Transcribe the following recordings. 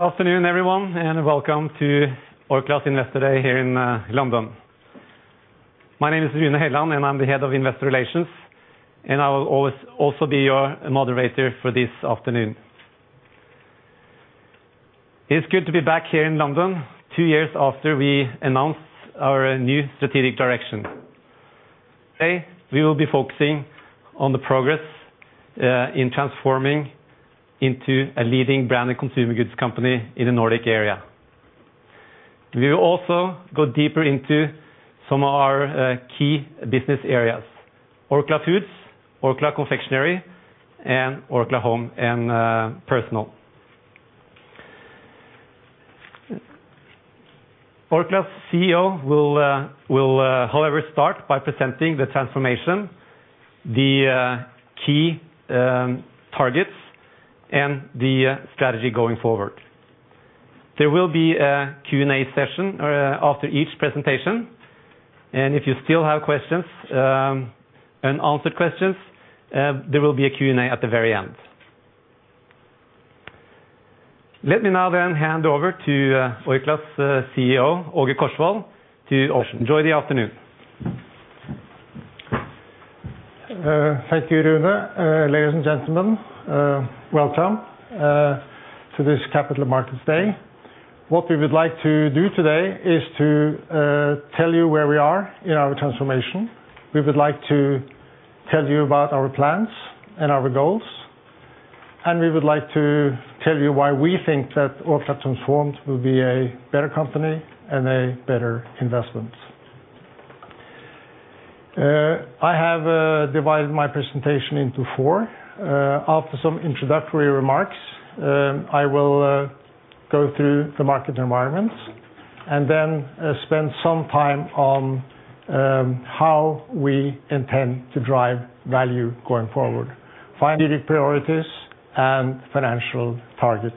Afternoon, everyone, welcome to Orkla's Investor Day here in London. My name is Rune Helland, and I'm the head of investor relations, and I will also be your moderator for this afternoon. It's good to be back here in London two years after we announced our new strategic direction. Today, we will be focusing on the progress in transforming into a leading Branded Consumer Goods company in the Nordic area. We will also go deeper into some of our key business areas, Orkla Foods, Orkla Confectionery, and Orkla Home & Personal. Orkla's CEO will, however, start by presenting the transformation, the key targets, and the strategy going forward. There will be a Q&A session after each presentation, and if you still have unanswered questions, there will be a Q&A at the very end. Let me now hand over to Orkla's CEO, Åge Korsvold. Enjoy the afternoon. Thank you, Rune. Ladies and gentlemen, welcome to this Capital Markets Day. What we would like to do today is to tell you where we are in our transformation. We would like to tell you about our plans and our goals, and we would like to tell you why we think that Orkla transformed will be a better company and a better investment. I have divided my presentation into four. After some introductory remarks, I will go through the market environments then spend some time on how we intend to drive value going forward. Finally, priorities and financial targets.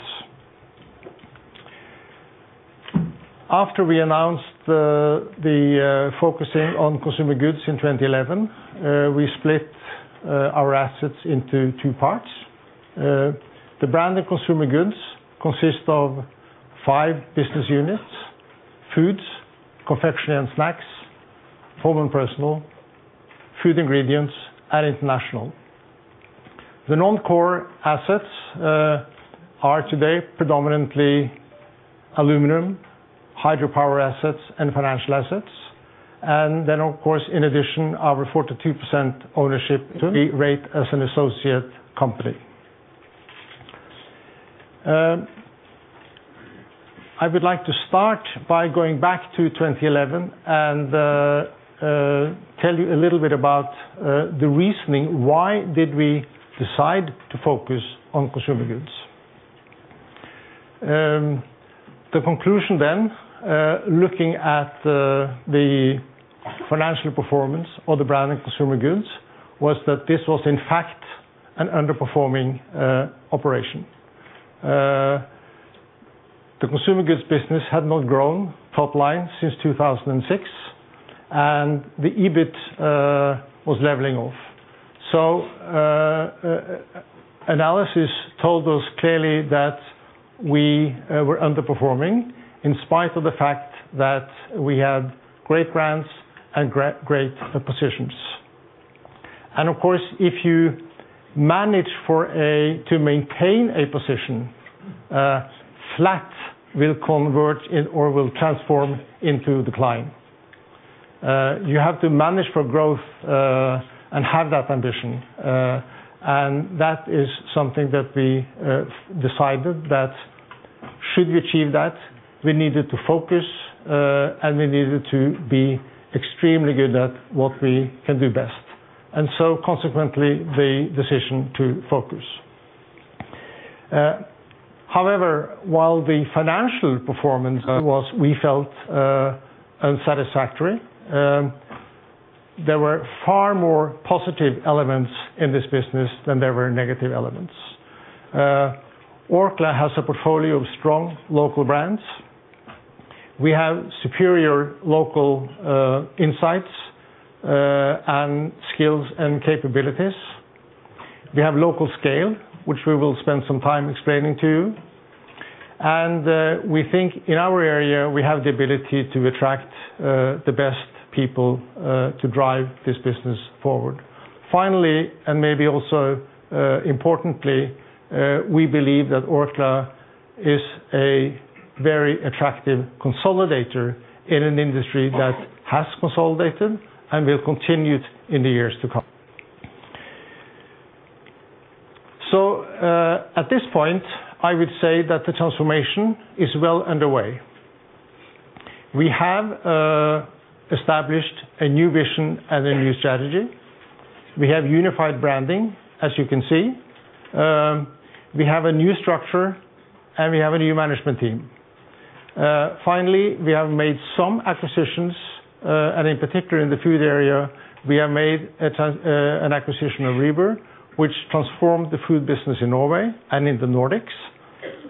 After we announced the focusing on consumer goods in 2011, we split our assets into two parts. The Branded Consumer Goods consist of five business units: Orkla Foods, Orkla Confectionery & Snacks, Orkla Home & Personal, Orkla Food Ingredients, and international. The non-core assets are today predominantly aluminum, hydropower assets, and financial assets. Then, of course, in addition, our 42% ownership rate as an associate company. I would like to start by going back to 2011 and tell you a little bit about the reasoning. Why did we decide to focus on consumer goods? The conclusion then, looking at the financial performance of the Branded Consumer Goods, was that this was in fact an underperforming operation. The consumer goods business had not grown top-line since 2006, and the EBIT was leveling off. Analysis told us clearly that we were underperforming in spite of the fact that we had great brands and great positions. Of course, if you manage to maintain a position, flat will convert or will transform into decline. You have to manage for growth and have that ambition. That is something that we decided that should we achieve that, we needed to focus, and we needed to be extremely good at what we can do best. Consequently, the decision to focus. However, while the financial performance was, we felt, unsatisfactory, there were far more positive elements in this business than there were negative elements. Orkla has a portfolio of strong local brands. We have superior local insights, and skills and capabilities. We have local scale, which we will spend some time explaining to you. We think in our area, we have the ability to attract the best people to drive this business forward. Finally, maybe also importantly, we believe that Orkla is a very attractive consolidator in an industry that has consolidated and will continue in the years to come. At this point, I would say that the transformation is well underway. We have established a new vision and a new strategy. We have unified branding, as you can see. We have a new structure, and we have a new management team. Finally, we have made some acquisitions, and in particular in the food area, we have made an acquisition of Rieber & Søn, which transformed the food business in Norway and in the Nordics,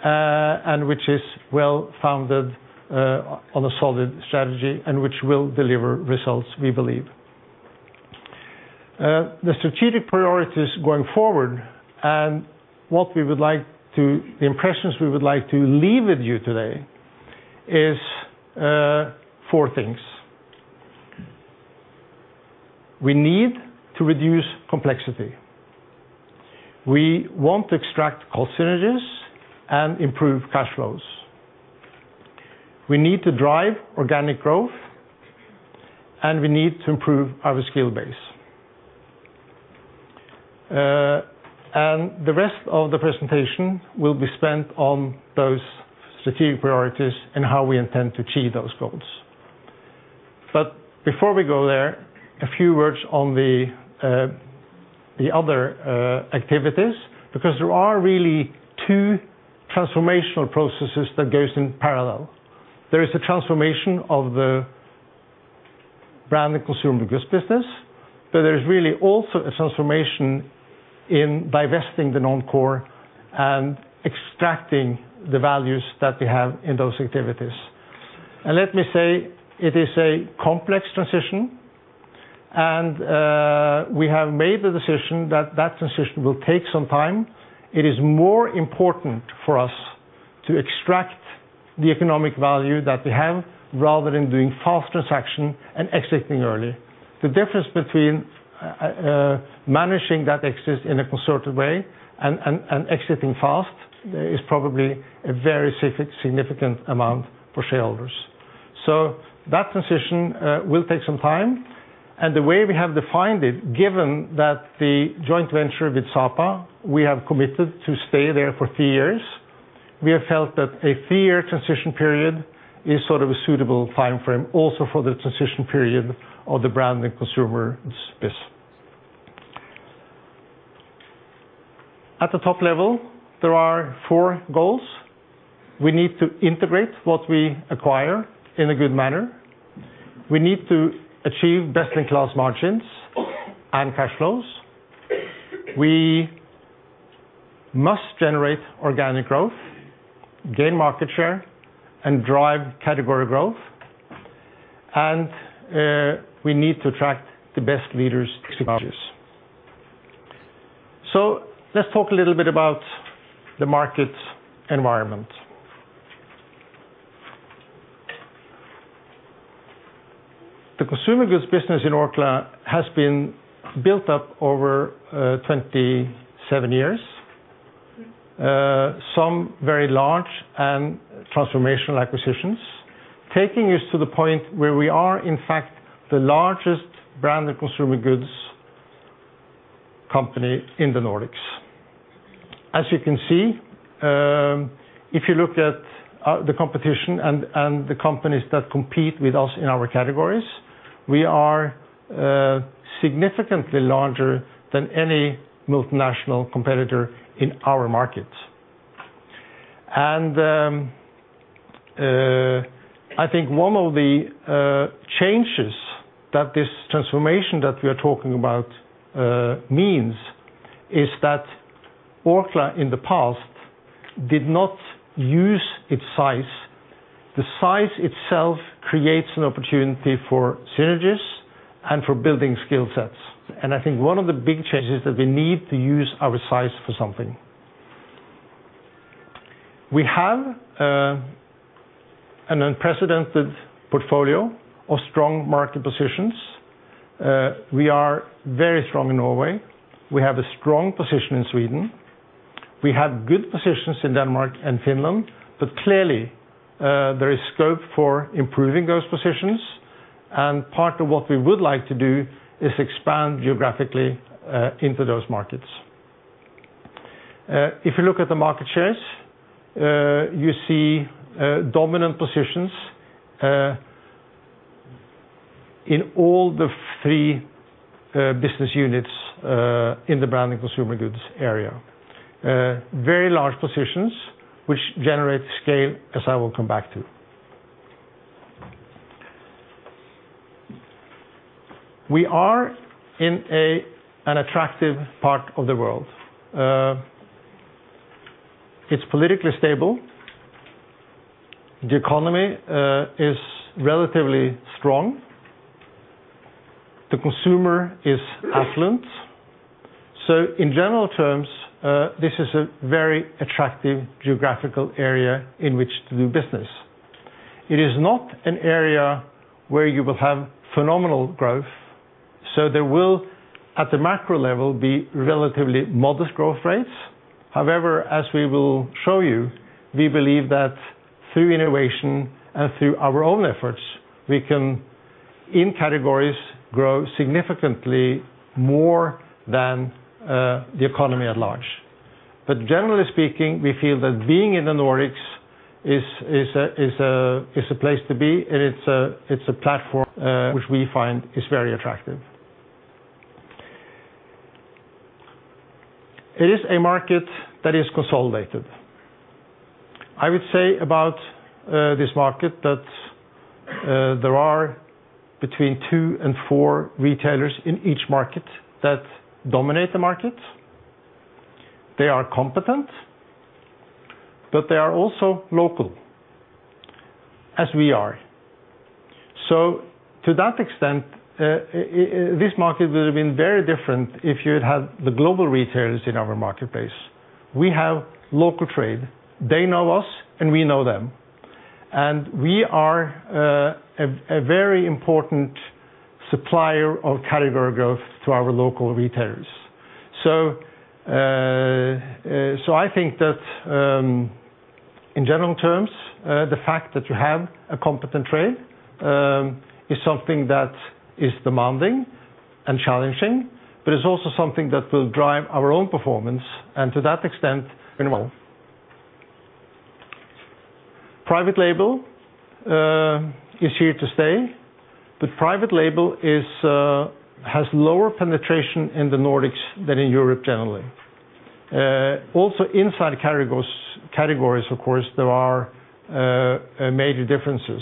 and which is well-founded on a solid strategy and which will deliver results, we believe. The strategic priorities going forward and the impressions we would like to leave with you today is four things: We need to reduce complexity. We want to extract cost synergies and improve cash flows. We need to drive organic growth, and we need to improve our skill base. The rest of the presentation will be spent on those strategic priorities and how we intend to achieve those goals. Before we go there, a few words on the other activities, because there are really two transformational processes that goes in parallel. There is a transformation of the Branded Consumer Goods business, but there's really also a transformation in divesting the non-core and extracting the values that we have in those activities. Let me say, it is a complex transition, and we have made the decision that that transition will take some time. It is more important for us to extract the economic value that we have, rather than doing fast transaction and exiting early. The difference between managing that exit in a concerted way and exiting fast is probably a very significant amount for shareholders. That transition will take some time, and the way we have defined it, given that the joint venture with Sapa, we have committed to stay there for 3 years. We have felt that a 3-year transition period is a suitable time frame also for the transition period of the Branded Consumer Goods business. At the top level, there are 4 goals. We need to integrate what we acquire in a good manner. We need to achieve best-in-class margins and cash flows. We must generate organic growth, gain market share, and drive category growth, and we need to attract the best leaders to Orkla. Let's talk a little bit about the market environment. The consumer goods business in Orkla has been built up over 27 years. Some very large and transformational acquisitions, taking us to the point where we are, in fact, the largest Branded Consumer Goods company in the Nordics. As you can see, if you looked at the competition and the companies that compete with us in our categories, we are significantly larger than any multinational competitor in our market. I think one of the changes that this transformation that we're talking about means is that Orkla in the past did not use its size. The size itself creates an opportunity for synergies and for building skill sets. I think one of the big changes is that we need to use our size for something. We have an unprecedented portfolio of strong market positions. We are very strong in Norway. We have a strong position in Sweden. We have good positions in Denmark and Finland. Clearly, there is scope for improving those positions. Part of what we would like to do is expand geographically into those markets. If you look at the market shares, you see dominant positions in all the three business units in the Branded Consumer Goods area. Very large positions, which generate scale as I will come back to. We are in an attractive part of the world. It is politically stable. The economy is relatively strong. The consumer is affluent. In general terms, this is a very attractive geographical area in which to do business. It is not an area where you will have phenomenal growth, there will, at the macro level, be relatively modest growth rates. However, as we will show you, we believe that through innovation and through our own efforts, we can, in categories, grow significantly more than the economy at large. Generally speaking, we feel that being in the Nordics is a place to be, and it's a platform which we find is very attractive. It is a market that is consolidated. I would say about this market that there are between two and four retailers in each market that dominate the market. They are competent, but they are also local as we are. To that extent, this market would have been very different if you had the global retailers in our marketplace. We have local trade. They know us and we know them, and we are a very important supplier of category growth to our local retailers. I think that in general terms, the fact that you have a competent trade, is something that is demanding and challenging, but it's also something that will drive our own performance, and to that extent, anyway. Private label is here to stay, private label has lower penetration in the Nordics than in Europe generally. Also inside categories, of course, there are major differences.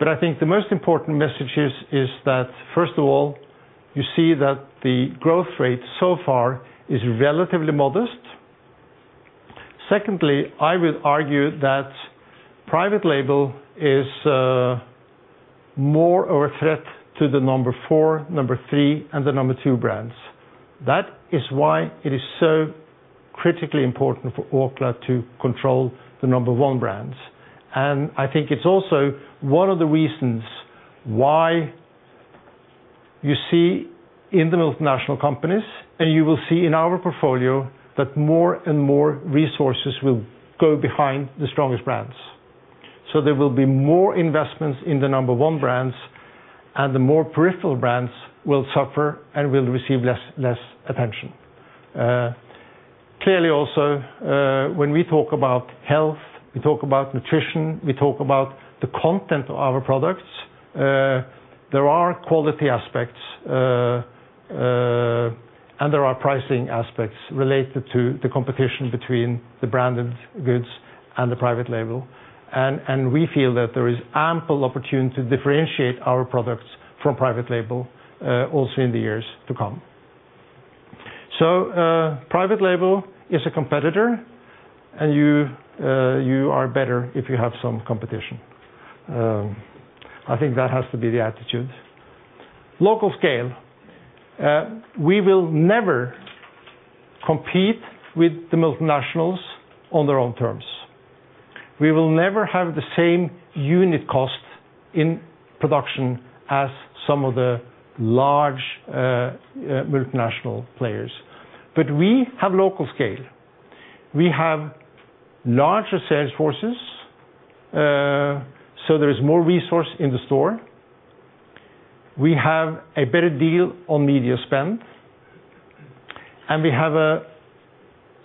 I think the most important message is that, first of all, you see that the growth rate so far is relatively modest. Secondly, I would argue that private label is more of a threat to the number 4, number 3, and the number 2 brands. That is why it is so critically important for Orkla to control the number 1 brands. I think it's also one of the reasons why you see in the multinational companies, and you will see in our portfolio that more and more resources will go behind the strongest brands. There will be more investments in the number 1 brands, and the more peripheral brands will suffer and will receive less attention. Clearly, also, when we talk about health, we talk about nutrition, we talk about the content of our products, there are quality aspects, and there are pricing aspects related to the competition between the branded goods and the private label. We feel that there is ample opportunity to differentiate our products from private label, also in the years to come. Private label is a competitor, you are better if you have some competition. I think that has to be the attitude. Local scale. We will never compete with the multinationals on their own terms. We will never have the same unit cost in production as some of the large multinational players. We have local scale. We have larger sales forces, there is more resource in the store. We have a better deal on media spend. We have a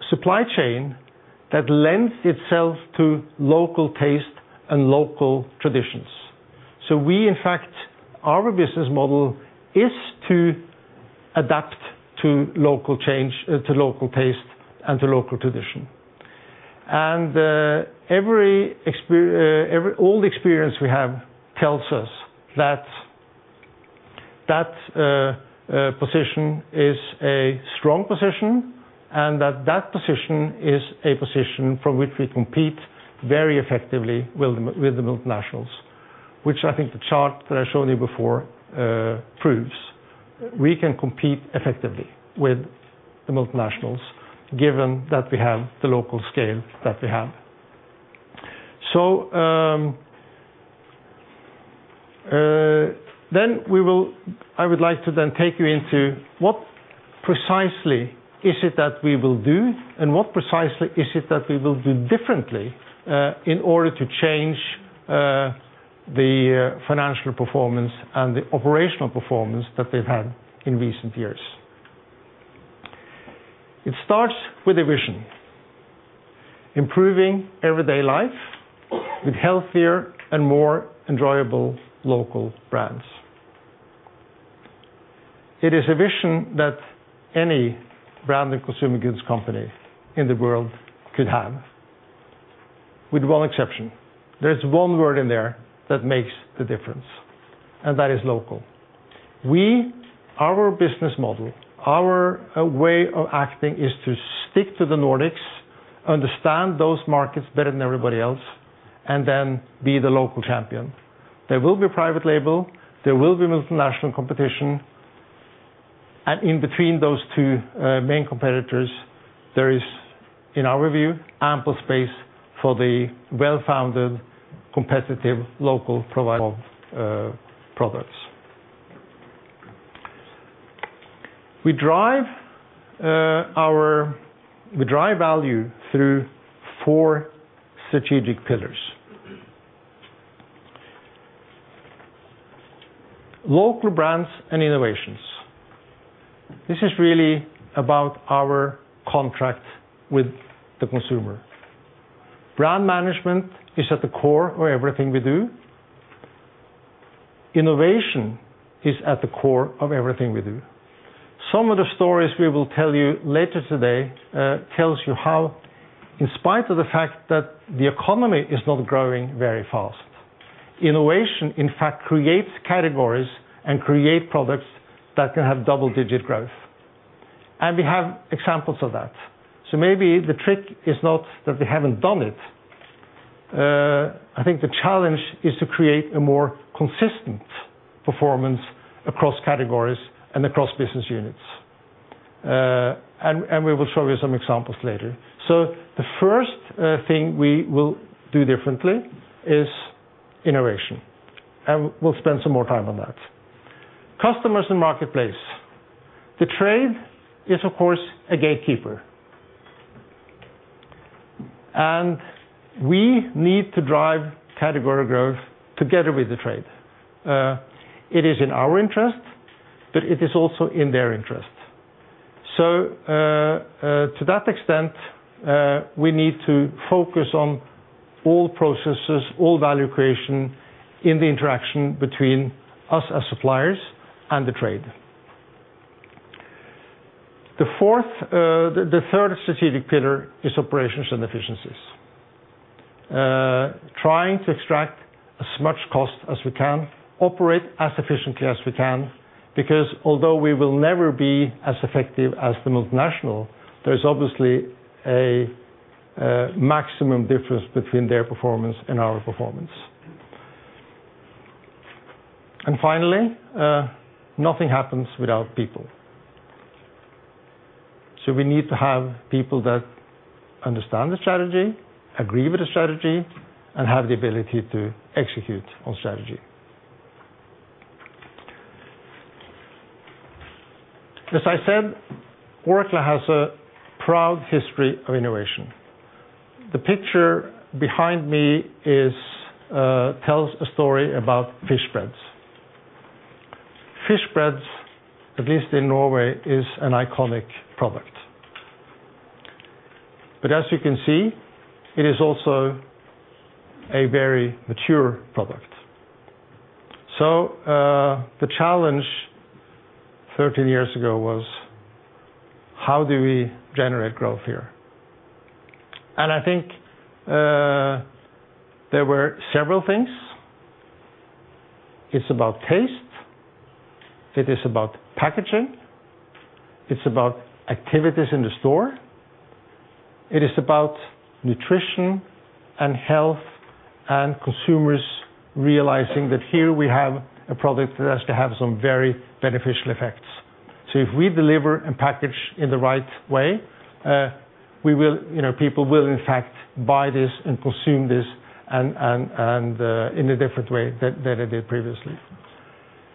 supply chain that lends itself to local taste and local traditions. We, in fact, our business model is to adapt to local taste and to local tradition. All the experience we have tells us that that position is a strong position, and that that position is a position from which we compete very effectively with the multinationals, which I think the chart that I showed you before proves. We can compete effectively with the multinationals given that we have the local scale that we have. I would like to take you into what precisely is it that we will do and what precisely is it that we will do differently, in order to change the financial performance and the operational performance that we've had in recent years. It starts with a vision. Improving everyday life with healthier and more enjoyable local brands. It is a vision that any Branded Consumer Goods company in the world could have, with one exception. There's one word in there that makes the difference, and that is local. We, our business model, our way of acting is to stick to the Nordics, understand those markets better than everybody else, and then be the local champion. There will be private label, there will be multinational competition, in between those two main competitors, there is, in our view, ample space for the well-founded, competitive local provider of products. We drive value through four strategic pillars. Local brands and innovations. This is really about our contract with the consumer. Brand management is at the core of everything we do. Innovation is at the core of everything we do. Some of the stories we will tell you later today tells you how, in spite of the fact that the economy is not growing very fast, innovation in fact creates categories and creates products that can have double-digit growth. We have examples of that. Maybe the trick is not that we haven't done it. I think the challenge is to create a more consistent performance across categories and across business units. We will show you some examples later. The first thing we will do differently is innovation, and we'll spend some more time on that. Customers and marketplace. The trade is, of course, a gatekeeper. We need to drive category growth together with the trade. It is in our interest, but it is also in their interest. To that extent, we need to focus on all processes, all value creation, in the interaction between us as suppliers and the trade. The third strategic pillar is operations and efficiencies. Trying to extract as much cost as we can, operate as efficiently as we can, because although we will never be as effective as the multinational, there is obviously a maximum difference between their performance and our performance. Finally, nothing happens without people. We need to have people that understand the strategy, agree with the strategy, and have the ability to execute on strategy. As I said, Orkla has a proud history of innovation. The picture behind me tells a story about fish breads. Fish breads, at least in Norway, is an iconic product. As you can see, it is also a very mature product. The challenge 13 years ago was, how do we generate growth here? I think there were several things. It's about taste, it is about packaging, it's about activities in the store. It is about nutrition and health and consumers realizing that here we have a product that has to have some very beneficial effects. If we deliver and package in the right way, people will in fact buy this and consume this and in a different way than they did previously.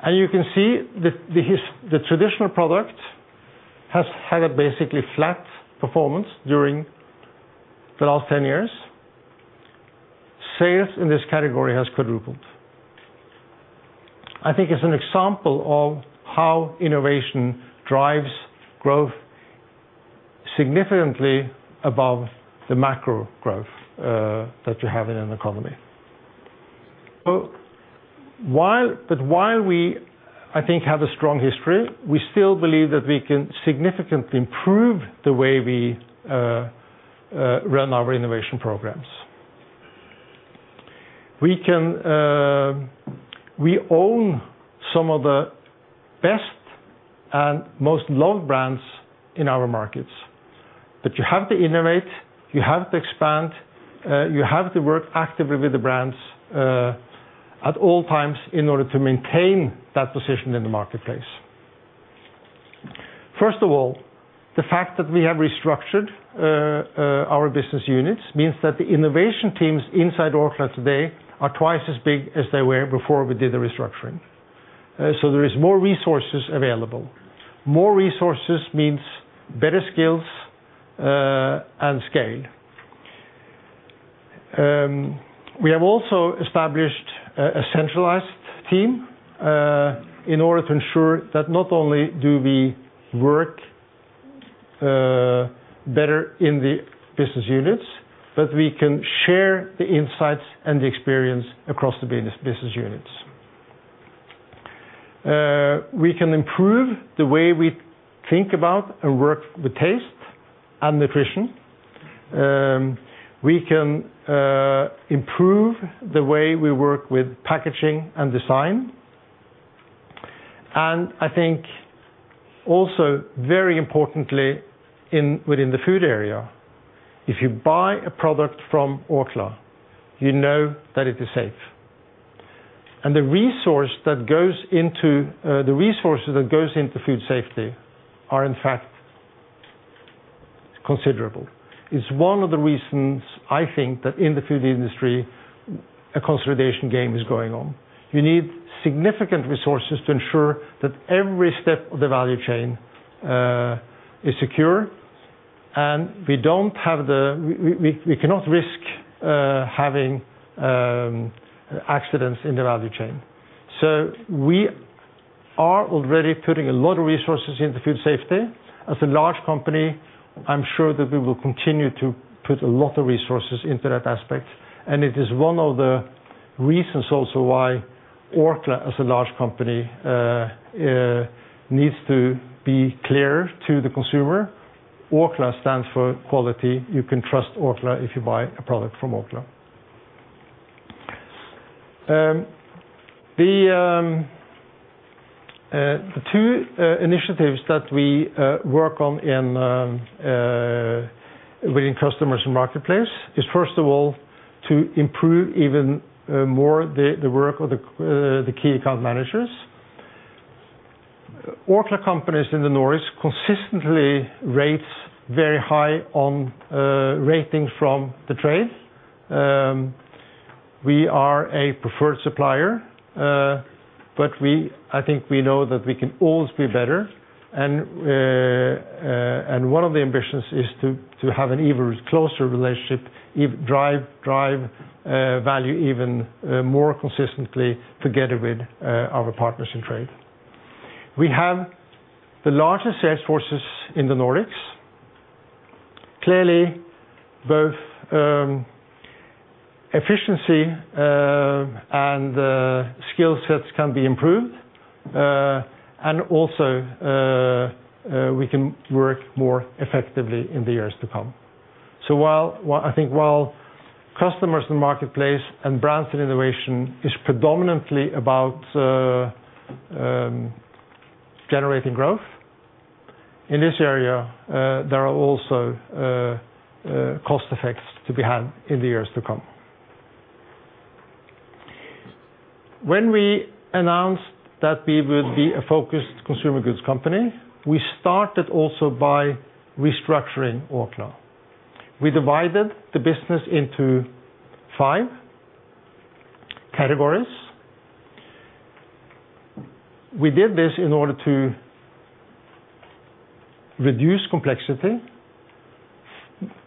You can see the traditional product has had a basically flat performance during the last 10 years. Sales in this category has quadrupled. I think it's an example of how innovation drives growth significantly above the macro growth that you have in an economy. While we, I think, have a strong history, we still believe that we can significantly improve the way we run our innovation programs. We own some of the best and most loved brands in our markets, you have to innovate, you have to expand, you have to work actively with the brands at all times in order to maintain that position in the marketplace. First of all, the fact that we have restructured our business units means that the innovation teams inside Orkla today are twice as big as they were before we did the restructuring. There is more resources available. More resources means better skills and scale. We have also established a centralized team, in order to ensure that not only do we work better in the business units, but we can share the insights and the experience across the business units. We can improve the way we think about and work with taste and nutrition. We can improve the way we work with packaging and design. I think also, very importantly, within the food area, if you buy a product from Orkla, you know that it is safe. The resources that goes into food safety are in fact considerable. It's one of the reasons, I think, that in the food industry, a consolidation game is going on. You need significant resources to ensure that every step of the value chain is secure, and we cannot risk having accidents in the value chain. We are already putting a lot of resources into food safety. As a large company, I'm sure that we will continue to put a lot of resources into that aspect. It is one of the reasons also why Orkla, as a large company, needs to be clear to the consumer. Orkla stands for quality. You can trust Orkla if you buy a product from Orkla. The two initiatives that we work on within customers and marketplace is first of all, to improve even more the work of the key account managers. Orkla companies in the Nordics consistently rates very high on ratings from the trade. We are a preferred supplier, I think we know that we can always be better, and one of the ambitions is to have an even closer relationship, drive value even more consistently together with our partners in trade. We have the largest sales forces in the Nordics. Clearly, both efficiency and skill sets can be improved, also, we can work more effectively in the years to come. I think while customers and marketplace and brands and innovation is predominantly about generating growth, in this area, there are also cost effects to be had in the years to come. When we announced that we would be a focused consumer goods company, we started also by restructuring Orkla. We divided the business into five categories. We did this in order to reduce complexity,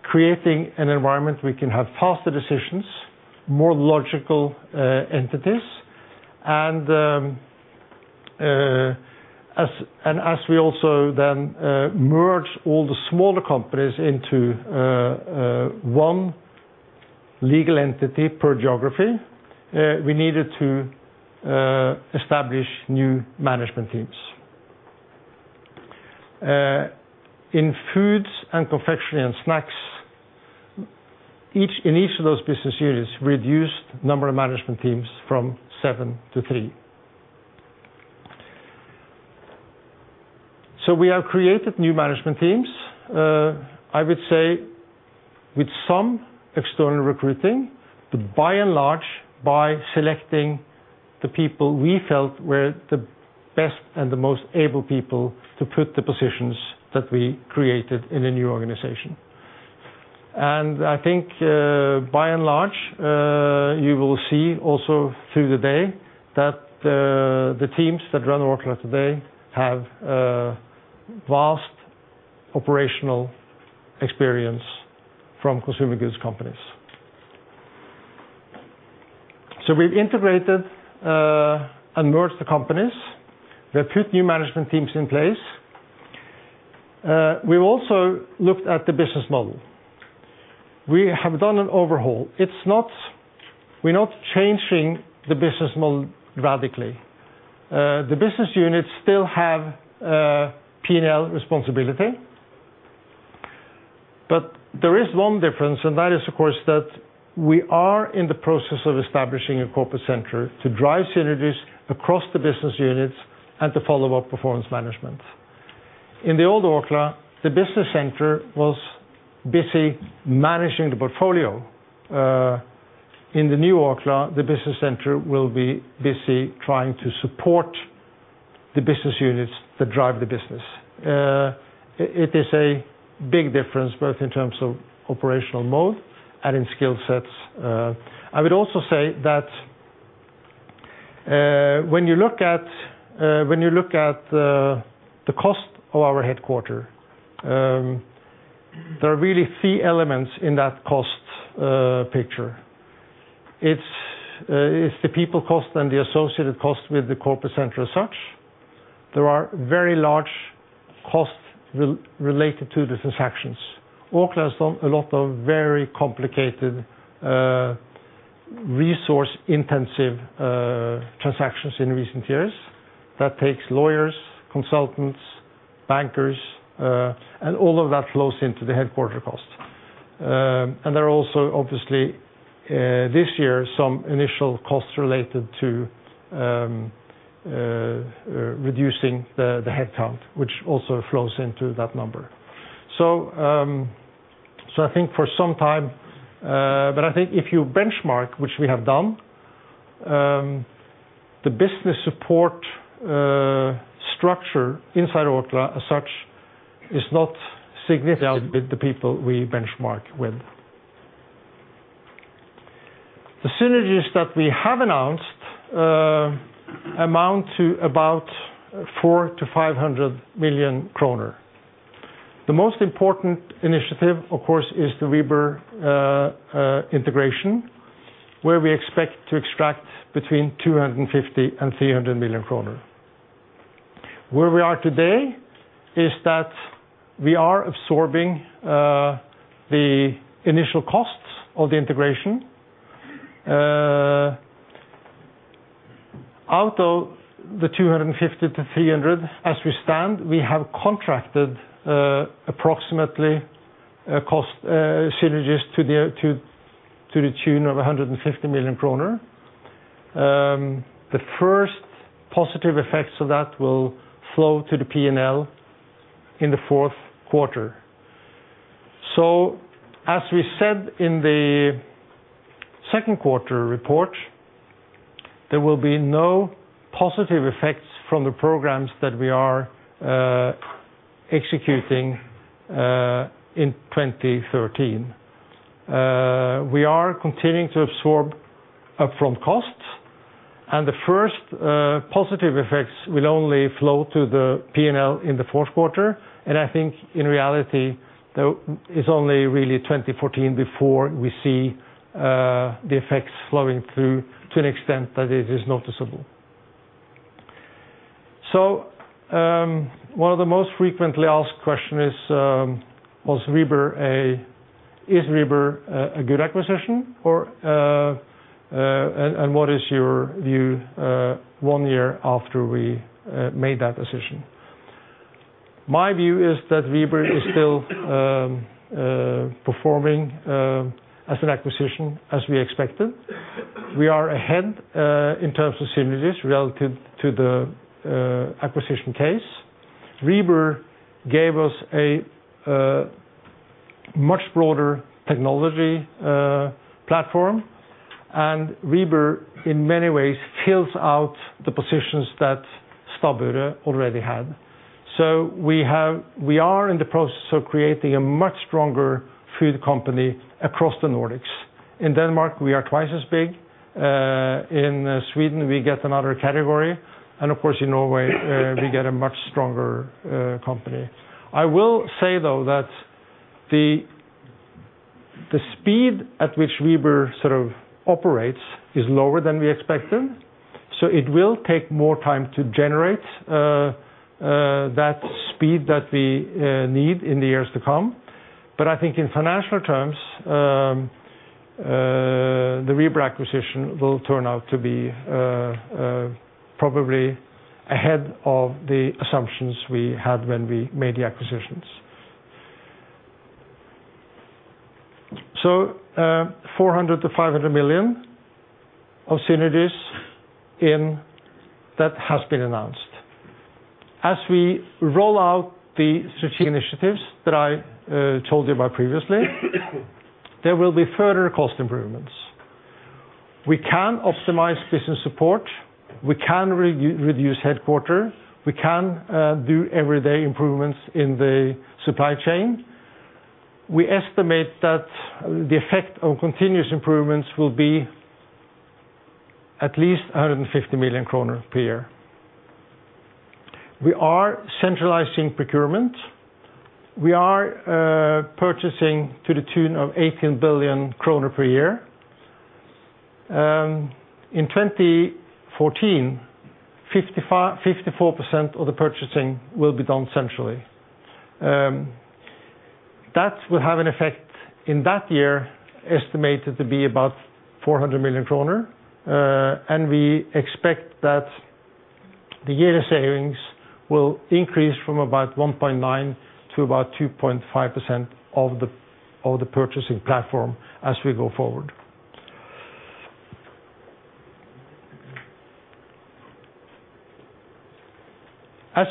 creating an environment we can have faster decisions, more logical entities, and as we also then merge all the smaller companies into one legal entity per geography, we needed to establish new management teams. In foods and confectionery and snacks, in each of those business units, we reduced number of management teams from seven to three. We have created new management teams, I would say, with some external recruiting, but by and large, by selecting the people we felt were the best and the most able people to put the positions that we created in the new organization. I think, by and large, you will see also through the day that the teams that run Orkla today have vast operational experience from consumer goods companies. We have integrated and merged the companies. We have put new management teams in place. We have also looked at the business model. We have done an overhaul. We are not changing the business model radically. The business units still have P&L responsibility. There is one difference, and that is, of course, that we are in the process of establishing a corporate center to drive synergies across the business units and to follow up performance management. In the old Orkla, the business center was busy managing the portfolio. In the new Orkla, the business center will be busy trying to support the business units that drive the business. It is a big difference, both in terms of operational mode and in skill sets. I would also say that when you look at the cost of our headquarter, there are really three elements in that cost picture. It is the people cost and the associated cost with the corporate center as such. There are very large costs related to the transactions. Orkla has done a lot of very complicated resource-intensive transactions in recent years. That takes lawyers, consultants, bankers, and all of that flows into the headquarter cost. There are also, obviously, this year, some initial costs related to reducing the headcount, which also flows into that number. I think if you benchmark, which we have done, the business support structure inside Orkla as such is not significant with the people we benchmark with. The synergies that we have announced amount to about 400 million-500 million kroner. The most important initiative, of course, is the Rieber & Søn integration, where we expect to extract between 250 million and 300 million kroner. Where we are today is that we are absorbing the initial costs of the integration. Out of the 250 to 300 as we stand, we have contracted approximately cost synergies to the tune of 150 million kroner. The first positive effects of that will flow to the P&L in the fourth quarter. As we said in the second quarter report, there will be no positive effects from the programs that we are executing in 2013. We are continuing to absorb upfront costs. The first positive effects will only flow to the P&L in the fourth quarter. I think in reality, it's only really 2014 before we see the effects flowing through to an extent that it is noticeable. One of the most frequently asked question is Rieber a good acquisition? What is your view one year after we made that decision? My view is that Rieber is still performing as an acquisition, as we expected. We are ahead in terms of synergies relative to the acquisition case. Rieber gave us a much broader technology platform, and Rieber, in many ways, fills out the positions that Stabburet already had. We are in the process of creating a much stronger food company across the Nordics. In Denmark, we are twice as big. In Sweden, we get another category. Of course, in Norway, we get a much stronger company. I will say, though, that the speed at which Rieber sort of operates is lower than we expected. It will take more time to generate that speed that we need in the years to come. I think in financial terms, the Rieber acquisition will turn out to be probably ahead of the assumptions we had when we made the acquisitions. 400 million-500 million of synergies that has been announced. As we roll out the strategic initiatives that I told you about previously, there will be further cost improvements. We can optimize business support, we can reduce headquarter, we can do everyday improvements in the supply chain. We estimate that the effect of continuous improvements will be at least 150 million kroner per year. We are centralizing procurement. We are purchasing to the tune of 18 billion kroner per year. In 2014, 54% of the purchasing will be done centrally. That will have an effect in that year, estimated to be about 400 million kroner. We expect that the yearly savings will increase from about 1.9%-2.5% of the purchasing platform as we go forward.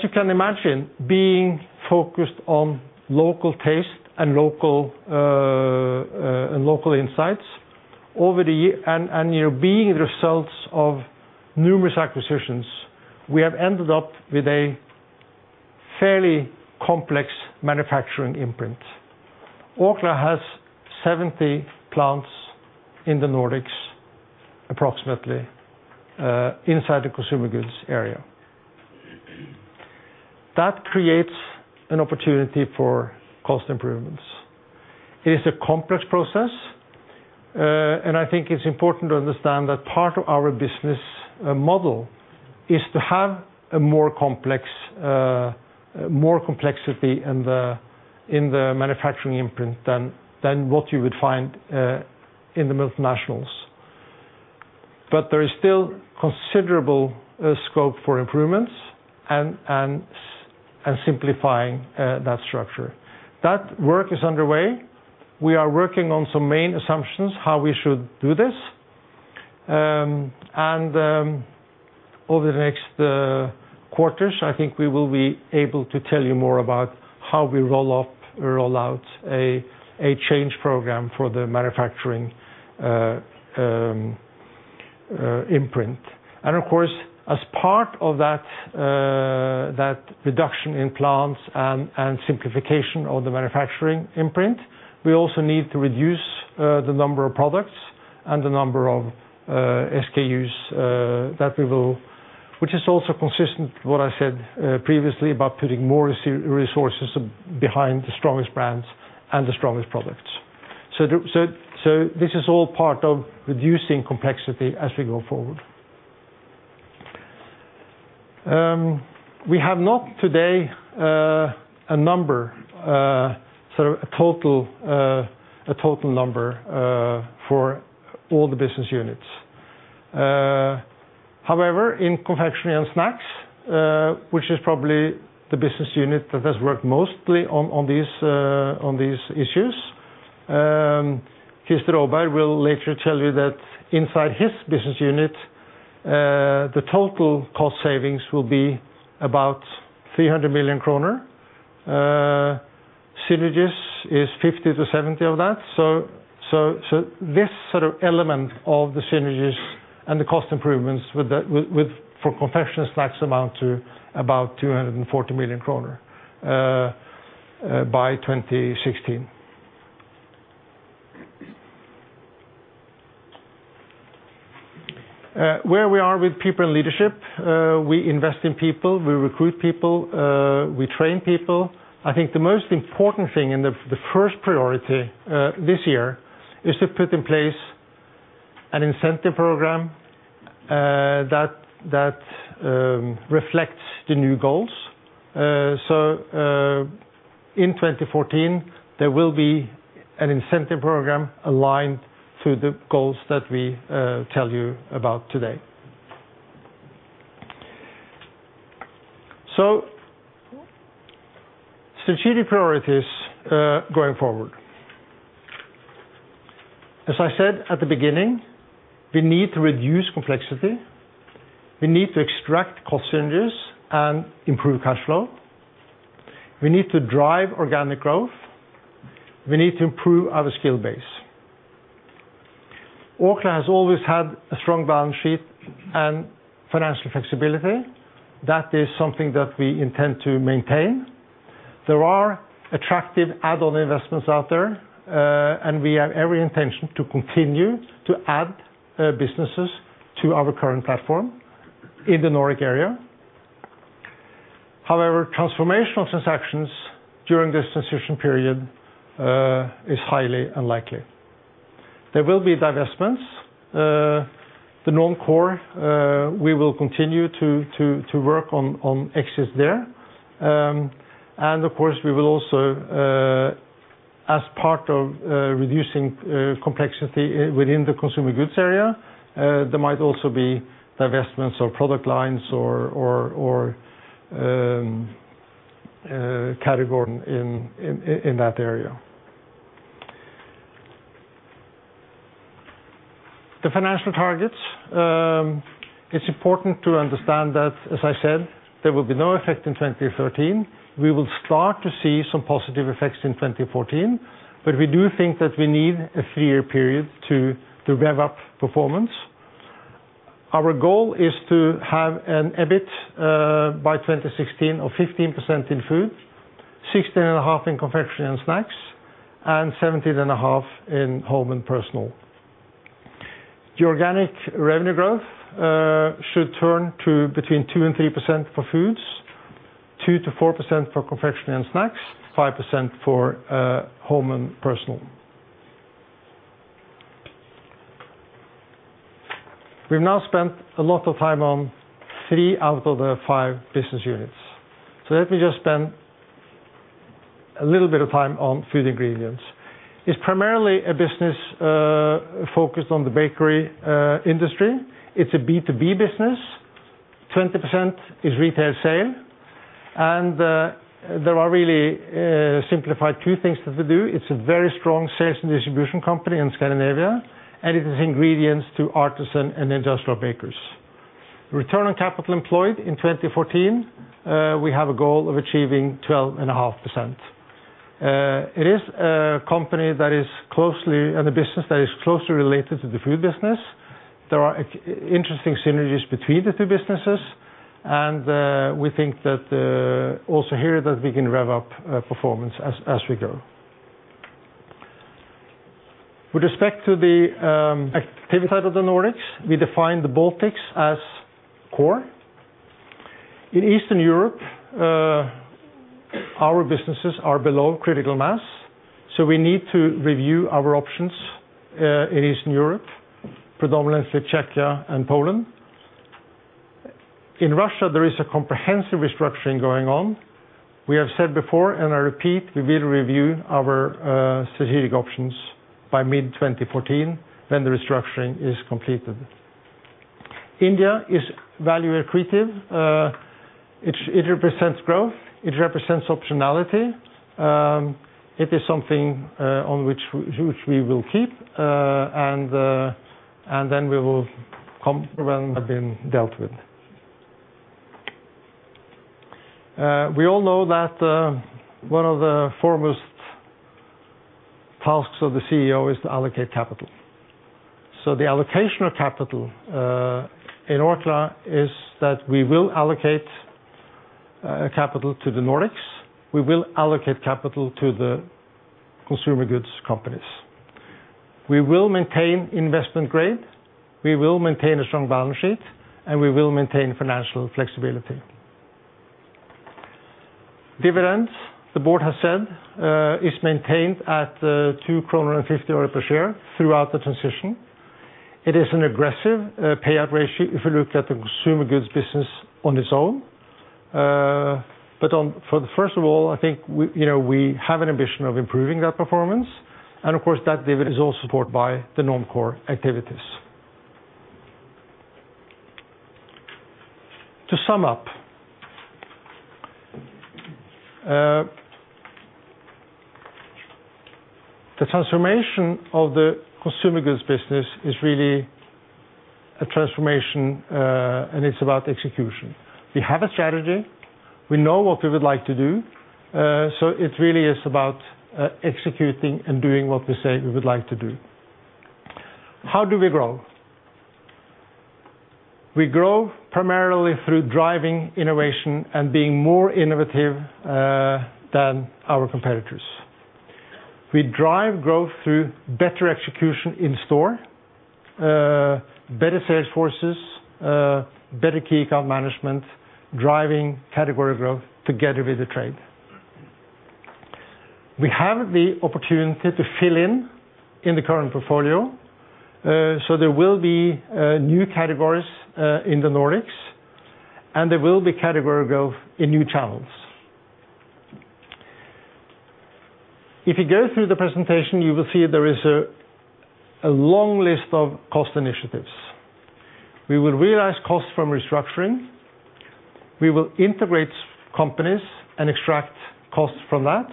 You can imagine, being focused on local taste and local insights, and being the results of numerous acquisitions, we have ended up with a fairly complex manufacturing imprint. Orkla has 70 plants in the Nordics, approximately, inside the consumer goods area. That creates an opportunity for cost improvements. It is a complex process. I think it's important to understand that part of our business model is to have more complexity in the manufacturing imprint than what you would find in the multinationals. There is still considerable scope for improvements and simplifying that structure. That work is underway. We are working on some main assumptions, how we should do this. Over the next quarters, I think we will be able to tell you more about how we roll out a change program for the manufacturing imprint. Of course, as part of that reduction in plants and simplification of the manufacturing imprint, we also need to reduce the number of products and the number of SKUs, which is also consistent with what I said previously about putting more resources behind the strongest brands and the strongest products. This is all part of reducing complexity as we go forward. We have not today a number, a total number for all the business units. In Orkla Confectionery & Snacks, which is probably the business unit that has worked mostly on these issues, Christer Åberg will later tell you that inside his business unit, the total cost savings will be about 300 million kroner. Synergies is 50-70 of that. This element of the synergies and the cost improvements for Orkla Confectionery & Snacks amount to about 240 million kroner by 2016. Where we are with people and leadership, we invest in people, we recruit people, we train people. I think the most important thing and the first priority this year is to put in place an incentive program that reflects the new goals. In 2014, there will be an incentive program aligned to the goals that we tell you about today. Strategic priorities going forward. As I said at the beginning, we need to reduce complexity. We need to extract cost synergies and improve cash flow. We need to drive organic growth. We need to improve our skill base. Orkla has always had a strong balance sheet and financial flexibility. That is something that we intend to maintain. There are attractive add-on investments out there, and we have every intention to continue to add businesses to our current platform in the Nordic area. Transformational transactions during this transition period is highly unlikely. There will be divestments. The non-core, we will continue to work on exits there. Of course, we will also, as part of reducing complexity within the Branded Consumer Goods area, there might also be divestments of product lines or category in that area. The financial targets. It's important to understand that, as I said, there will be no effect in 2013. We will start to see some positive effects in 2014, we do think that we need a three-year period to rev up performance. Our goal is to have an EBIT by 2016 of 15% in Orkla Foods, 16.5% in Orkla Confectionery & Snacks, and 17.5% in Orkla Home & Personal. The organic revenue growth should turn to between 2%-3% for Orkla Foods, 2%-4% for Orkla Confectionery & Snacks, 5% for Orkla Home & Personal. We've now spent a lot of time on three out of the five business units. Let me just spend a little bit of time on Orkla Food Ingredients. It's primarily a business focused on the bakery industry. It's a B2B business. 20% is retail sale, and there are really simplified two things that they do. It's a very strong sales and distribution company in Scandinavia, and it is ingredients to artisan and industrial bakers. Return on capital employed in 2014, we have a goal of achieving 12.5%. It is a company and a business that is closely related to the Orkla Foods business. There are interesting synergies between the two businesses, we think that also here that we can rev up performance as we go. With respect to the activity side of the Nordics, we define the Baltics as core. In Eastern Europe, our businesses are below critical mass, we need to review our options in Eastern Europe, predominantly Czechia and Poland. In Russia, there is a comprehensive restructuring going on. We have said before, I repeat, we will review our strategic options by mid-2014 when the restructuring is completed. India is value accretive. It represents growth. It represents optionality. It is something which we will keep, we will come when they've been dealt with. We all know that one of the foremost tasks of the CEO is to allocate capital. The allocation of capital in Orkla is that we will allocate capital to the Nordics. We will allocate capital to the consumer goods companies. We will maintain investment grade, we will maintain a strong balance sheet, and we will maintain financial flexibility. Dividends, the board has said, is maintained at 2.50 kroner per share throughout the transition. It is an aggressive payout ratio if you look at the consumer goods business on its own. First of all, I think we have an ambition of improving that performance. Of course, that dividend is also supported by the non-core activities. To sum up, the transformation of the consumer goods business is really a transformation, and it is about execution. We have a strategy. We know what we would like to do. It really is about executing and doing what we say we would like to do. How do we grow? We grow primarily through driving innovation and being more innovative than our competitors. We drive growth through better execution in store, better sales forces, better key account management, driving category growth together with the trade. We have the opportunity to fill in in the current portfolio. There will be new categories in the Nordics, and there will be category growth in new channels. If you go through the presentation, you will see there is a long list of cost initiatives. We will realize costs from restructuring. We will integrate companies and extract costs from that.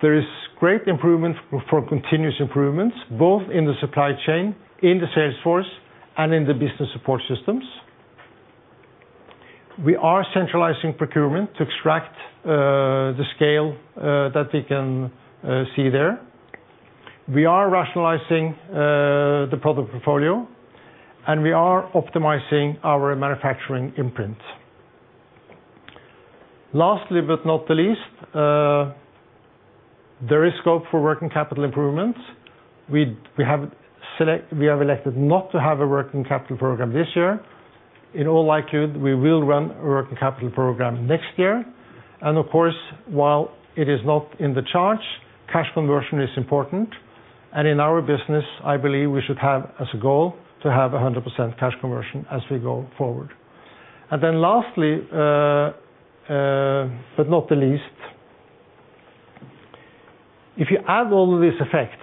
There is great improvement for continuous improvements, both in the supply chain, in the sales force, and in the business support systems. We are centralizing procurement to extract the scale that we can see there. We are rationalizing the product portfolio, and we are optimizing our manufacturing imprint. Lastly but not the least, there is scope for working capital improvements. We have elected not to have a working capital program this year. In all likelihood, we will run a working capital program next year. Of course, while it is not in the charge, cash conversion is important. In our business, I believe we should have as a goal to have 100% cash conversion as we go forward. Lastly but not the least, if you add all of these effects,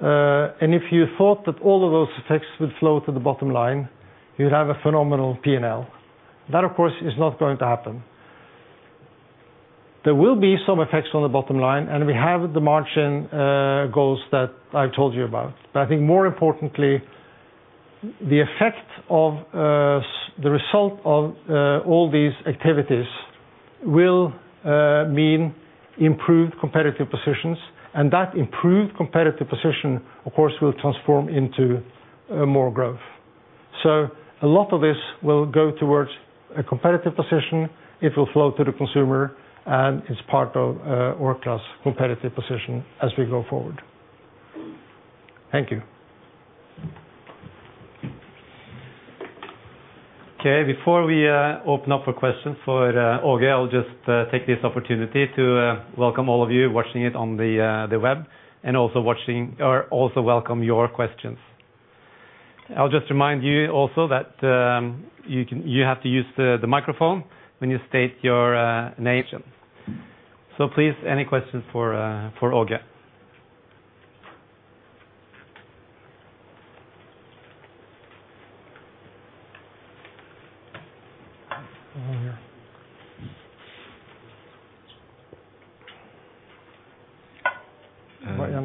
and if you thought that all of those effects would flow to the bottom line, you'd have a phenomenal P&L. That, of course, is not going to happen. There will be some effects on the bottom line, and we have the margin goals that I told you about. I think more importantly, the result of all these activities will mean improved competitive positions, and that improved competitive position, of course, will transform into more growth. A lot of this will go towards a competitive position, it will flow to the consumer, and it's part of Orkla's competitive position as we go forward. Thank you. Before we open up for questions for Åge, I'll just take this opportunity to welcome all of you watching it on the web and also welcome your questions. I'll just remind you also that you have to use the microphone when you state your name. Please, any questions for Åge?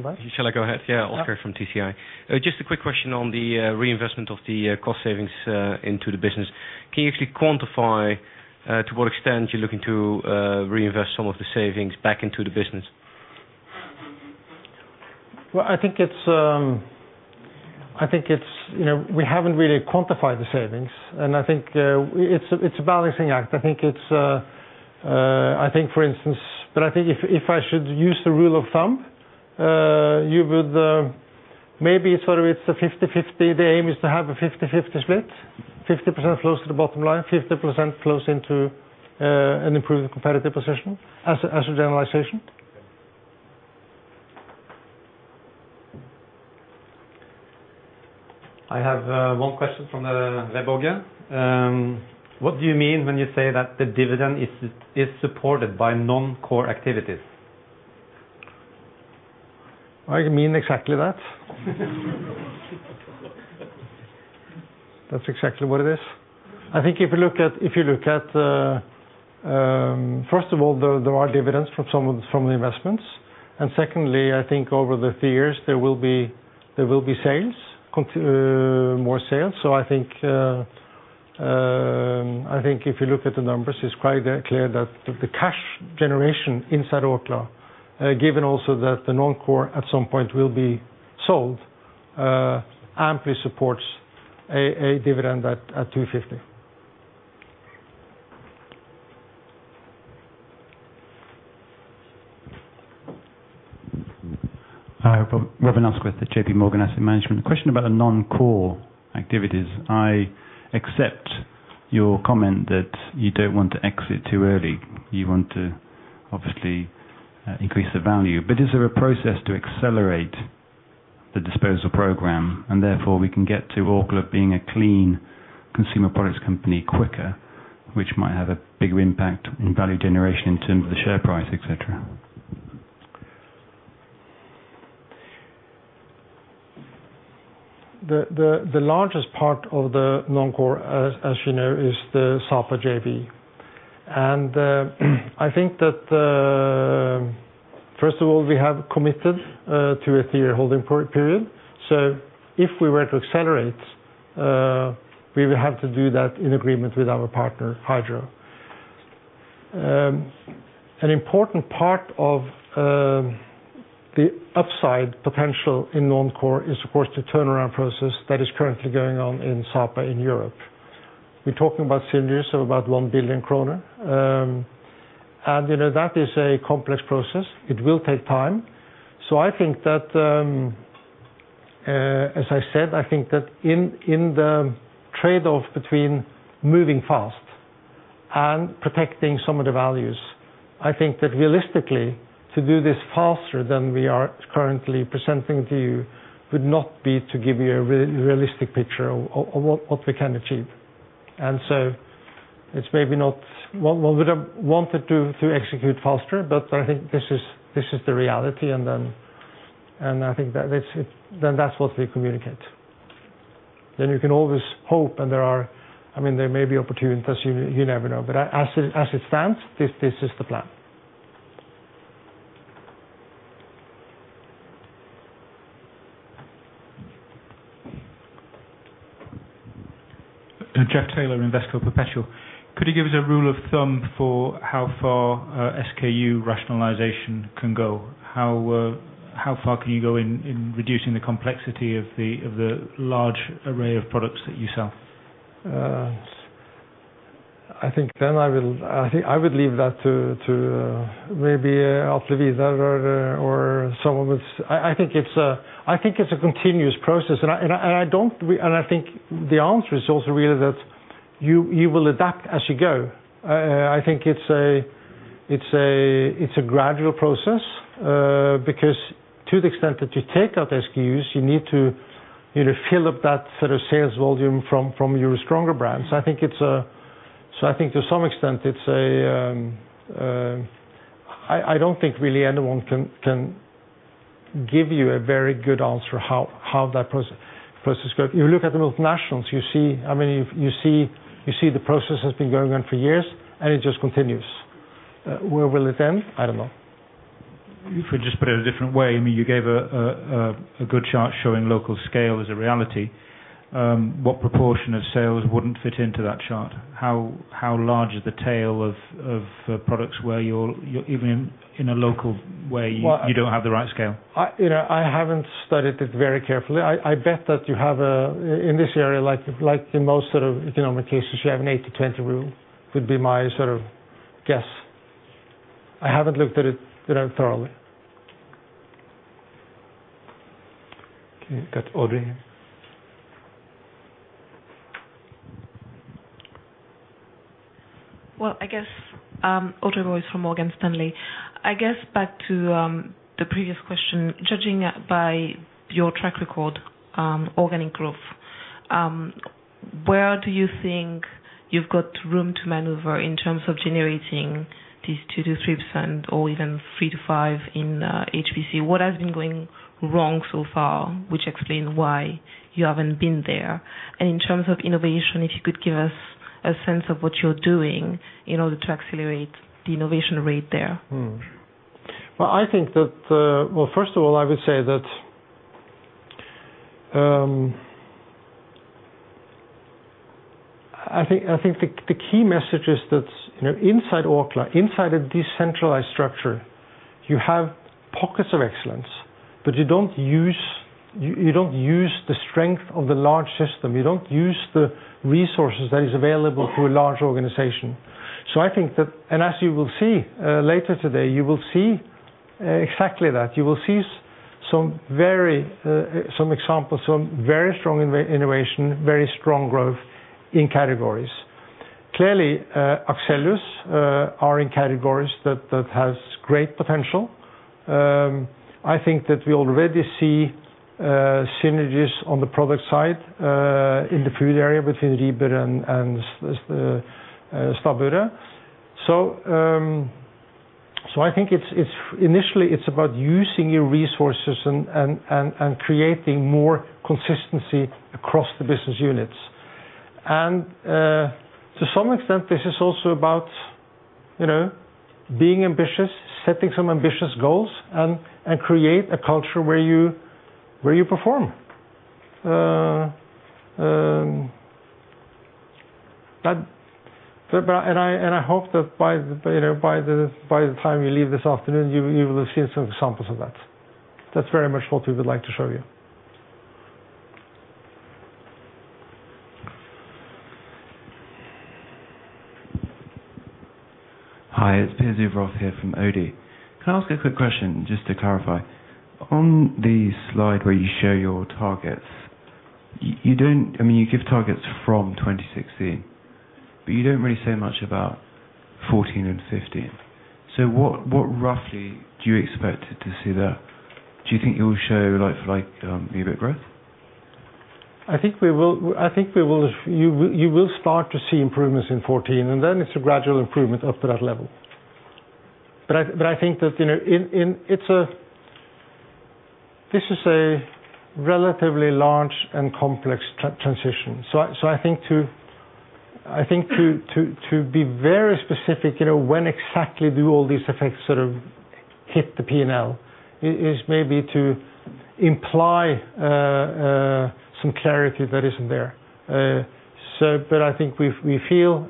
Right here in the back. Shall I go ahead? Yeah, Oscar from TCI. Just a quick question on the reinvestment of the cost savings into the business. Can you actually quantify to what extent you're looking to reinvest some of the savings back into the business? Well, we haven't really quantified the savings, I think it's a balancing act. I think if I should use the rule of thumb, maybe it's a 50/50. The aim is to have a 50/50 split, 50% flows to the bottom line, 50% flows into an improved competitive position as a generalization. I have one question from the web, Åge. What do you mean when you say that the dividend is supported by non-core activities? I mean exactly that. That is exactly what it is. I think if you look at, first of all, there are dividends from the investments. Secondly, I think over the years, there will be more sales. I think if you look at the numbers, it is quite clear that the cash generation inside Orkla, given also that the non-core at some point will be sold, amply supports a dividend at 250. Hi, Robin Asquith with J.P. Morgan Asset Management. A question about the non-core activities. I accept your comment that you do not want to exit too early. You want to obviously increase the value. Is there a process to accelerate the disposal program, and therefore, we can get to Orkla being a clean consumer products company quicker, which might have a bigger impact in value generation in terms of the share price, et cetera? The largest part of the non-core, as you know, is the Sapa JV. I think that, first of all, we have committed to a 3-year holding period. If we were to accelerate, we would have to do that in agreement with our partner, Hydro. An important part of the upside potential in non-core is, of course, the turnaround process that is currently going on in Sapa in Europe. We are talking about synergies of about 1 billion kroner. That is a complex process. It will take time. I think that, as I said, in the trade-off between moving fast and protecting some of the values, I think that realistically, to do this faster than we are currently presenting to you would not be to give you a realistic picture of what we can achieve. One would have wanted to execute faster, but I think this is the reality, and I think then that's what we communicate. You can always hope, and there may be opportunities. You never know. As it stands, this is the plan. Jeffrey Taylor, Invesco Perpetual. Could you give us a rule of thumb for how far SKU rationalization can go? How far can you go in reducing the complexity of the large array of products that you sell? I think I would leave that to maybe Atle Vidar or someone. I think it's a continuous process, and I think the answer is also really that you will adapt as you go. I think it's a gradual process, because to the extent that you take out SKUs, you need to fill up that sort of sales volume from your stronger brands. I think to some extent, I don't think really anyone can give you a very good answer how that process goes. You look at the multinationals, you see the process has been going on for years, and it just continues. Where will it end? I don't know. If we just put it a different way, you gave a good chart showing local scale as a reality. What proportion of sales wouldn't fit into that chart? How large is the tail of products where you're even in a local way, you don't have the right scale? I haven't studied it very carefully. I bet that you have in this area, like in most economic cases, you have an 80/20 rule, would be my sort of guess. I haven't looked at it thoroughly. Okay, got Audrey. Audrey Voss from Morgan Stanley. I guess back to the previous question. Judging by your track record, organic growth, where do you think you've got room to maneuver in terms of generating these 2%-3% or even 3%-5% in HBC? What has been going wrong so far, which explains why you haven't been there? In terms of innovation, if you could give us a sense of what you're doing in order to accelerate the innovation rate there. First of all, I would say that I think the key message is that inside Orkla, inside a decentralized structure, you have pockets of excellence, but you don't use the strength of the large system. You don't use the resources that is available to a large organization. I think that, as you will see later today, you will see exactly that. You will see some examples from very strong innovation, very strong growth in categories. Clearly, Axellus are in categories that has great potential. I think that we already see synergies on the product side in the food area between Rieber and Stabburet. I think initially it's about using your resources and creating more consistency across the business units. To some extent, this is also about being ambitious, setting some ambitious goals, and create a culture where you perform. I hope that by the time you leave this afternoon, you will have seen some examples of that. That's very much what we would like to show you Hi, it's Piers Uvooth here from OD. Can I ask a quick question just to clarify? On the slide where you show your targets, you give targets from 2016, but you don't really say much about 2014 and 2015. What roughly do you expect to see there? Do you think it will show like-for-like EBIT growth? I think you will start to see improvements in 2014, and then it's a gradual improvement up to that level. I think that this is a relatively large and complex transition. I think to be very specific, when exactly do all these effects sort of hit the P&L is maybe to imply some clarity that isn't there. I think we feel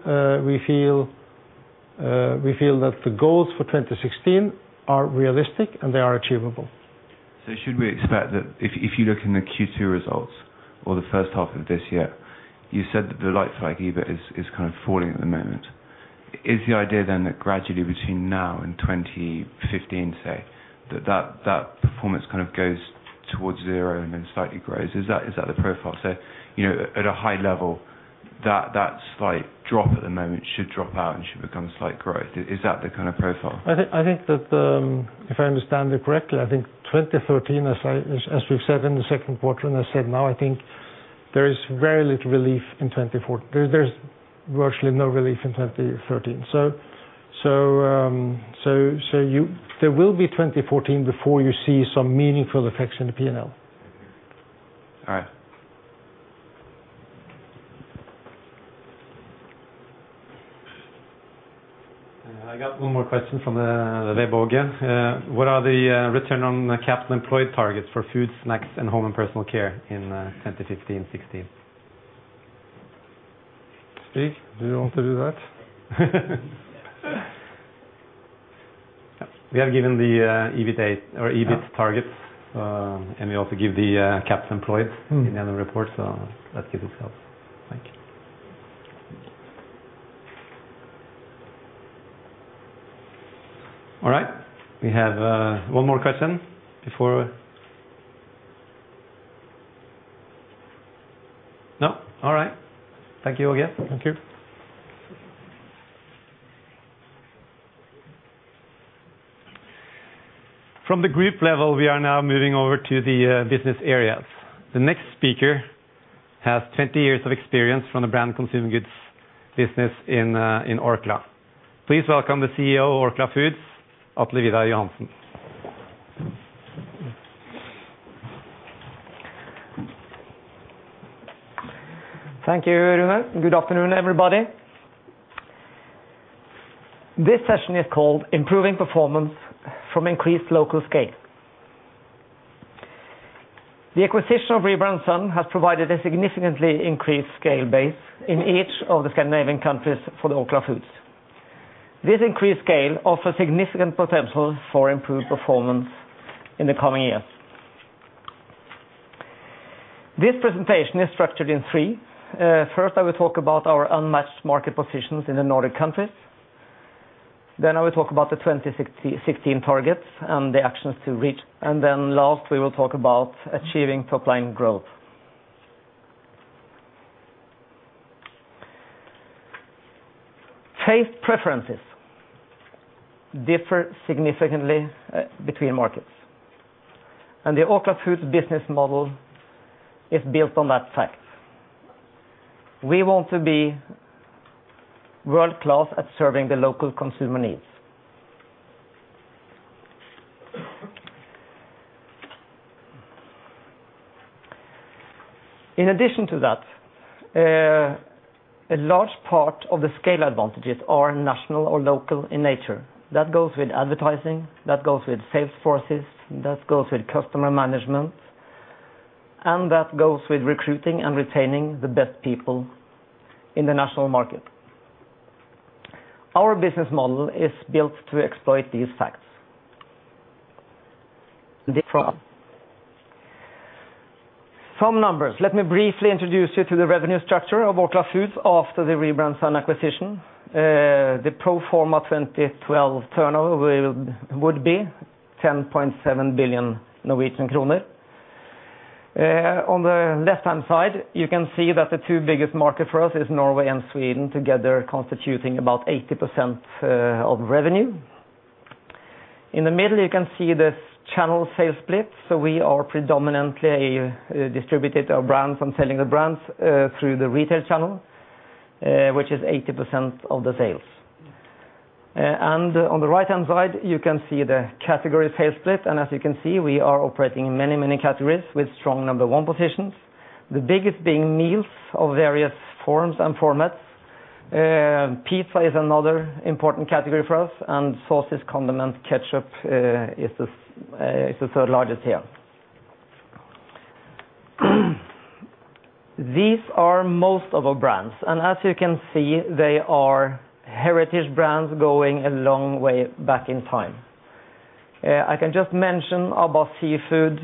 that the goals for 2016 are realistic, and they are achievable. Should we expect that if you look in the Q2 results or the first half of this year, you said that the like-for-like EBIT is kind of falling at the moment. Is the idea then that gradually between now and 2015, say, that that performance kind of goes towards zero and then slightly grows? Is that the profile? At a high level, that slight drop at the moment should drop out and should become slight growth. Is that the kind of profile? I think that, if I understand it correctly, I think 2013, as we've said in the second quarter and I said now, I think there is very little relief in 2014. There's virtually no relief in 2013. There will be 2014 before you see some meaningful effects in the P&L. All right. I got one more question from Le Beau again. What are the return on capital employed targets for Food, Snacks, and Home & Personal Care in 2015/16? Stig, do you want to do that? We have given the EBITA or EBIT targets, and we also give the capital employed in the annual report, that gives itself. Thank you. All right. We have one more question before No? All right. Thank you again. Thank you. From the group level, we are now moving over to the business areas. The next speaker has 20 years of experience from the Branded Consumer Goods business in Orkla. Please welcome the CEO of Orkla Foods, Atle Vidar Johansen. Thank you, Rune. Good afternoon, everybody. This session is called Improving Performance from Increased Local Scale. The acquisition of Rieber & Søn has provided a significantly increased scale base in each of the Scandinavian countries for the Orkla Foods. This increased scale offers significant potential for improved performance in the coming years. This presentation is structured in three. First, I will talk about our unmatched market positions in the Nordic countries. I will talk about the 2016 targets and the actions to reach. Last, we will talk about achieving top-line growth. Taste preferences differ significantly between markets, and the Orkla Foods business model is built on that fact. We want to be world-class at serving the local consumer needs. In addition to that, a large part of the scale advantages are national or local in nature. That goes with advertising, that goes with sales forces, that goes with customer management, and that goes with recruiting and retaining the best people in the national market. Our business model is built to exploit these facts. Some numbers. Let me briefly introduce you to the revenue structure of Orkla Foods after the Rieber & Søn acquisition. The pro forma 2012 turnover would be 10.7 billion Norwegian kroner. On the left-hand side, you can see that the two biggest market for us is Norway and Sweden, together constituting about 80% of revenue. In the middle, you can see this channel sales split. We are predominantly a distributor brand from selling the brands through the retail channel, which is 80% of the sales. On the right-hand side, you can see the category sales split, and as you can see, we are operating in many, many categories with strong number 1 positions. The biggest being meals of various forms and formats. Pizza is another important category for us, and sauces, condiments, ketchup is the third largest here. These are most of our brands, and as you can see, they are heritage brands going a long way back in time. I can just mention Abba Seafood,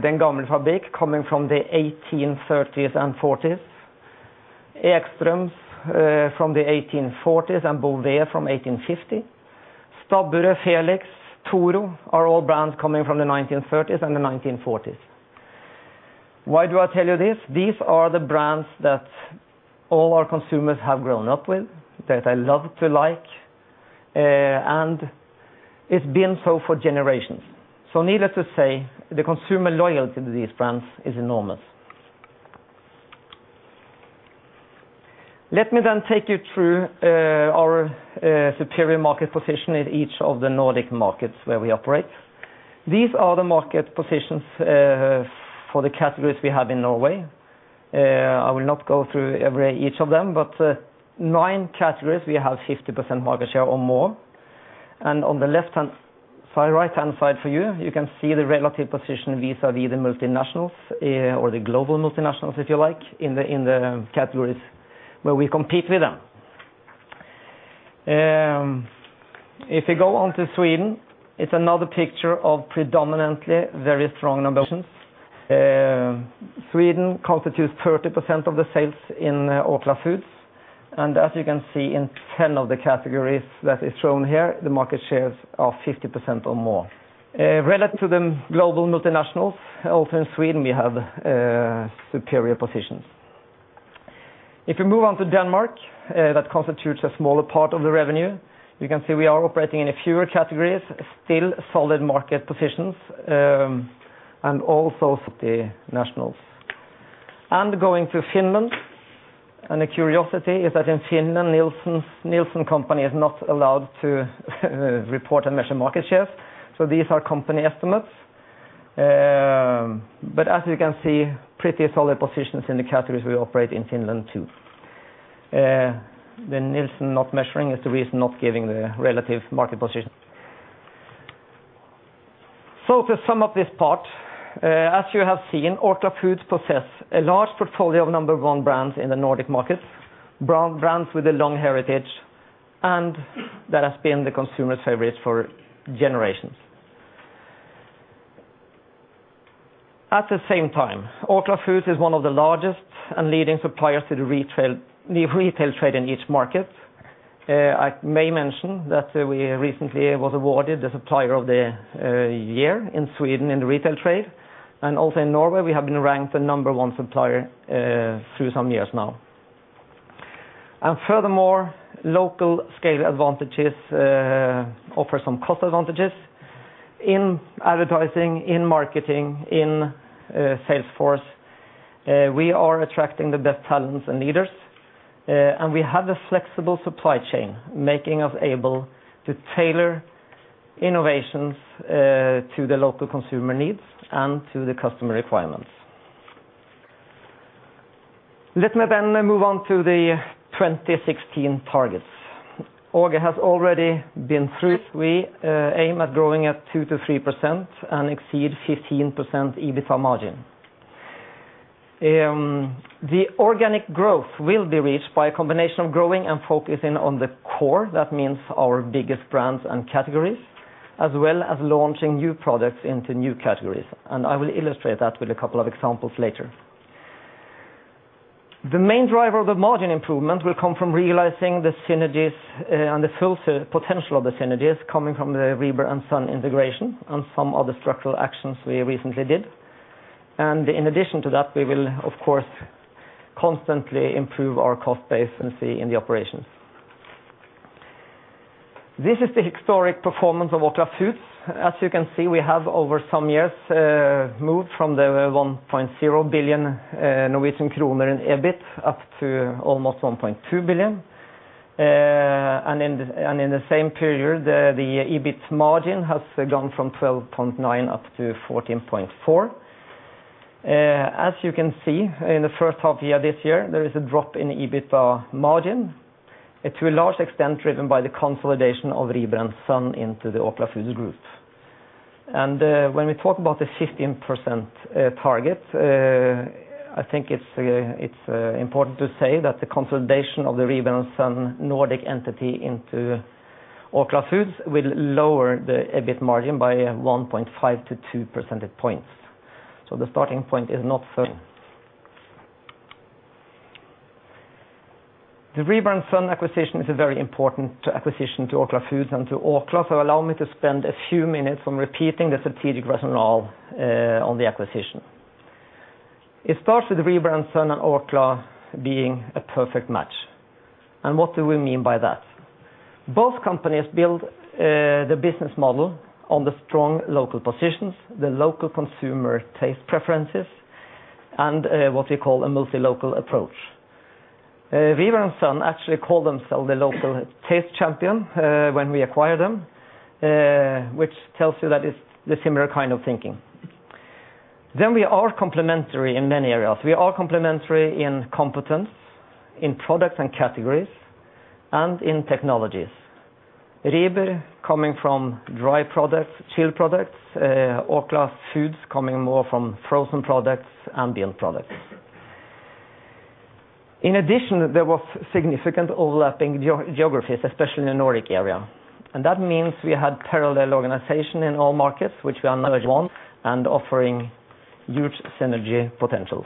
Den Gamle Fabrik coming from the 1830s and '40s. Ekströms from the 1840s and Beauvais from 1850. Stabburet, Felix, Toro are all brands coming from the 1930s and the 1940s. Why do I tell you this? These are the brands that all our consumers have grown up with, that they love to like, and it's been so for generations. Needless to say, the consumer loyalty to these brands is enormous. Let me then take you through our superior market position in each of the Nordic markets where we operate. These are the market positions for the categories we have in Norway. I will not go through each of them, but 9 categories we have 50% market share or more. On the right-hand side for you can see the relative position vis-à-vis the multinationals or the global multinationals, if you like, in the categories where we compete with them. We go on to Sweden, it's another picture of predominantly very strong numbers. Sweden constitutes 30% of the sales in Orkla Foods, and as you can see in 10 of the categories that is shown here, the market shares are 50% or more. Relative to the global multinationals, also in Sweden, we have superior positions. We move on to Denmark, that constitutes a smaller part of the revenue. You can see we are operating in a fewer categories, still solid market positions, and also for the nationals. Going to Finland, the curiosity is that in Finland, Nielsen is not allowed to report and measure market shares, so these are company estimates. As you can see, pretty solid positions in the categories we operate in Finland too. The Nielsen not measuring is the reason not giving the relative market position. To sum up this part, as you have seen, Orkla Foods possess a large portfolio of number 1 brands in the Nordic markets, brands with a long heritage and that has been the consumer's favorite for generations. At the same time, Orkla Foods is one of the largest and leading suppliers to the retail trade in each market. I may mention that we recently was awarded the Supplier of the Year in Sweden in the retail trade. Also in Norway, we have been ranked the number 1 supplier through some years now. Furthermore, local scale advantages offer some cost advantages in advertising, in marketing, in sales force. We are attracting the best talents and leaders, and we have a flexible supply chain making us able to tailor innovations to the local consumer needs and to the customer requirements. Let me move on to the 2016 targets. Åge has already been through. We aim at growing at 2%-3% and exceed 15% EBITDA margin. The organic growth will be reached by a combination of growing and focusing on the core. That means our biggest brands and categories, as well as launching new products into new categories, I will illustrate that with a couple of examples later. The main driver of the margin improvement will come from realizing the synergies and the full potential of the synergies coming from the Rieber & Søn integration and some other structural actions we recently did. In addition to that, we will of course constantly improve our cost base and see in the operations. This is the historic performance of Orkla Foods. As you can see, we have over some years, moved from the 1.0 billion Norwegian kroner in EBIT up to almost 1.2 billion. In the same period, the EBIT margin has gone from 12.9% up to 14.4%. As you can see, in the first half year this year, there is a drop in the EBITDA margin. To a large extent driven by the consolidation of Rieber & Søn into the Orkla Foods Group. When we talk about the 15% target, I think it's important to say that the consolidation of the Rieber & Søn Nordic entity into Orkla Foods will lower the EBIT margin by 1.5-2% points. The starting point is not certain. The Rieber & Søn acquisition is a very important acquisition to Orkla Foods and to Orkla, allow me to spend a few minutes on repeating the strategic rationale on the acquisition. It starts with Rieber & Søn and Orkla being a perfect match, what do we mean by that? Both companies build the business model on the strong local positions, the local consumer taste preferences, and what we call a multi-local approach. Rieber & Søn actually call themselves the local taste champion when we acquire them, which tells you that it's the similar kind of thinking. We are complementary in many areas. We are complementary in competence, in products and categories, and in technologies. Rieber coming from dry products, chilled products, Orkla Foods coming more from frozen products and built products. In addition, there was significant overlapping geographies, especially in the Nordic area. That means we had parallel organization in all markets, which we are one and offering huge synergy potentials.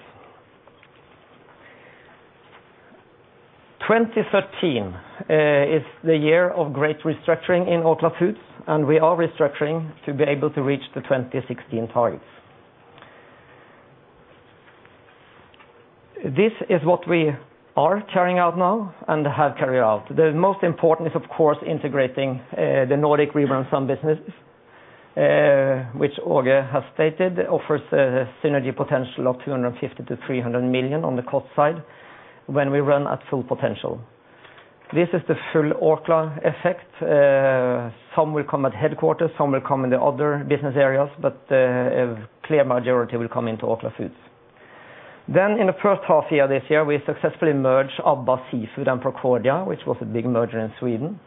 2013 is the year of great restructuring in Orkla Foods, we are restructuring to be able to reach the 2016 targets. This is what we are carrying out now and have carried out. The most important is, of course, integrating the Nordic Rieber & Søn businesses, which Åge has stated offers a synergy potential of 250 million-300 million on the cost side when we run at full potential. This is the full Orkla effect. Some will come at headquarters, some will come in the other business areas, but a clear majority will come into Orkla Foods. In the first half year this year, we successfully merged Abba Seafood and Procordia, which was a big merger in Sweden.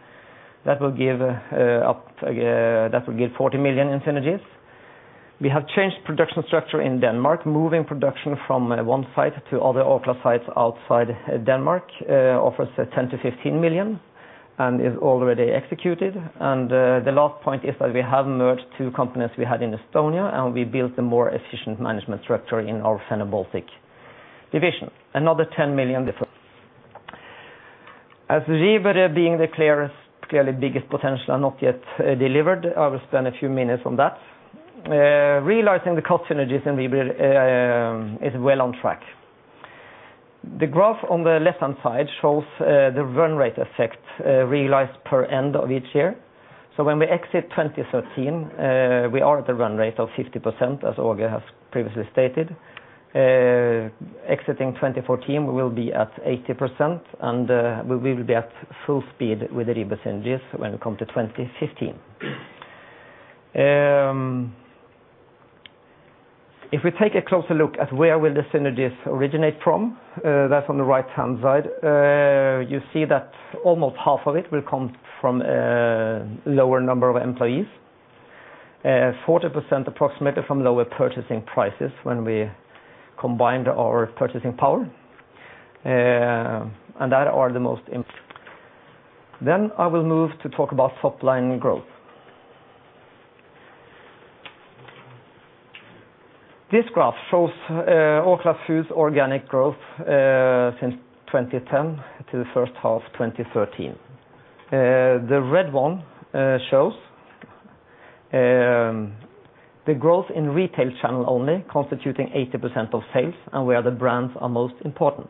That will give 40 million in synergies. We have changed production structure in Denmark. Moving production from one site to other Orkla sites outside Denmark offers 10 million-15 million and is already executed. The last point is that we have merged 2 companies we had in Estonia, and we built a more efficient management structure in our Fenno-Baltic division, another 10 million difference. As Rieber being the clearly biggest potential and not yet delivered, I will spend a few minutes on that. Realizing the cost synergies in Rieber is well on track. The graph on the left-hand side shows the run rate effect realized per end of each year. When we exit 2013, we are at the run rate of 50%, as Åge has previously stated. Exiting 2014, we will be at 80%, and we will be at full speed with the Rieber synergies when we come to 2015. If we take a closer look at where will the synergies originate from, that's on the right-hand side. You see that almost half of it will come from a lower number of employees, 40% approximately from lower purchasing prices when we combined our purchasing power, and that are the most. I will move to talk about top-line growth. This graph shows Orkla Foods organic growth since 2010 to the first half 2013. The red one shows the growth in retail channel only, constituting 80% of sales and where the brands are most important.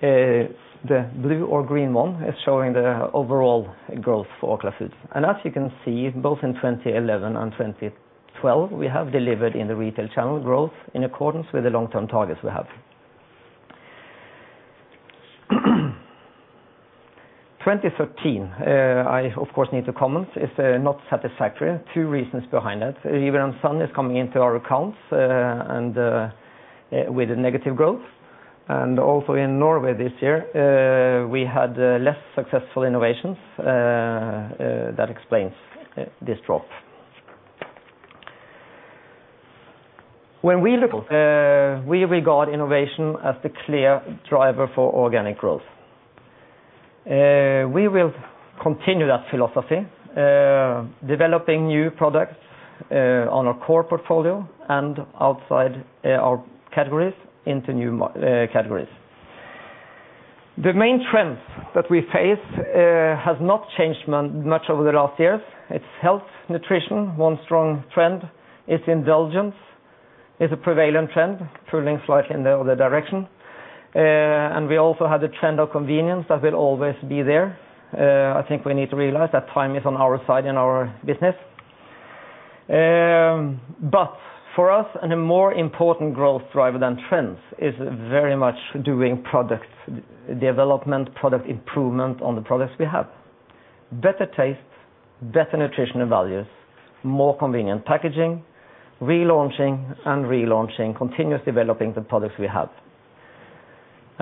The blue or green one is showing the overall growth for Orkla Foods. As you can see, both in 2011 and 2012, we have delivered in the retail channel growth in accordance with the long-term targets we have. 2013, I of course need to comment, is not satisfactory. Two reasons behind that. Rieber & Søn is coming into our accounts and with a negative growth. Also in Norway this year, we had less successful innovations that explains this drop. We regard innovation as the clear driver for organic growth. We will continue that philosophy, developing new products on our core portfolio and outside our categories into new categories. The main trends that we face has not changed much over the last years. It's health, nutrition, one strong trend. It's indulgence is a prevailing trend, turning slightly in the other direction. We also have the trend of convenience that will always be there. I think we need to realize that time is on our side in our business. For us, and a more important growth driver than trends is very much doing product development, product improvement on the products we have. Better taste, better nutritional values, more convenient packaging, relaunching and relaunching, continuously developing the products we have.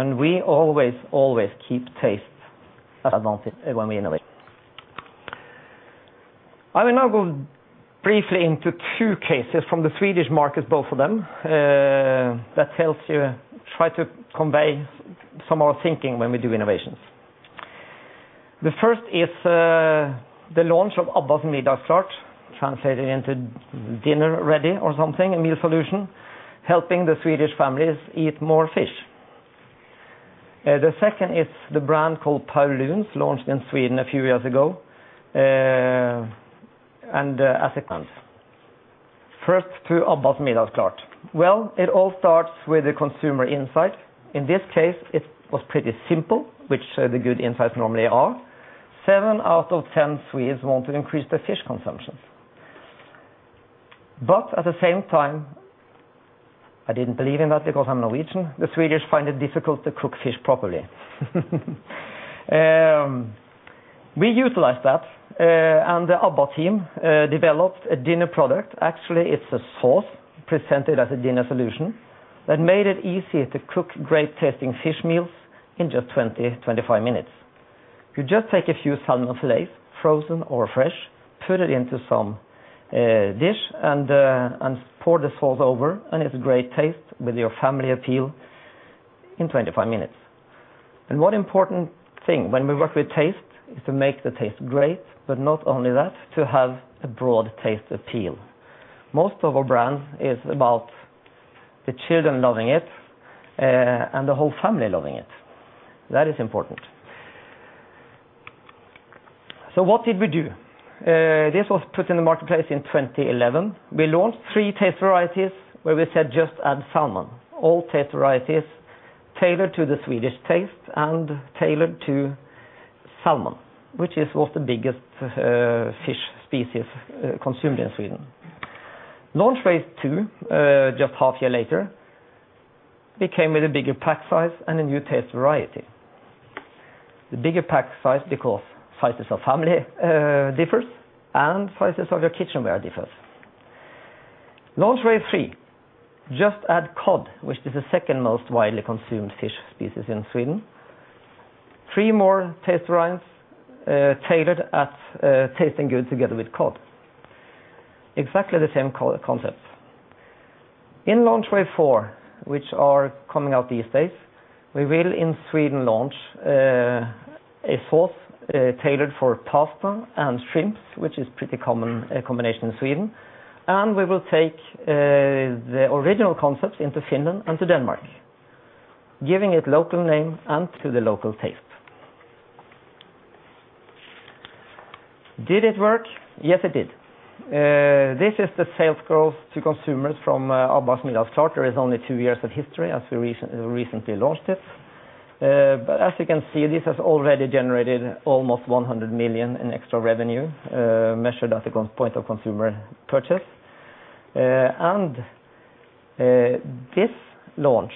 We always keep taste as advantage when we innovate. I will now go briefly into 2 cases from the Swedish markets, both of them, that helps you try to convey some of our thinking when we do innovations. The first is the launch of Abba Middagsklart, translated into dinner ready or something, a meal solution, helping the Swedish families eat more fish. The second is the brand called Paulúns, launched in Sweden a few years ago. First to Abba Middagsklart. It all starts with the consumer insight. In this case, it was pretty simple, which the good insights normally are. seven out of 10 Swedes want to increase their fish consumption. At the same time, I didn't believe in that because I'm Norwegian, the Swedish find it difficult to cook fish properly. We utilized that and the Abba team developed a dinner product. It's a sauce presented as a dinner solution that made it easier to cook great-tasting fish meals in just 20-25 minutes. You just take a few salmon fillets, frozen or fresh, put it into some dish, and pour the sauce over, and it's a great taste with your family appeal in 25 minutes. One important thing when we work with taste is to make the taste great, but not only that, to have a broad taste appeal. Most of our brands is about the children loving it and the whole family loving it. That is important. What did we do? This was put in the marketplace in 2011. We launched three taste varieties where we said, "Just add salmon." All taste varieties tailored to the Swedish taste and tailored to salmon, which is also the biggest fish species consumed in Sweden. Launch wave 2, just half year later, became with a bigger pack size and a new taste variety. The bigger pack size because sizes of family differs and sizes of your kitchenware differs. Launch wave 3, just add cod, which is the second most widely consumed fish species in Sweden. Three more taste varieties tailored at tasting good together with cod. Exactly the same concept. In launch wave 4, which are coming out these days, we will, in Sweden, launch a sauce tailored for pasta and shrimps, which is pretty common combination in Sweden, and we will take the original concept into Finland and to Denmark, giving it local name and to the local taste. Did it work? Yes, it did. This is the sales growth to consumers from Abba Middagsklart. There is only two years of history as we recently launched it. As you can see, this has already generated almost 100 million in extra revenue, measured at the point of consumer purchase. This launch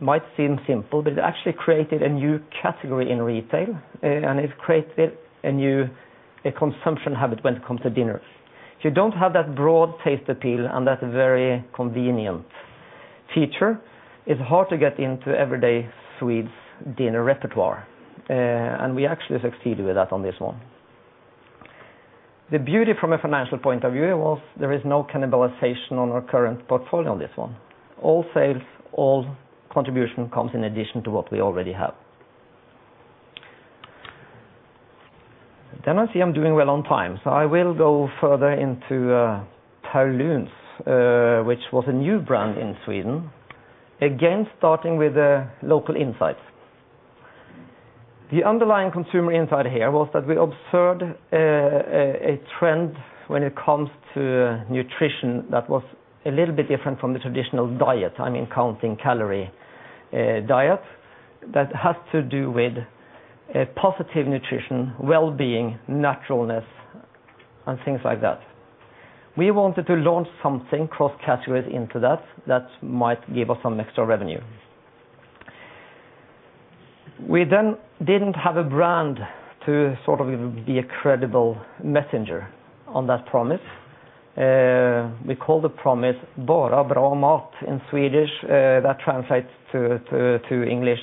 might seem simple, but it actually created a new category in retail, and it created a new consumption habit when it comes to dinners. If you don't have that broad taste appeal and that very convenient feature, it's hard to get into everyday Swedes' dinner repertoire, and we actually succeeded with that on this one. The beauty from a financial point of view was there is no cannibalization on our current portfolio on this one. All sales, all contribution comes in addition to what we already have. I see I'm doing well on time, so I will go further into Paulúns, which was a new brand in Sweden. Again, starting with local insights. The underlying consumer insight here was that we observed a trend when it comes to nutrition that was a little bit different from the traditional diet, I mean, counting calorie diet, that has to do with positive nutrition, well-being, naturalness, and things like that. We wanted to launch something cross-category into that might give us some extra revenue. We then didn't have a brand to sort of be a credible messenger on that promise. We call the promise "Bara Bra Mat" in Swedish. That translates to English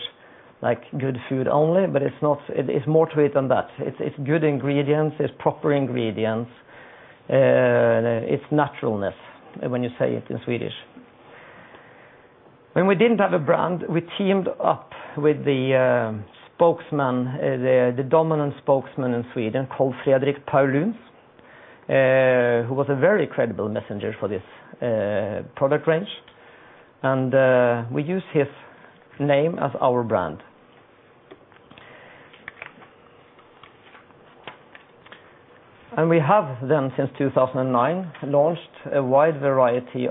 like "good food only," but it's more to it than that. It's good ingredients. It's proper ingredients. It's naturalness when you say it in Swedish. When we didn't have a brand, we teamed up with the dominant spokesman in Sweden called Fredrik Paulún, who was a very credible messenger for this product range, and we used his name as our brand. We have then, since 2009, launched a wide variety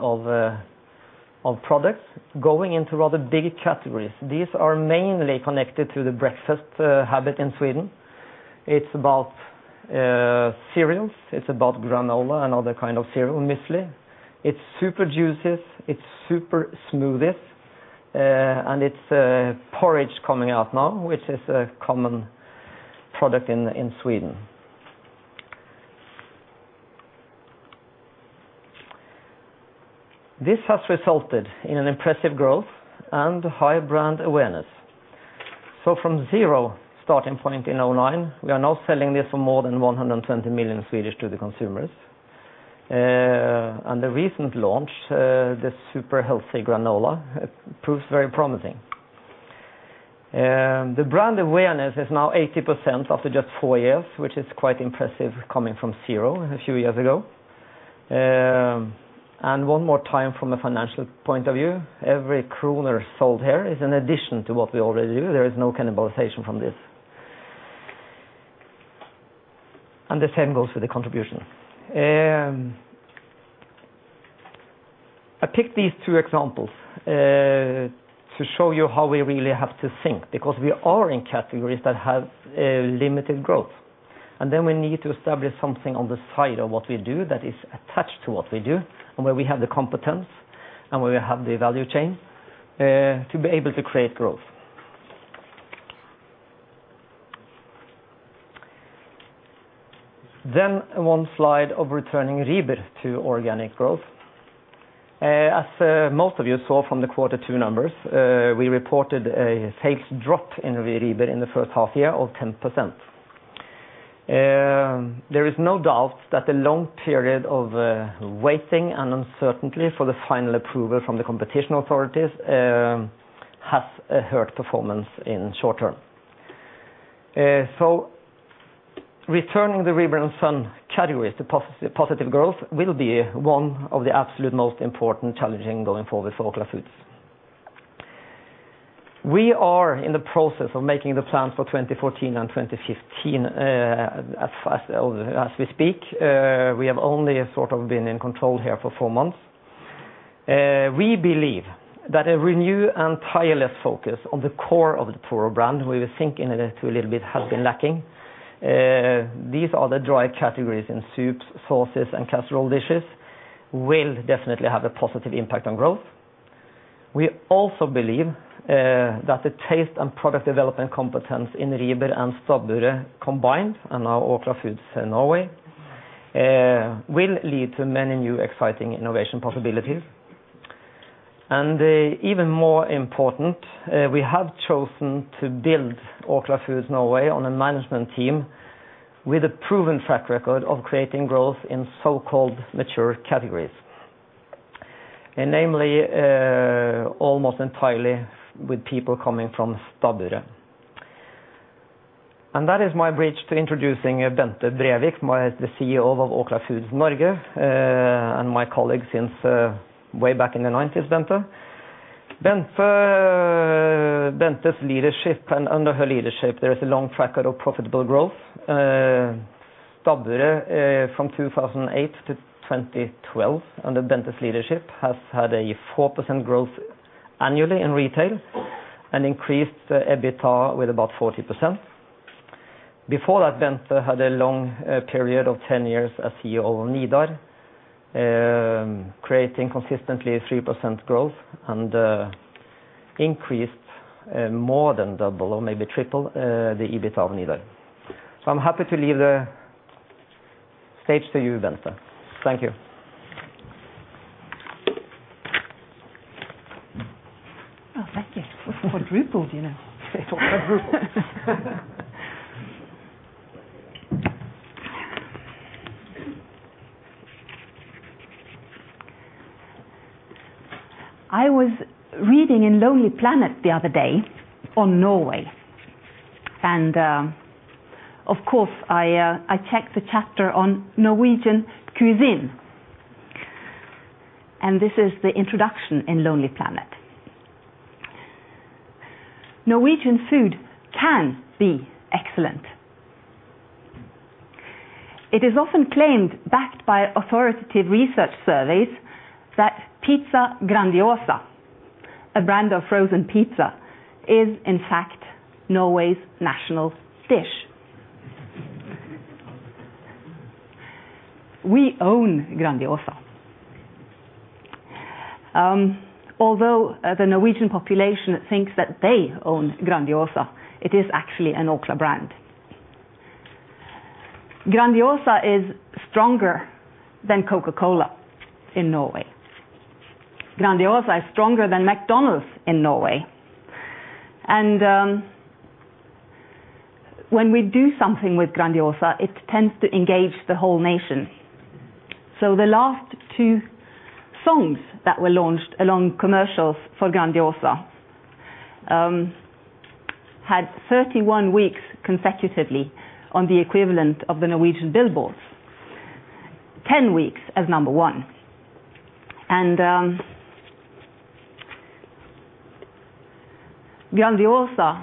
of products going into rather big categories. These are mainly connected to the breakfast habit in Sweden. It's about cereals, it's about granola, another kind of cereal, muesli, it's super juices, it's super smoothies, and it's porridge coming out now, which is a common product in Sweden. This has resulted in an impressive growth and high brand awareness. From zero starting point in 2009, we are now selling this for more than 120 million SEK to the consumers. The recent launch, the super healthy granola, proves very promising. The brand awareness is now 80% after just four years, which is quite impressive coming from zero a few years ago. One more time from a financial point of view, every SEK sold here is an addition to what we already do. There is no cannibalization from this. The same goes for the contribution. I picked these two examples to show you how we really have to think because we are in categories that have limited growth, and then we need to establish something on the side of what we do that is attached to what we do and where we have the competence and where we have the value chain to be able to create growth. One slide of returning Rieber to organic growth. As most of you saw from the quarter two numbers, we reported a sales drop in Rieber in the first half year of 10%. There is no doubt that the long period of waiting and uncertainty for the final approval from the competition authorities has hurt performance in short term. Returning the Rieber & Søn category to positive growth will be one of the absolute most important challenges going forward for Orkla Foods. We are in the process of making the plans for 2014 and 2015 as we speak. We have only been in control here for four months. We believe that a renewed and tireless focus on the core of the Toro brand, we were thinking it a little bit, has been lacking. These are the dry categories in soups, sauces, and casserole dishes will definitely have a positive impact on growth. We also believe that the taste and product development competence in Rieber and Stabburet combined, and now Orkla Foods Norge, will lead to many new exciting innovation possibilities. Even more important, we have chosen to build Orkla Foods Norge on a management team with a proven track record of creating growth in so-called mature categories. Namely, almost entirely with people coming from Stabburet. That is my bridge to introducing Bente Brevik, the CEO of Orkla Foods Norge, and my colleague since way back in the 1990s, Bente. Under Bente's leadership, there is a long track record of profitable growth. Stabburet from 2008 to 2012, under Bente's leadership, has had a 4% growth annually in retail and increased the EBITDA with about 40%. Before that, Bente had a long period of 10 years as CEO of Nidar, creating consistently 3% growth and increased more than double or maybe triple the EBITDA of Nidar. I'm happy to leave the stage to you, Bente. Thank you. Oh, thank you. Quadrupled, you know. Quadrupled. I was reading in Lonely Planet the other day on Norway, and of course, I checked the chapter on Norwegian cuisine. This is the introduction in Lonely Planet. "Norwegian food can be excellent. It is often claimed, backed by authoritative research surveys, that Pizza Grandiosa, a brand of frozen pizza, is in fact Norway's national dish." We own Grandiosa. Although the Norwegian population thinks that they own Grandiosa, it is actually an Orkla brand. Grandiosa is stronger than Coca-Cola in Norway. Grandiosa is stronger than McDonald's in Norway. When we do something with Grandiosa, it tends to engage the whole nation. The last two songs that were launched along commercials for Grandiosa had 31 weeks consecutively on the equivalent of the Norwegian Billboards, 10 weeks at number one. Grandiosa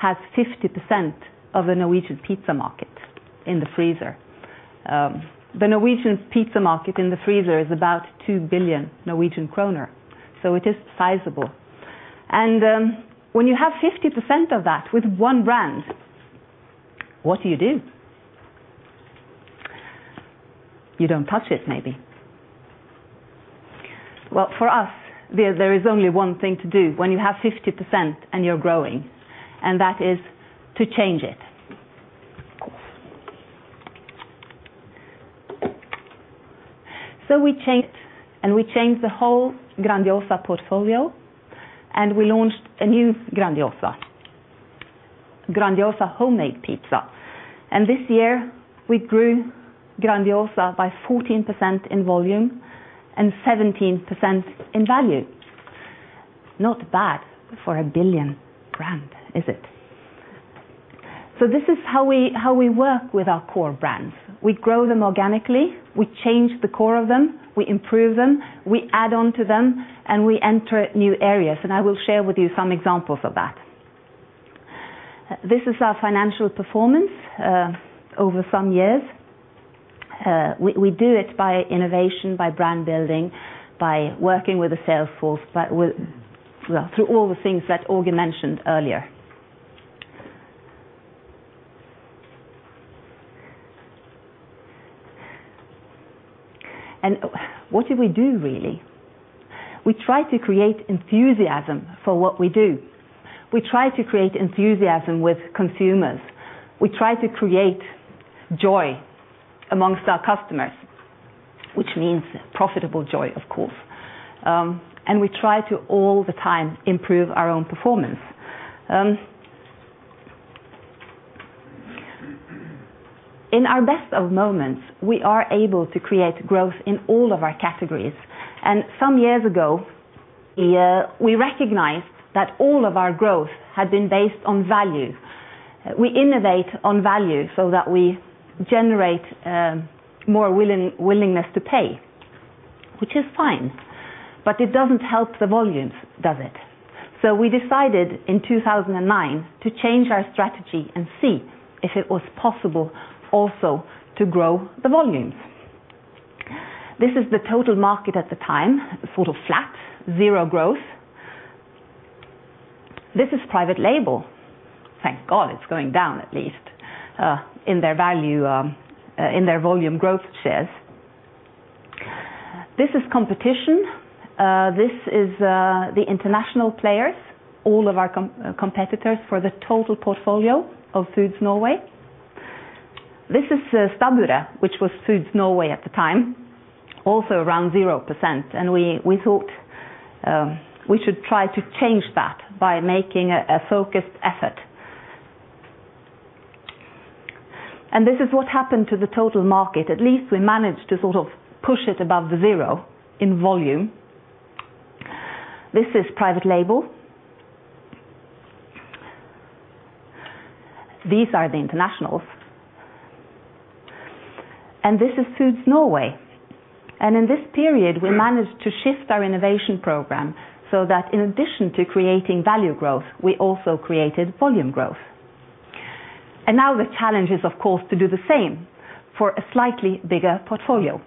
has 50% of the Norwegian pizza market in the freezer. The Norwegian pizza market in the freezer is about 2 billion Norwegian kroner, so it is sizable. When you have 50% of that with one brand, what do you do? You don't touch it, maybe. Well, for us, there is only one thing to do when you have 50% and you're growing, that is to change it. We changed, we changed the whole Grandiosa portfolio, and we launched a new Grandiosa Homemade Pizza. This year, we grew Grandiosa by 14% in volume and 17% in value. Not bad for a billion brand, is it? This is how we work with our core brands. We grow them organically, we change the core of them, we improve them, we add on to them, and we enter new areas. I will share with you some examples of that. This is our financial performance over some years. We do it by innovation, by brand building, by working with the sales force, through all the things that Åge mentioned earlier. What do we do really? We try to create enthusiasm for what we do. We try to create enthusiasm with consumers. We try to create joy amongst our customers, which means profitable joy, of course. We try to all the time improve our own performance. In our best of moments, we are able to create growth in all of our categories. Some years ago, we recognized that all of our growth had been based on value. We innovate on value so that we generate more willingness to pay, which is fine, but it doesn't help the volumes, does it? We decided in 2009 to change our strategy and see if it was possible also to grow the volumes. This is the total market at the time, sort of flat, zero growth. This is private label. Thank God it's going down at least in their volume growth shares. This is competition. This is the international players, all of our competitors for the total portfolio of Foods Norway. This is Stabburet, which was Foods Norway at the time, also around 0%, we thought we should try to change that by making a focused effort. This is what happened to the total market. At least we managed to sort of push it above the zero in volume. This is private label. These are the internationals. This is Foods Norway. In this period, we managed to shift our innovation program so that in addition to creating value growth, we also created volume growth. Now the challenge is, of course, to do the same for a slightly bigger portfolio.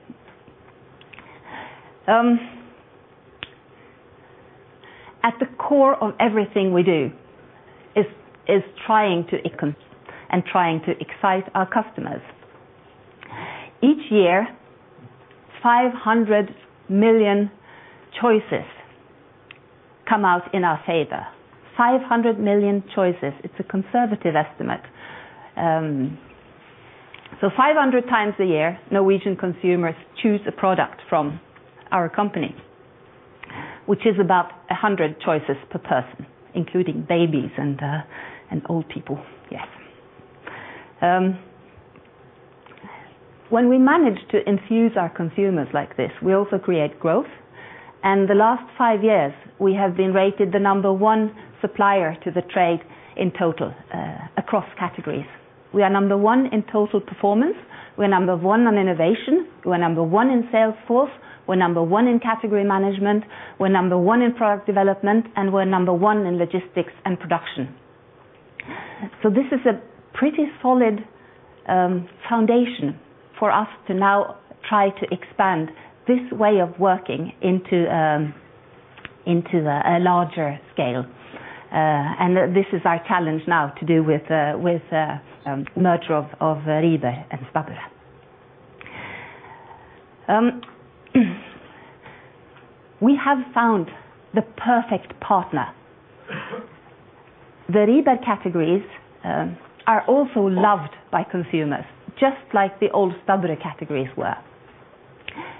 At the core of everything we do is trying to excite our customers. Each year, 500 million choices come out in our favor. 500 million choices. It's a conservative estimate. 500 times a year, Norwegian consumers choose a product from our company, which is about 100 choices per person, including babies and old people. Yes. When we manage to enthuse our consumers like this, we also create growth, and the last five years we have been rated the number 1 supplier to the trade in total across categories. We are number 1 in total performance. We're number 1 on innovation. We're number 1 in sales force. We're number 1 in category management. We're number 1 in product development, and we're number 1 in logistics and production. This is a pretty solid foundation for us to now try to expand this way of working into a larger scale. This is our challenge now to do with the merger of Rieber and Stabburet. We have found the perfect partner. The Rieber categories are also loved by consumers, just like the old Stabburet categories were,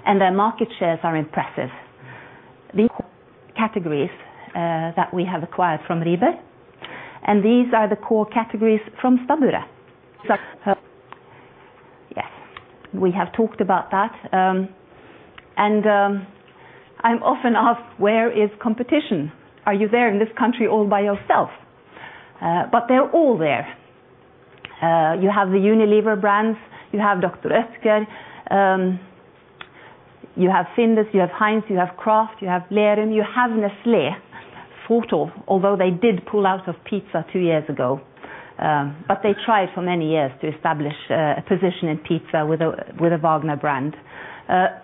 and their market shares are impressive. These categories that we have acquired from Rieber, and these are the core categories from Stabburet. Yes, we have talked about that. I'm often asked, where is competition? Are you there in this country all by yourself? They're all there. You have the Unilever brands. You have Dr. Oetker. You have Findus, you have Heinz, you have Kraft, you have Lerum, you have Nestlé, although they did pull out of pizza two years ago. They tried for many years to establish a position in pizza with a Wagner brand.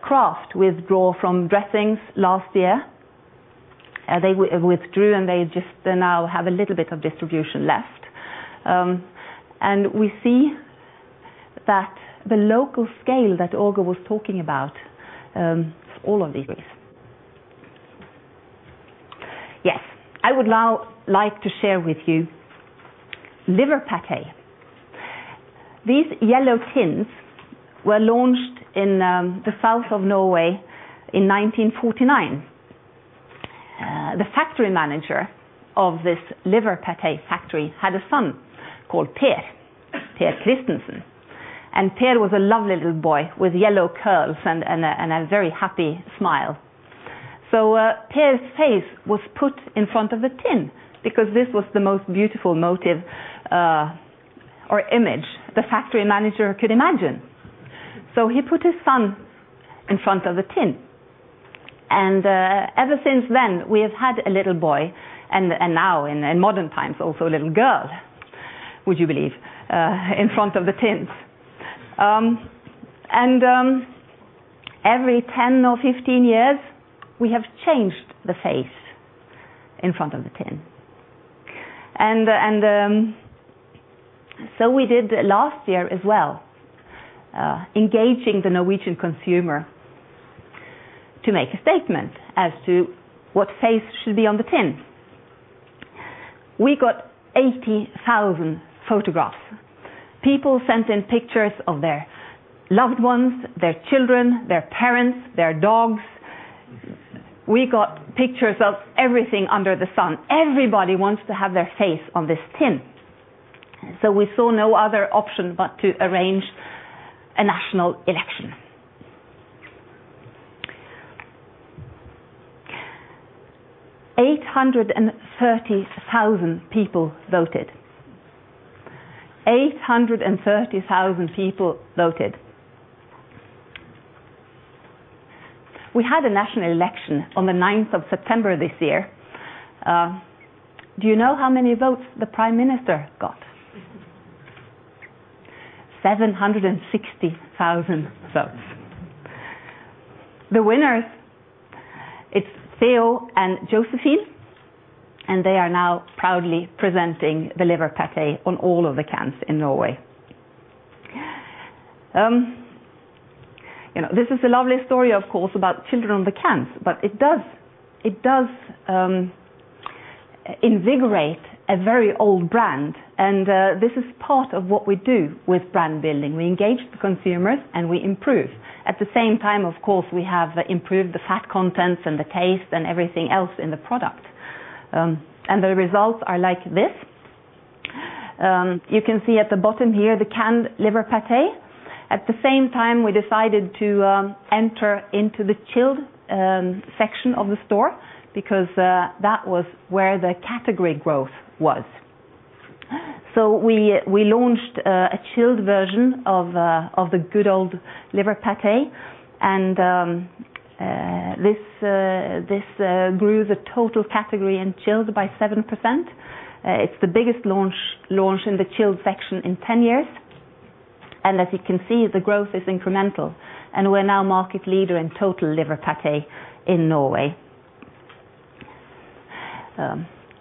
Kraft withdraw from dressings last year. They withdrew, and they just now have a little bit of distribution left. We see that the local scale that Åge was talking about all of these. Yes. I would now like to share with you liver pâté. These yellow tins were launched in the south of Norway in 1949. The factory manager of this liver pâté factory had a son called Per Christensen, and Per was a lovely little boy with yellow curls and a very happy smile. Per's face was put in front of the tin because this was the most beautiful motive or image the factory manager could imagine. He put his son in front of the tin. Ever since then, we have had a little boy, and now in modern times, also a little girl, would you believe, in front of the tins. Every 10 or 15 years, we have changed the face in front of the tin. We did last year as well, engaging the Norwegian consumer to make a statement as to what face should be on the tin. We got 80,000 photographs. People sent in pictures of their loved ones, their children, their parents, their dogs. We got pictures of everything under the sun. Everybody wants to have their face on this tin. We saw no other option but to arrange a national election. 830,000 people voted. 830,000 people voted. We had a national election on the 9th of September this year. Do you know how many votes the Prime Minister got? 760,000 votes. The winners, it's Theo and Josephine, and they are now proudly presenting the liver pate on all of the cans in Norway. This is a lovely story, of course, about children on the cans, but it does invigorate a very old brand, and this is part of what we do with brand building. We engage the consumers, and we improve. At the same time, of course, we have improved the fat content and the taste and everything else in the product. The results are like this. You can see at the bottom here the canned liver pate. At the same time, we decided to enter into the chilled section of the store because that was where the category growth was. We launched a chilled version of the good old liver pate, and this grew the total category in chilled by 7%. It's the biggest launch in the chilled section in 10 years. As you can see, the growth is incremental, and we're now market leader in total liver pate in Norway.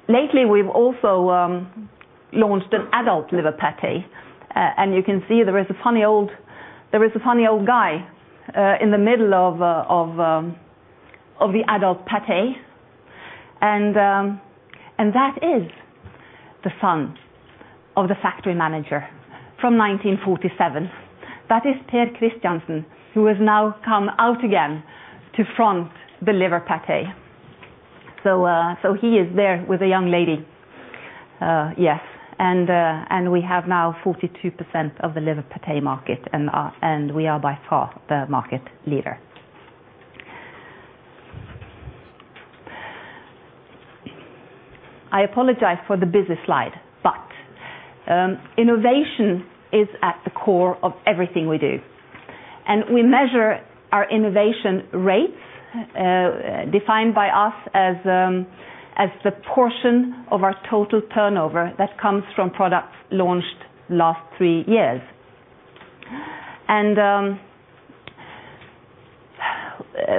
Lately, we've also launched an adult liver pate, and you can see there is a funny old guy in the middle of the adult pate, and that is the son of the factory manager from 1947. That is Per Christensen, who has now come out again to front the liver pate. He is there with a young lady. Yes. We have now 42% of the liver pate market, and we are by far the market leader. I apologize for the busy slide, but innovation is at the core of everything we do. We measure our innovation rates, defined by us as the portion of our total turnover that comes from products launched last three years.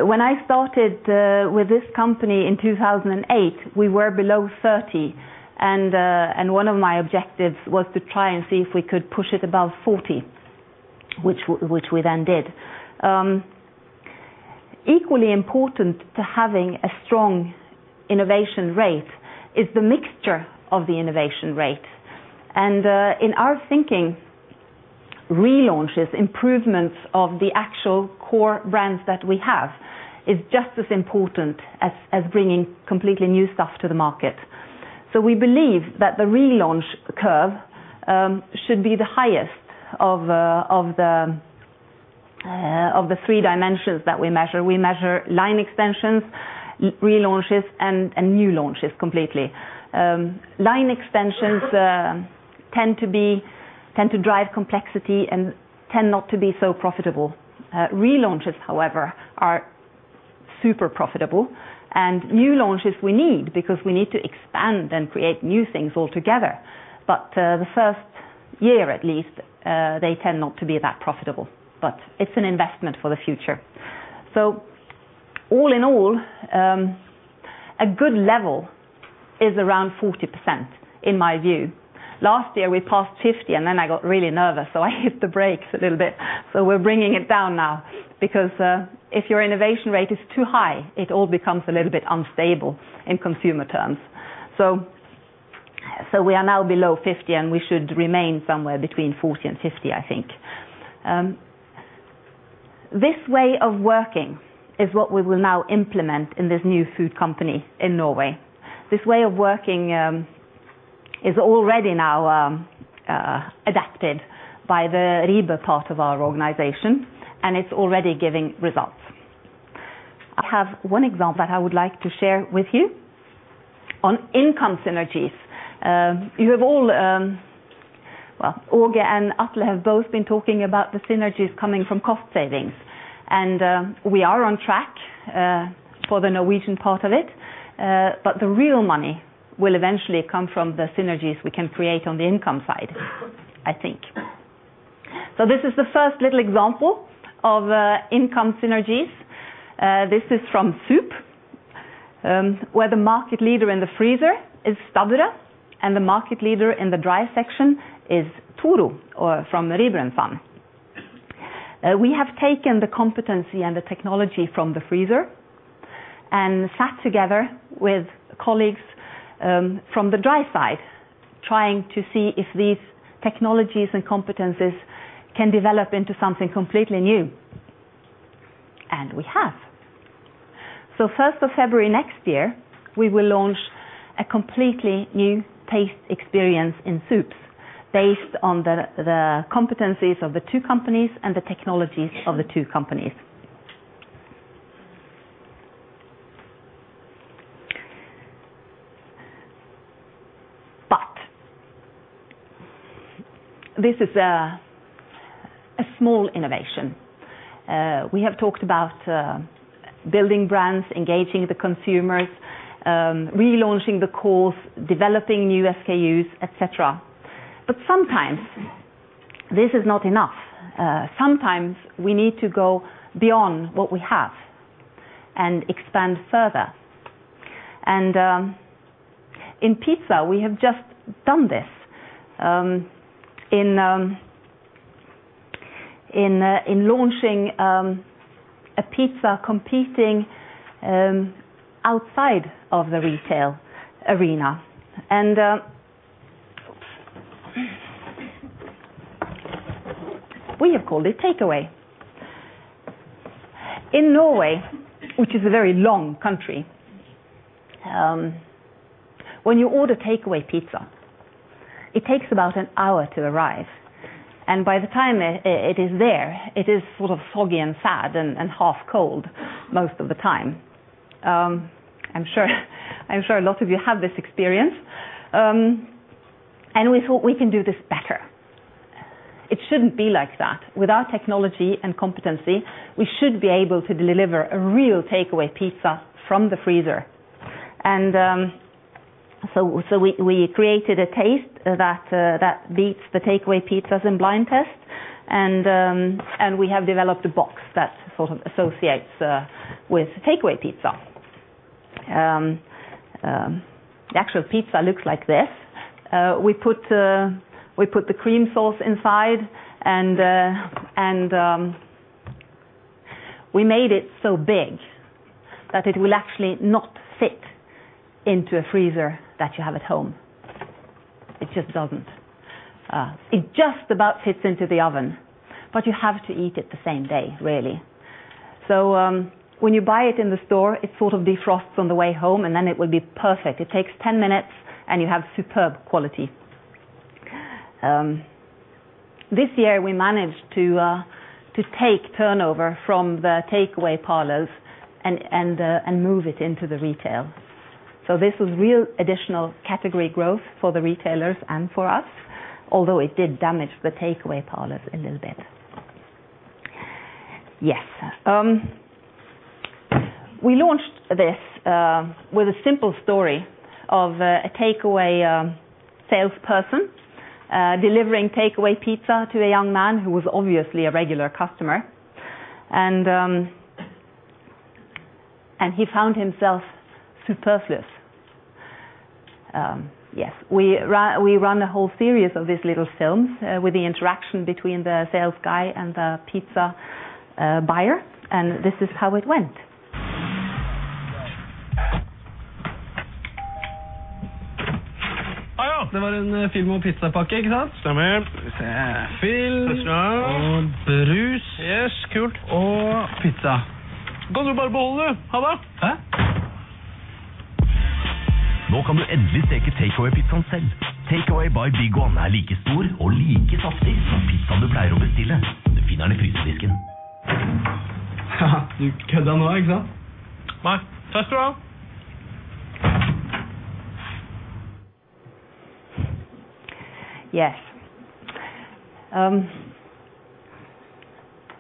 When I started with this company in 2008, we were below 30, and one of my objectives was to try and see if we could push it above 40, which we then did. Equally important to having a strong innovation rate is the mixture of the innovation rate. In our thinking, relaunches, improvements of the actual core brands that we have is just as important as bringing completely new stuff to the market. We believe that the relaunch curve should be the highest of the three dimensions that we measure. We measure line extensions, relaunches, and new launches completely. Line extensions tend to drive complexity and tend not to be so profitable. Relaunches, however, are super profitable, and new launches we need because we need to expand and create new things altogether. But the first year, at least, they tend not to be that profitable, but it's an investment for the future. All in all, a good level is around 40%, in my view. Last year, we passed 50%, and then I got really nervous, so I hit the brakes a little bit. We're bringing it down now because if your innovation rate is too high, it all becomes a little bit unstable in consumer terms. We are now below 50%, and we should remain somewhere between 40% and 50%, I think. This way of working is what we will now implement in this new food company in Norway. This way of working is already now adapted by the Rieber part of our organization, and it's already giving results. I have one example that I would like to share with you on income synergies. You have all. Åge and Atle have both been talking about the synergies coming from cost savings. And we are on track for the Norwegian part of it. But the real money will eventually come from the synergies we can create on the income side, I think. This is the first little example of income synergies. This is from soup, where the market leader in the freezer is Stabburet, and the market leader in the dry section is Toro from Rieber & Søn. We have taken the competency and the technology from the freezer and sat together with colleagues from the dry side trying to see if these technologies and competencies can develop into something completely new, and we have. So 1st of February next year, we will launch a completely new taste experience in soups based on the competencies of the two companies and the technologies of the two companies. But this is a small innovation. We have talked about building brands, engaging the consumers, relaunching the course, developing new SKUs, et cetera. Sometimes this is not enough. Sometimes we need to go beyond what we have and expand further. In pizza, we have just done this in launching a pizza competing outside of the retail arena. And we have called it Takeaway. In Norway, which is a very long country, when you order takeaway pizza, it takes about an hour to arrive, and by the time it is there, it is sort of soggy and sad and half cold most of the time. I'm sure a lot of you have this experience. We thought we can do this better. It shouldn't be like that. With our technology and competency, we should be able to deliver a real takeaway pizza from the freezer. We created a taste that beats the takeaway pizzas in blind tests and we have developed a box that sort of associates with takeaway pizza. The actual pizza looks like this. We put the cream sauce inside and we made it so big that it will actually not fit into a freezer that you have at home. It just doesn't. It just about fits into the oven, but you have to eat it the same day, really. When you buy it in the store, it sort of defrosts on the way home, and then it will be perfect. It takes 10 minutes, and you have superb quality. This year, we managed to take turnover from the takeaway parlors and move it into the retail. This was real additional category growth for the retailers and for us, although it did damage the takeaway parlors a little bit. Yes. We launched this with a simple story of a takeaway salesperson delivering takeaway pizza to a young man who was obviously a regular customer, and he found himself superfluous. Yes. We ran a whole series of these little films with the interaction between the sales guy and the pizza buyer. This is how it went. Hi. It was a film and pizza package, right? That's right. Let's see. Film. There you go. Soda. Yes, cool. Pizza. You can just keep it. Bye. Huh? Now you can finally bake the takeaway pizza yourself. Takeaway by Big One is as big and tasty as the pizza you usually order, but finally in the freezer aisle. You were kidding, right? No. Thanks. Yes.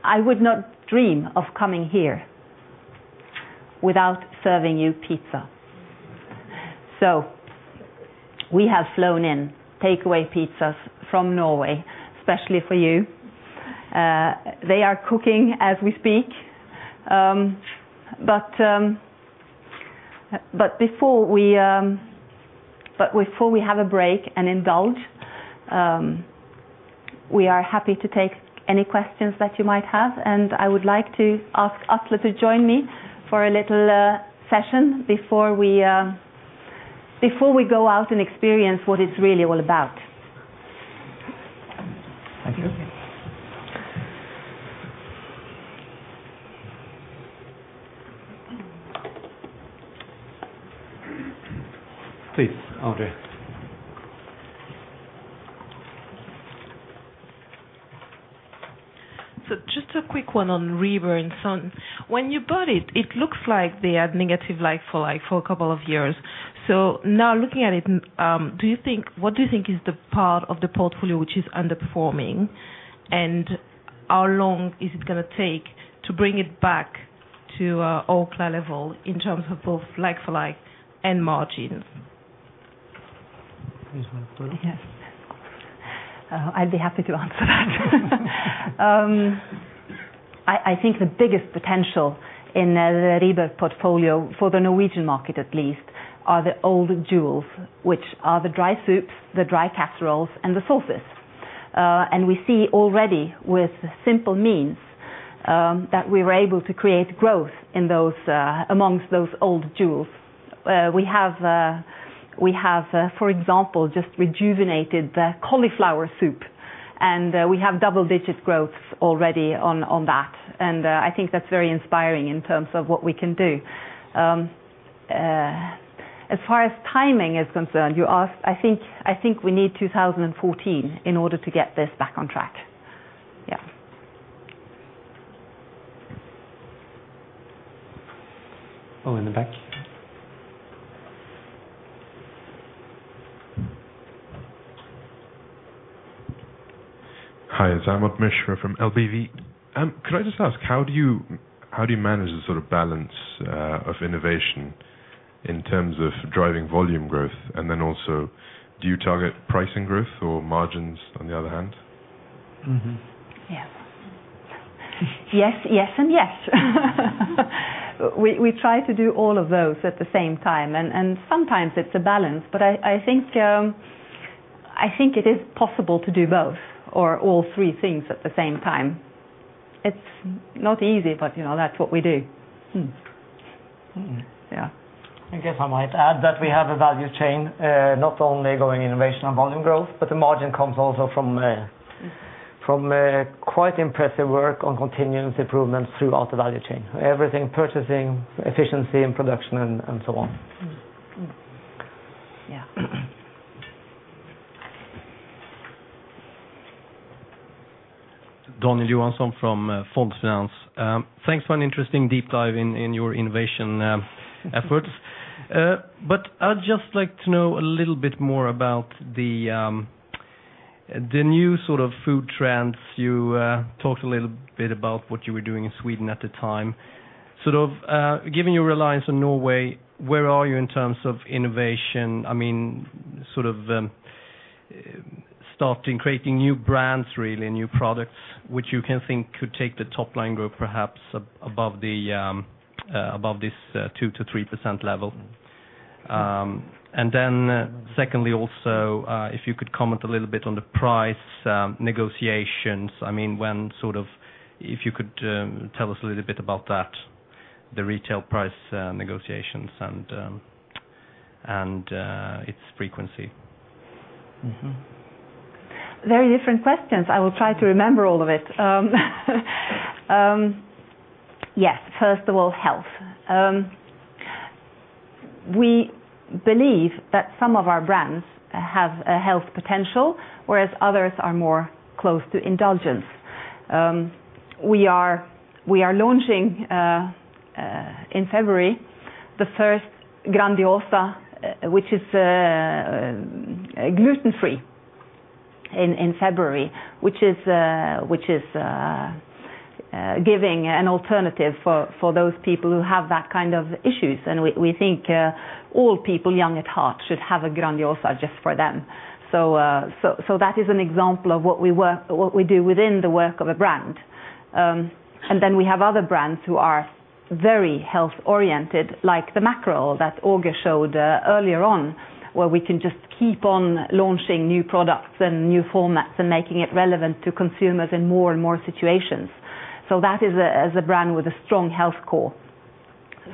I would not dream of coming here without serving you pizza. We have flown in takeaway pizzas from Norway, especially for you. They are cooking as we speak. Before we have a break and indulge, we are happy to take any questions that you might have, and I would like to ask Atle to join me for a little session before we go out and experience what it's really all about. Thank you. Please, Audrey. Just a quick one on Rieber & Søn. When you bought it looks like they had negative EBIT for a couple of years. Now looking at it, what do you think is the part of the portfolio which is underperforming, and how long is it going to take to bring it back to Orkla level in terms of both like for like and margins? Please, Bente Brevik. Yes. I'd be happy to answer that. I think the biggest potential in the Rieber portfolio, for the Norwegian market at least, are the older jewels, which are the dry soups, the dry casseroles, and the sauces. We see already with simple means, that we're able to create growth amongst those old jewels. We have, for example, just rejuvenated the cauliflower soup, and we have double-digit growth already on that. I think that's very inspiring in terms of what we can do. As far as timing is concerned, you asked, I think we need 2014 in order to get this back on track. Oh, in the back. Hi, Zaman Mishra from LBBW. Could I just ask how do you manage the sort of balance of innovation in terms of driving volume growth? Do you target pricing growth or margins on the other hand? Yes. Yes, yes, and yes. We try to do all of those at the same time. Sometimes it's a balance. I think it is possible to do both or all three things at the same time. It's not easy, that's what we do. Hmm. Yeah. I guess I might add that we have a value chain, not only going innovation and volume growth. The margin comes also from quite impressive work on continuous improvements throughout the value chain. Everything, purchasing, efficiency and production, and so on. Yeah. Daniel Johansson from Fondsfinans. Thanks for an interesting deep dive in your innovation efforts. I'd just like to know a little bit more about the new food trends. You talked a little bit about what you were doing in Sweden at the time. Given your reliance on Norway, where are you in terms of innovation? starting creating new brands really, new products, which you can think could take the top-line growth, perhaps above this 2%-3% level. secondly, also, if you could comment a little bit on the price negotiations. If you could tell us a little bit about that, the retail price negotiations, and its frequency. Very different questions. I will try to remember all of it. First of all, health. We believe that some of our brands have a health potential, whereas others are more close to indulgence. We are launching in February the first Grandiosa, which is gluten-free, which is giving an alternative for those people who have that kind of issues. We think all people young at heart should have a Grandiosa just for them. That is an example of what we do within the work of a brand. We have other brands who are very health-oriented, like the mackerel that Åge showed earlier on, where we can just keep on launching new products and new formats and making it relevant to consumers in more and more situations. That is a brand with a strong health core.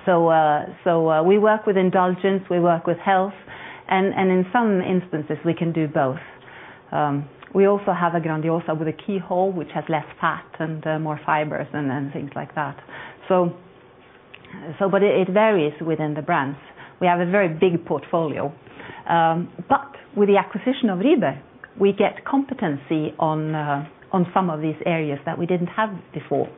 We work with indulgence, we work with health, and in some instances, we can do both. We also have a Grandiosa with a keyhole, which has less fat and more fibers and things like that. It varies within the brands. We have a very big portfolio. With the acquisition of Rieber, we get competency on some of these areas that we didn't have before.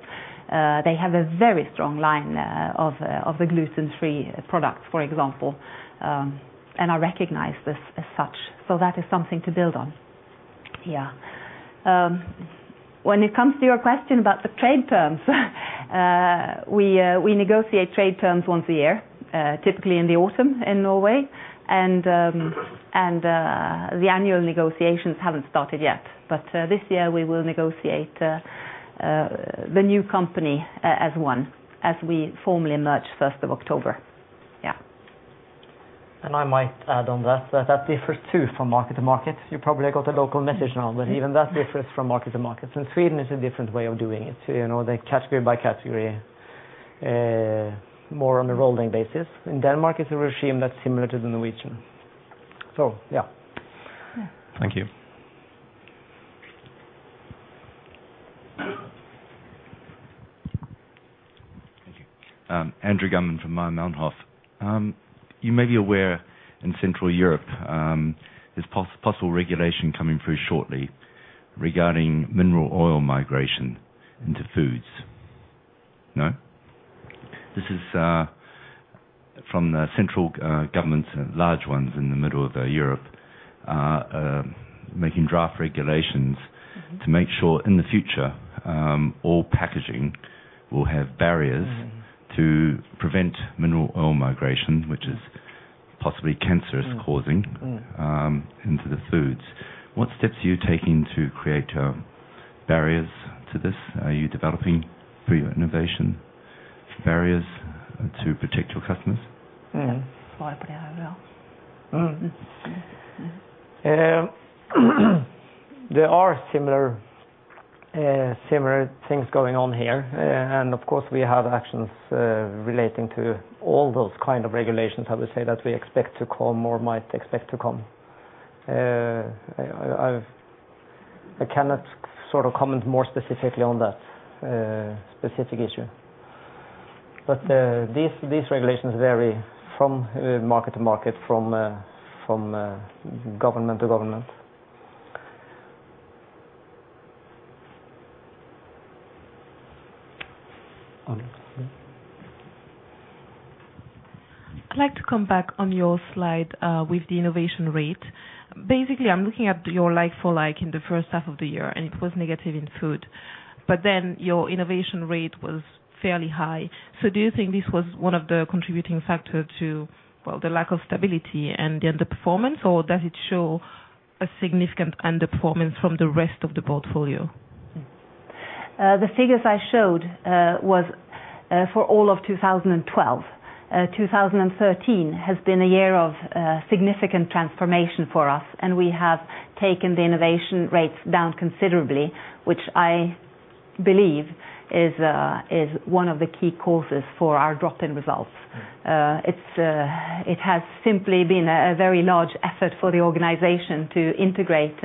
They have a very strong line of the gluten-free products, for example, and I recognize this as such. That is something to build on. When it comes to your question about the trade terms, we negotiate trade terms once a year, typically in the autumn in Norway, and the annual negotiations haven't started yet. This year we will negotiate the new company as one, as we formally merge 1st of October. I might add on that differs too from market to market. You probably got a local message now. Even that differs from market to market. In Sweden, it's a different way of doing it, they're category by category, more on a rolling basis. In Denmark, it's a regime that's similar to the Norwegian. Yeah. Thank you. Thank you. Andrew Guman from Meyer Mannheim. You may be aware in Central Europe, there's possible regulation coming through shortly regarding mineral oil migration into foods. No? This is from the central governments, large ones in the middle of Europe, making draft regulations to make sure in the future, all packaging will have barriers to prevent mineral oil migration, which is possibly cancerous causing into the foods. What steps are you taking to create barriers to this? Are you developing for your innovation barriers to protect your customers? There are similar things going on here, and of course, we have actions relating to all those kind of regulations, I would say, that we expect to come or might expect to come. I cannot comment more specifically on that specific issue. These regulations vary from market to market, from government to government. Audrey. I'd like to come back on your slide with the innovation rate. Basically, I'm looking at your like-for-like in the first half of the year, and it was negative in Food. Your innovation rate was fairly high. Do you think this was one of the contributing factor to the lack of stability and the underperformance, or does it show a significant underperformance from the rest of the portfolio? The figures I showed was for all of 2012. 2013 has been a year of significant transformation for us, we have taken the innovation rates down considerably, which I believe is one of the key causes for our drop in results. It has simply been a very large effort for the organization to integrate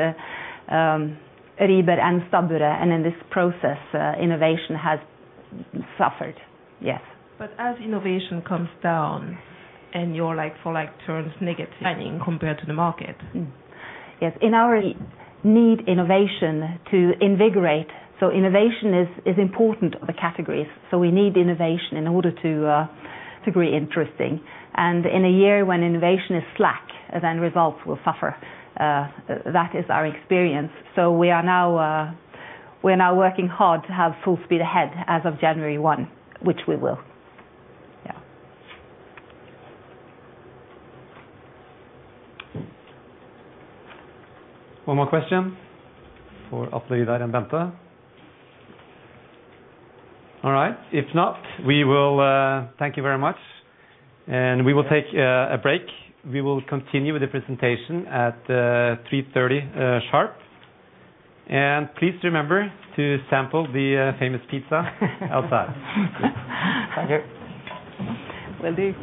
Rieber and Stabburet, in this process, innovation has suffered. Yes. As innovation comes down your like-for-like turns negative compared to the market. Yes. In our need innovation to invigorate. Innovation is important of the categories. We need innovation in order to be interesting. In a year when innovation is slack, results will suffer. That is our experience. We are now working hard to have full speed ahead as of January 1, which we will. Yeah. One more question for Atle, Vidar, and Bente. All right. If not, we will thank you very much, we will take a break. We will continue with the presentation at 3:30 P.M. Please remember to sample the famous pizza outside. Thank you. Will do.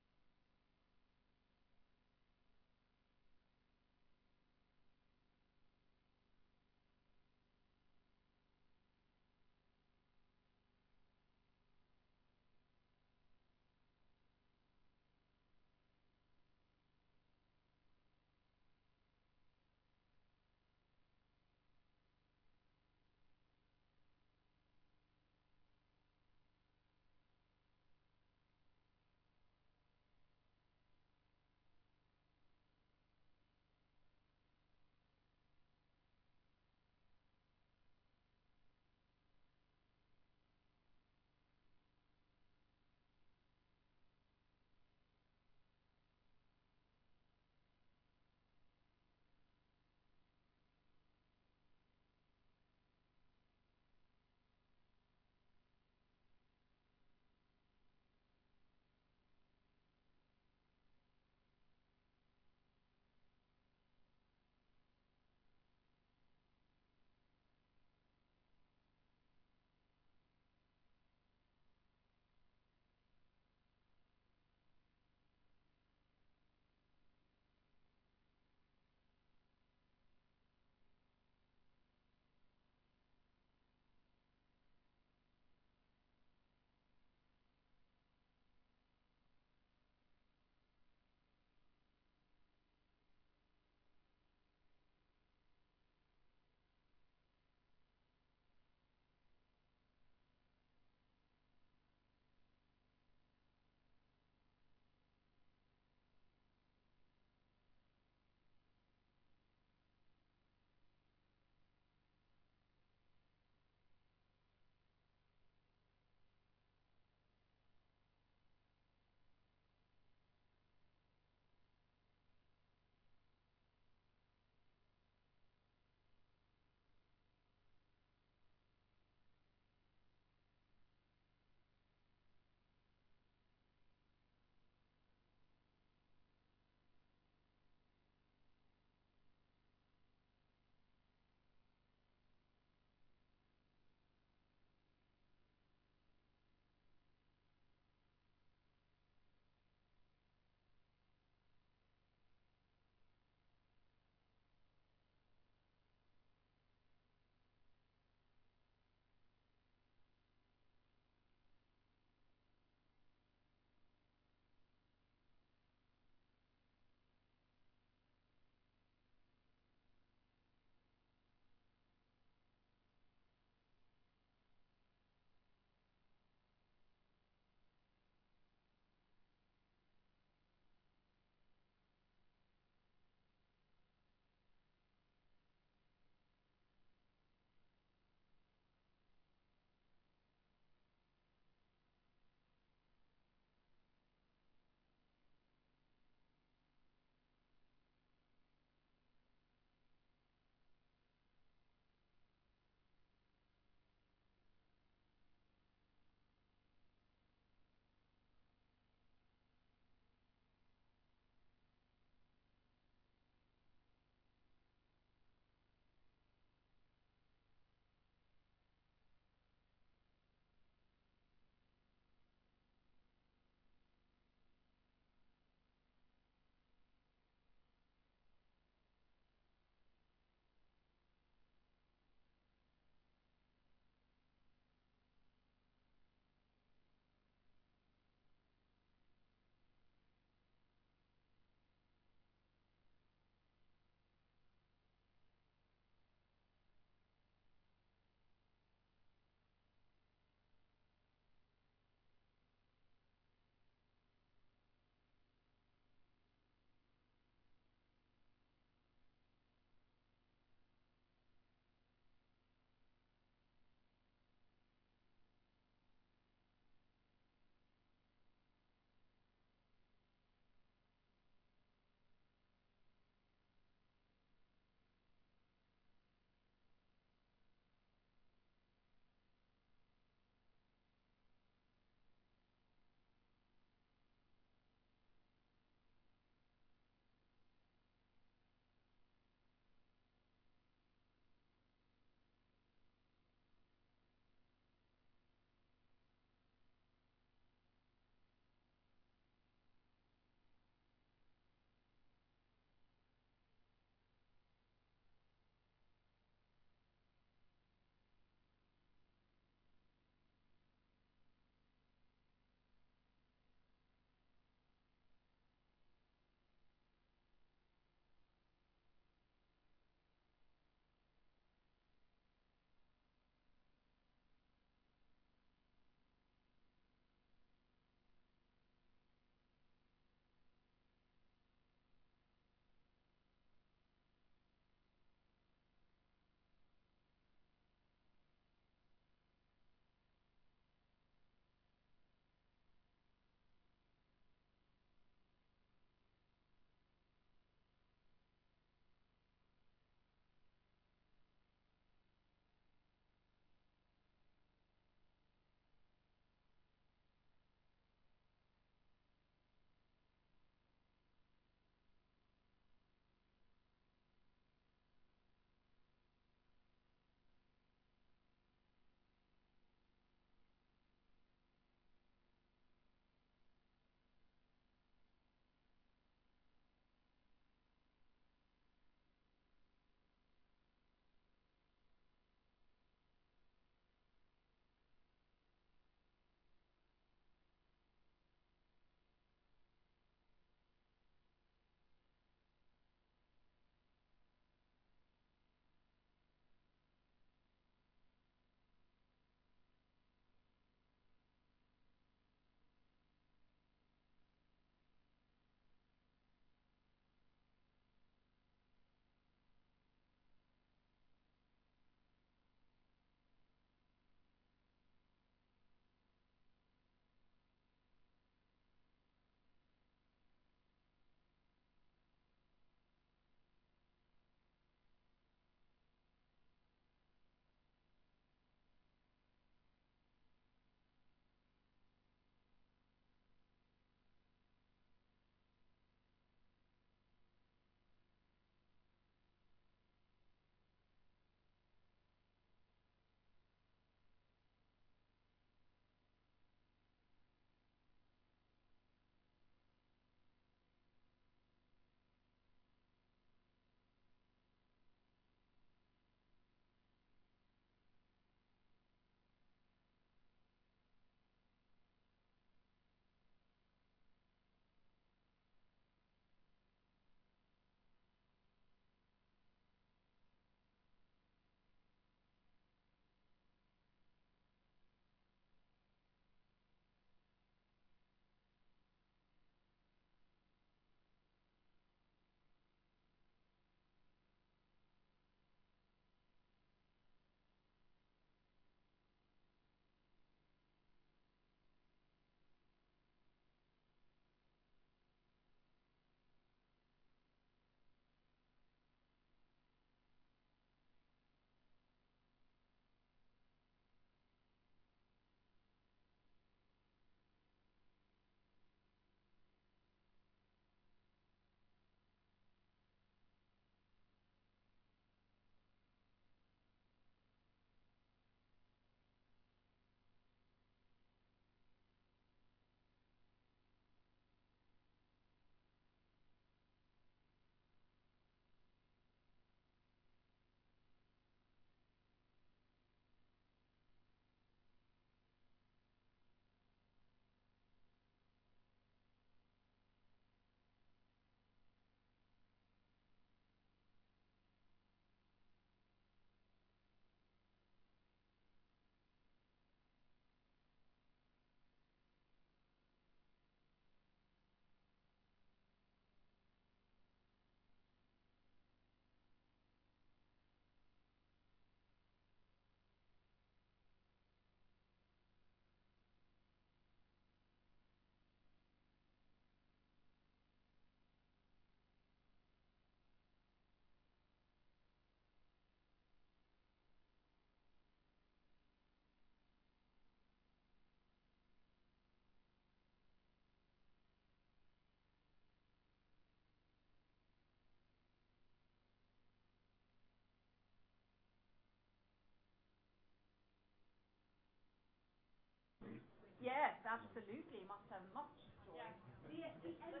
Yes, absolutely. You must have much joy. Yeah. We enjoy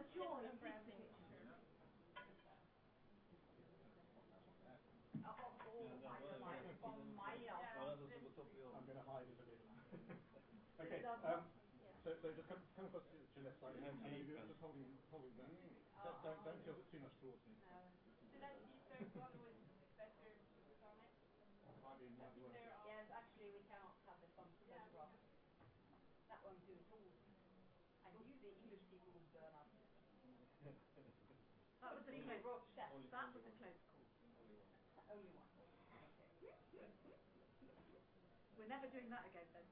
eating. Oh my. I'm going to hide a little bit. Okay. Just come across to this side. Just hold them. Don't feel too much drawn to me. These first ones with better comments. That might be another one. Yes. Actually, we cannot have this on camera. That won't do at all. You, the English people, will burn us. That was a Rune Helland standard and close call. Only one. Only one. Okay. We're never doing that again then.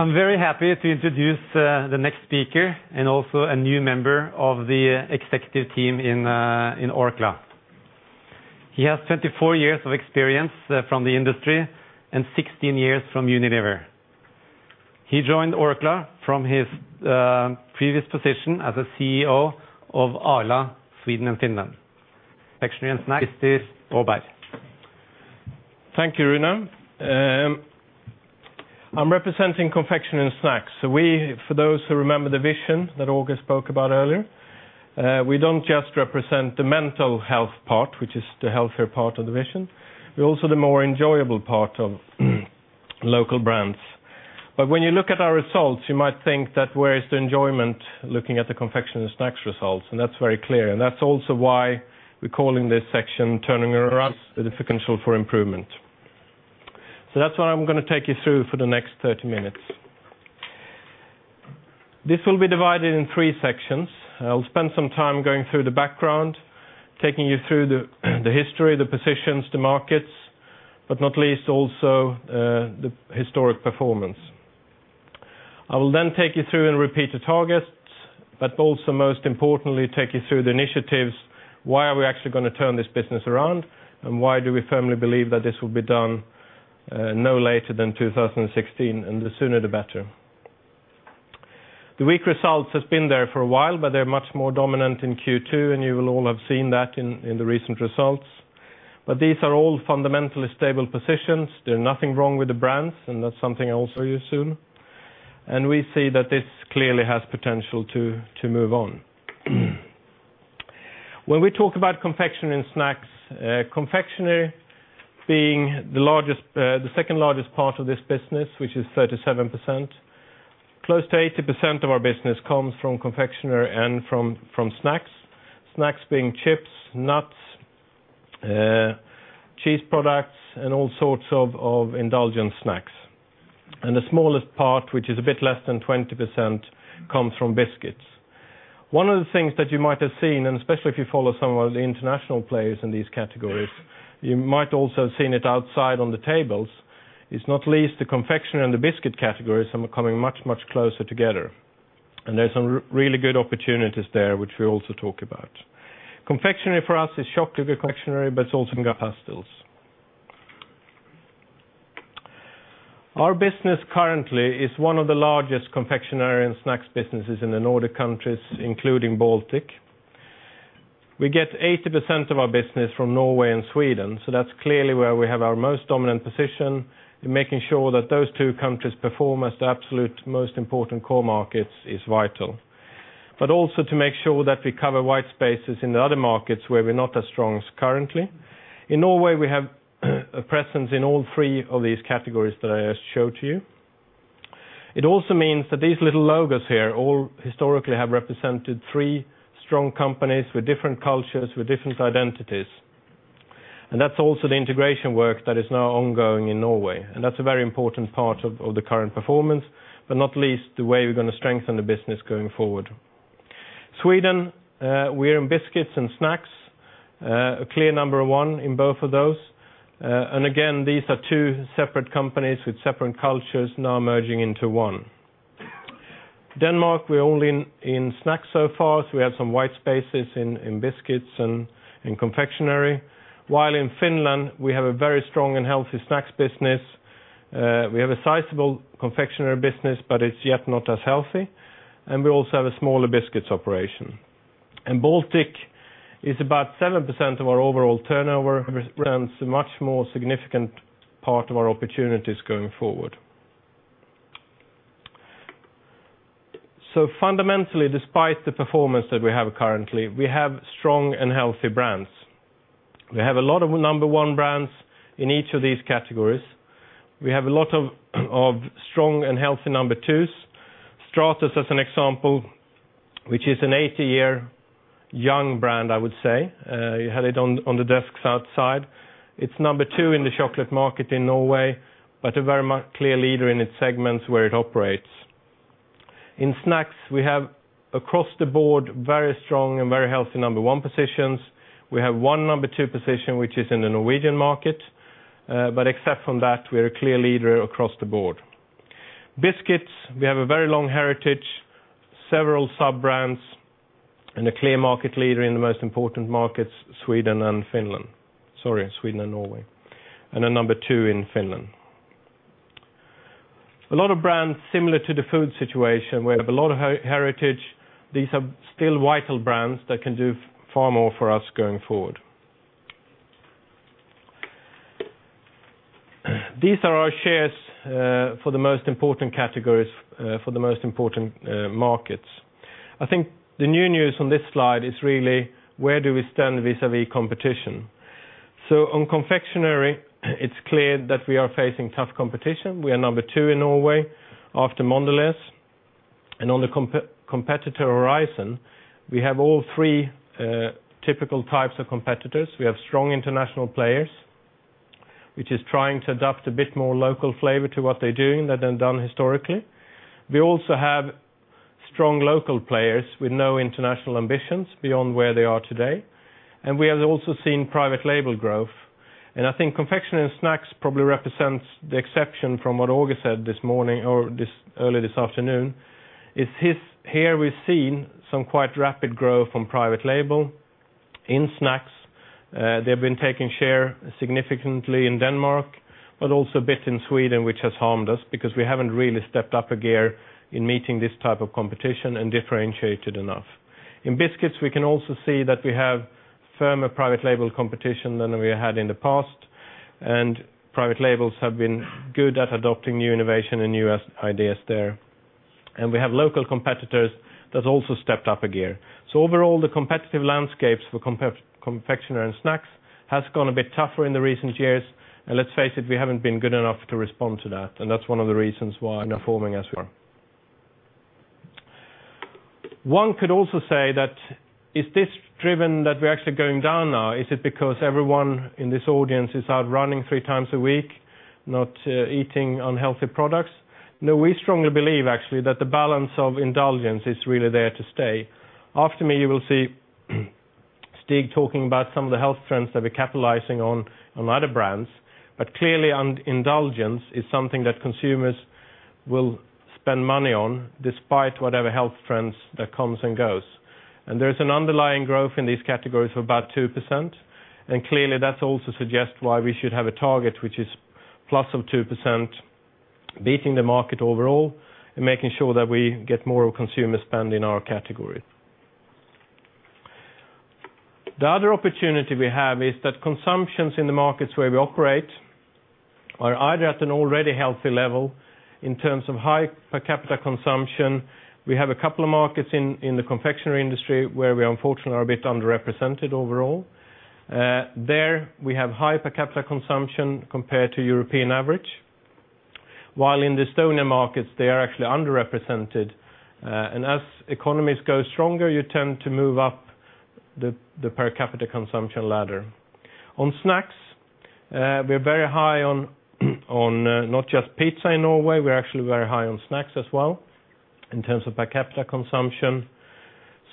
I'm very happy to introduce the next speaker and also a new member of the executive team in Orkla. He has 24 years of experience from the industry and 16 years from Unilever. He joined Orkla from his previous position as a CEO of Arla, Sweden and Finland. Confectionery & Snacks, this is Børge. Thank you, Rune. I'm representing Confectionery & Snacks. We, for those who remember the vision that Åge spoke about earlier, we don't just represent the health part, which is the healthier part of the vision. We're also the more enjoyable part of local brands. When you look at our results, you might think that where is the enjoyment, looking at the Confectionery & Snacks results, that's very clear. That's also why we're calling this section "Turning Around: The Differential for Improvement." That's what I'm going to take you through for the next 30 minutes. This will be divided in three sections. I'll spend some time going through the background, taking you through the history, the positions, the markets, not least, also the historic performance. I will take you through and repeat the targets, also most importantly, take you through the initiatives. Why are we actually going to turn this business around, why do we firmly believe that this will be done no later than 2016? The sooner the better. The weak results have been there for a while, they're much more dominant in Q2, you will all have seen that in the recent results. These are all fundamentally stable positions. There's nothing wrong with the brands, that's something I'll show you soon. We see that this clearly has potential to move on. When we talk about Confectionery & Snacks, confectionery being the second-largest part of this business, which is 37%. Close to 80% of our business comes from confectionery and from snacks. Snacks being chips, nuts, cheese products, all sorts of indulgent snacks. The smallest part, which is a bit less than 20%, comes from biscuits. One of the things that you might have seen, especially if you follow some of the international players in these categories, you might also seen it outside on the tables, is not least the confectionery and the biscuit categories are becoming much, much closer together. There's some really good opportunities there, which we'll also talk about. Confectionery for us is chocolate confectionery, it's also gum pastilles. Our business currently is one of the largest Confectionery & Snacks businesses in the Nordic countries, including Baltic. We get 80% of our business from Norway and Sweden, that's clearly where we have our most dominant position. In making sure that those two countries perform as the absolute most important core markets is vital. Also to make sure that we cover white spaces in the other markets where we're not as strong as currently. In Norway, we have a presence in all three of these categories that I just showed to you. It also means that these little logos here all historically have represented three strong companies with different cultures, with different identities. That's also the integration work that is now ongoing in Norway. That's a very important part of the current performance, but not least, the way we're going to strengthen the business going forward. Sweden, we're in biscuits and snacks. A clear number 1 in both of those. Again, these are two separate companies with separate cultures now merging into one. Denmark, we're only in snacks so far, so we have some white spaces in biscuits and in confectionery. While in Finland, we have a very strong and healthy snacks business. We have a sizable confectionery business, but it's yet not as healthy. Baltic is about 7% of our overall turnover, represents a much more significant part of our opportunities going forward. Fundamentally, despite the performance that we have currently, we have strong and healthy brands. We have a lot of number 1 brands in each of these categories. We have a lot of strong and healthy number 2s. Stratos, as an example, which is an 80-year-young brand, I would say. You had it on the desks outside. It's number 2 in the chocolate market in Norway, but a very clear leader in its segments where it operates. In snacks, we have, across the board, very strong and very healthy number 1 positions. We have 1 number 2 position, which is in the Norwegian market. Except from that, we're a clear leader across the board. Biscuits, we have a very long heritage, several sub-brands, a clear market leader in the most important markets, Sweden and Finland. Sorry, Sweden and Norway. A number 2 in Finland. A lot of brands similar to the food situation. We have a lot of heritage. These are still vital brands that can do far more for us going forward. These are our shares for the most important categories for the most important markets. I think the new news on this slide is really where do we stand vis-à-vis competition. On confectionery, it's clear that we are facing tough competition. We are number 2 in Norway after Mondelez International. On the competitor horizon, we have all three typical types of competitors. We have strong international players, which is trying to adopt a bit more local flavor to what they're doing than they've done historically. We also have strong local players with no international ambitions beyond where they are today. We have also seen private label growth. I think confectionery and snacks probably represents the exception from what Åge said this morning or early this afternoon, is here we've seen some quite rapid growth from private label in snacks. They've been taking share significantly in Denmark, but also a bit in Sweden, which has harmed us because we haven't really stepped up a gear in meeting this type of competition and differentiated enough. In biscuits, we can also see that we have firmer private label competition than we had in the past, private labels have been good at adopting new innovation and new ideas there. We have local competitors that have also stepped up a gear. Overall, the competitive landscapes for confectionery and snacks has gone a bit tougher in the recent years. Let's face it, we haven't been good enough to respond to that's one of the reasons why we're not performing as we are. One could also say that is this driven that we're actually going down now? Is it because everyone in this audience is out running three times a week, not eating unhealthy products? No, we strongly believe, actually, that the balance of indulgence is really there to stay. After me, you will see Stig talking about some of the health trends that we're capitalizing on other brands. Clearly, indulgence is something that consumers will spend money on despite whatever health trends that comes and goes. There's an underlying growth in these categories of about 2%. Clearly, that also suggests why we should have a target which is plus of 2%, beating the market overall and making sure that we get more of consumer spend in our category. The other opportunity we have is that consumptions in the markets where we operate are either at an already healthy level in terms of high per capita consumption. We have a couple of markets in the confectionery industry where we unfortunately are a bit underrepresented overall. There we have high per capita consumption compared to European average, while in the Estonian markets, they are actually underrepresented. As economies go stronger, you tend to move up the per capita consumption ladder. On snacks, we're very high on not just pizza in Norway, we're actually very high on snacks as well in terms of per capita consumption.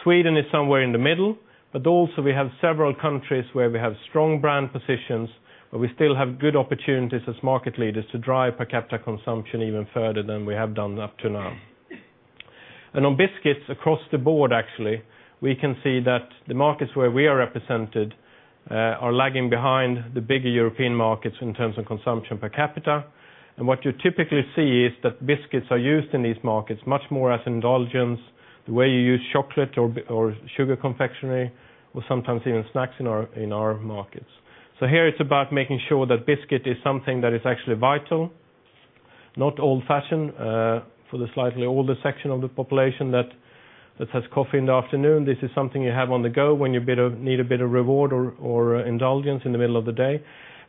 Sweden is somewhere in the middle, also we have several countries where we have strong brand positions, we still have good opportunities as market leaders to drive per capita consumption even further than we have done up to now. On biscuits, across the board actually, we can see that the markets where we are represented are lagging behind the bigger European markets in terms of consumption per capita. What you typically see is that biscuits are used in these markets much more as indulgence, the way you use chocolate or sugar confectionery, or sometimes even snacks in our markets. Here it's about making sure that biscuit is something that is actually vital, not old-fashioned, for the slightly older section of the population that has coffee in the afternoon. This is something you have on the go when you need a bit of reward or indulgence in the middle of the day.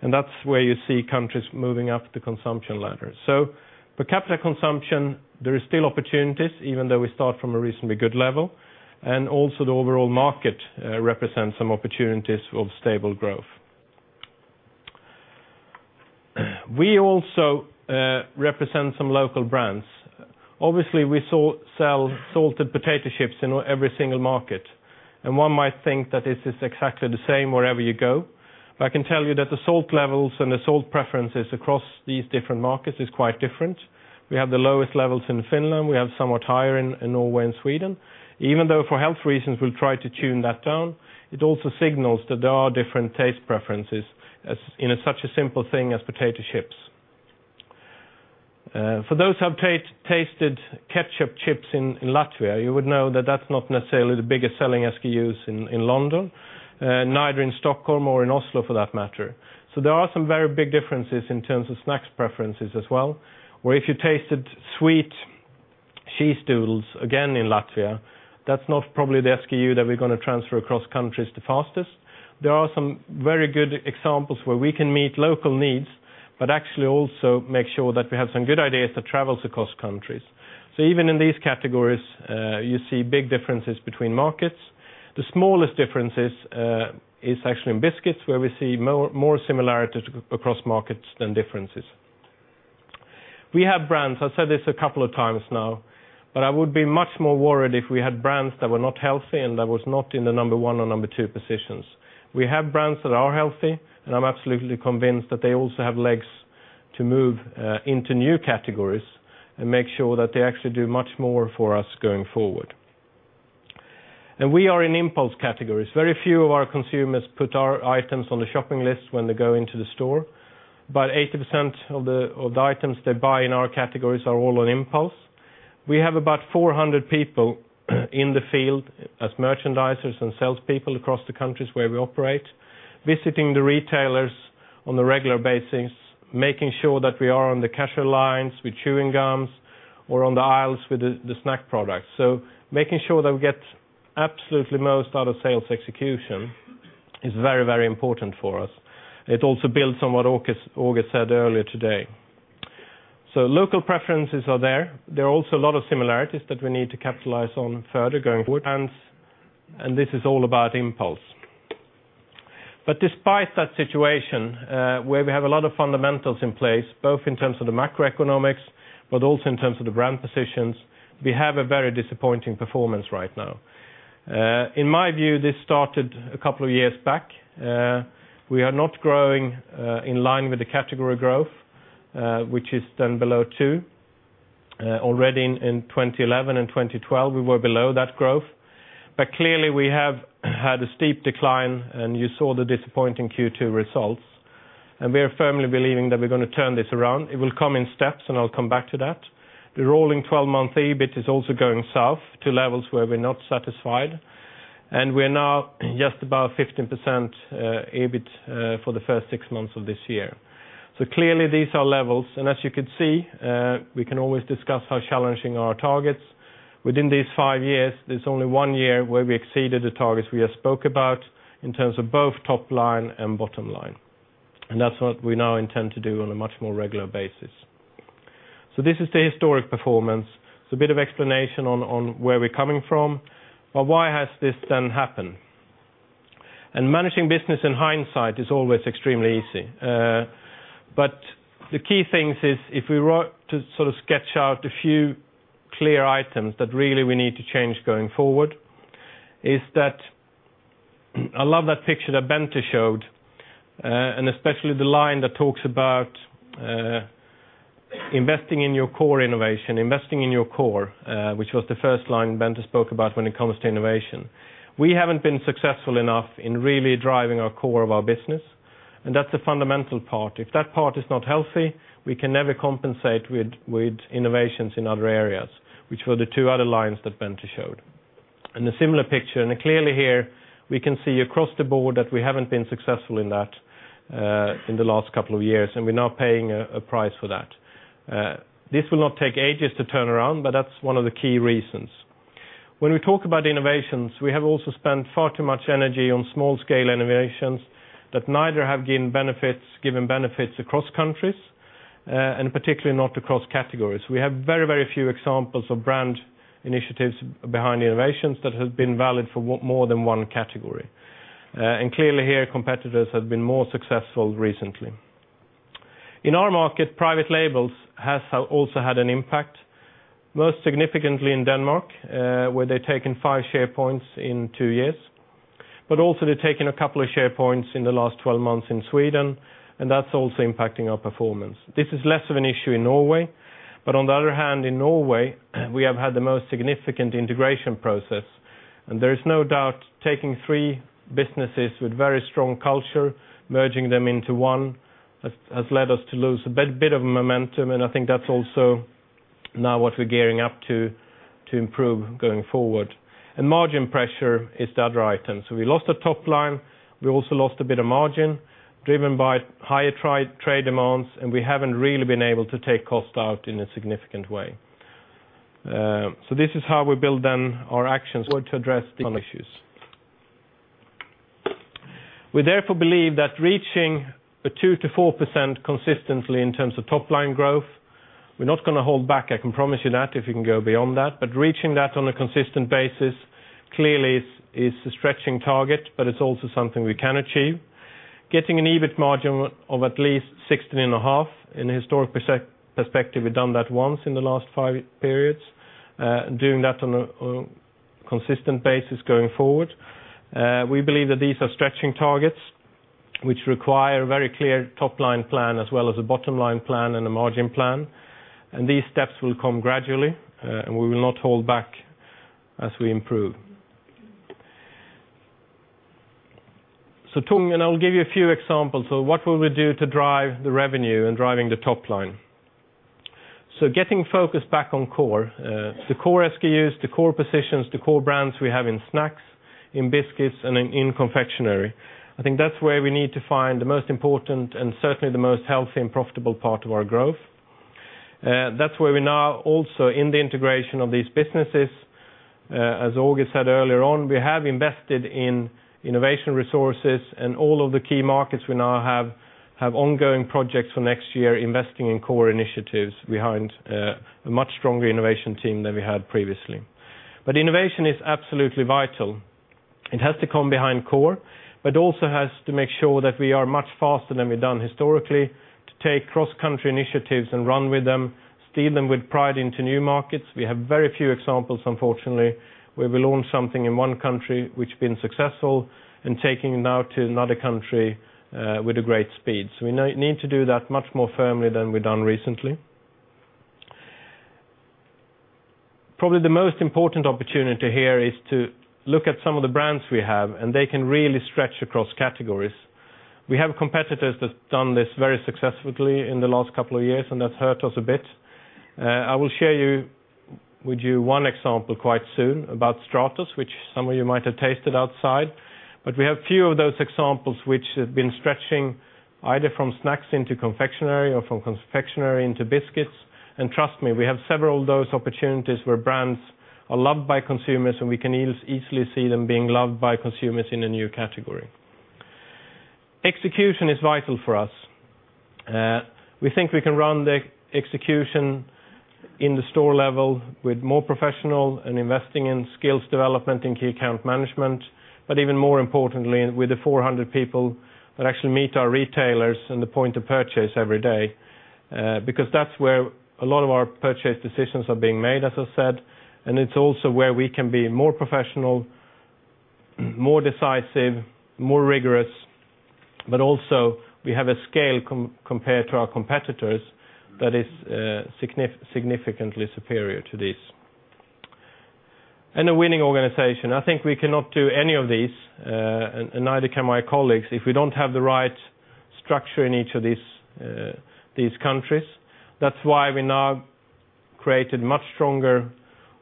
That's where you see countries moving up the consumption ladder. Per capita consumption, there is still opportunities, even though we start from a reasonably good level, also the overall market represents some opportunities of stable growth. We also represent some local brands. Obviously, we sell salted potato chips in every single market. One might think that this is exactly the same wherever you go. I can tell you that the salt levels and the salt preferences across these different markets is quite different. We have the lowest levels in Finland. We have somewhat higher in Norway and Sweden. Even though for health reasons, we'll try to tune that down, it also signals that there are different taste preferences in such a simple thing as potato chips. For those who have tasted ketchup chips in Latvia, you would know that that's not necessarily the biggest-selling SKUs in London, neither in Stockholm or in Oslo for that matter. There are some very big differences in terms of snacks preferences as well, where if you tasted sweet cheese doodles, again in Latvia, that's not probably the SKU that we're going to transfer across countries the fastest. There are some very good examples where we can meet local needs, but actually also make sure that we have some good ideas that travels across countries. Even in these categories, you see big differences between markets. The smallest differences is actually in biscuits, where we see more similarities across markets than differences. We have brands, I've said this a couple of times now, but I would be much more worried if we had brands that were not healthy and that was not in the number 1 or number 2 positions. We have brands that are healthy, and I'm absolutely convinced that they also have legs to move into new categories and make sure that they actually do much more for us going forward. We are in impulse categories. Very few of our consumers put our items on the shopping list when they go into the store. About 80% of the items they buy in our categories are all on impulse. We have about 400 people in the field as merchandisers and salespeople across the countries where we operate, visiting the retailers on a regular basis, making sure that we are on the cashier lines with chewing gums or on the aisles with the snack products. Making sure that we get absolutely most out of sales execution is very, very important for us. It also builds on what Åge said earlier today. Local preferences are there. There are also a lot of similarities that we need to capitalize on further going forward. This is all about impulse. Despite that situation, where we have a lot of fundamentals in place, both in terms of the macroeconomics, but also in terms of the brand positions, we have a very disappointing performance right now. In my view, this started a couple of years back. We are not growing in line with the category growth, which is then below two. Already in 2011 and 2012, we were below that growth. Clearly, we have had a steep decline, and you saw the disappointing Q2 results. We are firmly believing that we're going to turn this around. It will come in steps, and I'll come back to that. The rolling 12-month EBIT is also going south to levels where we're not satisfied. We're now just above 15% EBIT for the first six months of this year. Clearly, these are levels, and as you can see, we can always discuss how challenging our targets. Within these five years, there's only one year where we exceeded the targets we have spoke about in terms of both top line and bottom line. That's what we now intend to do on a much more regular basis. This is the historic performance. It's a bit of explanation on where we're coming from. Why has this then happened? Managing business in hindsight is always extremely easy. The key things is if we were to sort of sketch out a few clear items that really we need to change going forward, is that I love that picture that Bente showed, and especially the line that talks about investing in your core innovation, investing in your core, which was the first line Bente spoke about when it comes to innovation. We haven't been successful enough in really driving our core of our business. That's the fundamental part. If that part is not healthy, we can never compensate with innovations in other areas, which were the two other lines that Bente showed. A similar picture, and clearly here we can see across the board that we haven't been successful in that in the last couple of years, and we're now paying a price for that. This will not take ages to turn around, but that's one of the key reasons. When we talk about innovations, we have also spent far too much energy on small-scale innovations that neither have given benefits across countries, and particularly not across categories. We have very few examples of brand initiatives behind innovations that have been valid for more than one category. Clearly here, competitors have been more successful recently. In our market, private labels has also had an impact, most significantly in Denmark, where they've taken five share points in two years. They've also taken a couple of share points in the last 12 months in Sweden, and that's also impacting our performance. This is less of an issue in Norway. On the other hand, in Norway, we have had the most significant integration process. There is no doubt taking three businesses with very strong culture, merging them into one, has led us to lose a bit of momentum. I think that's also now what we're gearing up to improve going forward. Margin pressure is the other item. We lost the top line. We also lost a bit of margin driven by higher trade demands, and we haven't really been able to take cost out in a significant way. This is how we build then our actions forward to address these issues. We therefore believe that reaching a 2%-4% consistently in terms of top-line growth, we're not going to hold back, I can promise you that, if we can go beyond that. Reaching that on a consistent basis clearly is a stretching target, but it's also something we can achieve. Getting an EBIT margin of at least 16.5%. In a historic perspective, we've done that once in the last five periods. Doing that on a consistent basis going forward. We believe that these are stretching targets, which require a very clear top-line plan as well as a bottom-line plan and a margin plan. These steps will come gradually, and we will not hold back as we improve. [So now], and I'll give you a few examples of what will we do to drive the revenue and driving the top line. Getting focused back on core. The core SKUs, the core positions, the core brands we have in snacks, in biscuits, and in confectionery. I think that's where we need to find the most important and certainly the most healthy and profitable part of our growth. That's where we're now also in the integration of these businesses. As Åge said earlier on, we have invested in innovation resources, and all of the key markets we now have ongoing projects for next year investing in core initiatives behind a much stronger innovation team than we had previously. Innovation is absolutely vital. It has to come behind core, but also has to make sure that we are much faster than we've done historically to take cross-country initiatives and run with them, steer them with pride into new markets. We have very few examples, unfortunately, where we launch something in one country which have been successful and taking now to another country with a great speed. We need to do that much more firmly than we've done recently. Probably the most important opportunity here is to look at some of the brands we have, and they can really stretch across categories. We have competitors that's done this very successfully in the last couple of years, and that's hurt us a bit. I will share with you one example quite soon about Stratos, which some of you might have tasted outside. We have few of those examples which have been stretching either from snacks into confectionery or from confectionery into biscuits. Trust me, we have several of those opportunities where brands are loved by consumers, and we can easily see them being loved by consumers in a new category. Execution is vital for us. We think we can run the execution in the store level with more professional and investing in skills development in key account management, but even more importantly, with the 400 people that actually meet our retailers and the point of purchase every day. That's where a lot of our purchase decisions are being made, as I said, and it's also where we can be more professional, more decisive, more rigorous, but also we have a scale compared to our competitors that is significantly superior to this. A winning organization. I think we cannot do any of this, and neither can my colleagues, if we don't have the right structure in each of these countries. That's why we now created much stronger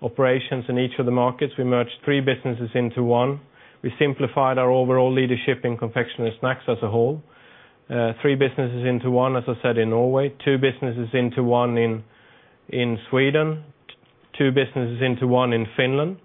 operations in each of the markets. We merged three businesses into one. We simplified our overall leadership in confection and snacks as a whole. Three businesses into one, as I said, in Norway. Two businesses into one in Sweden. Two businesses into one in Finland.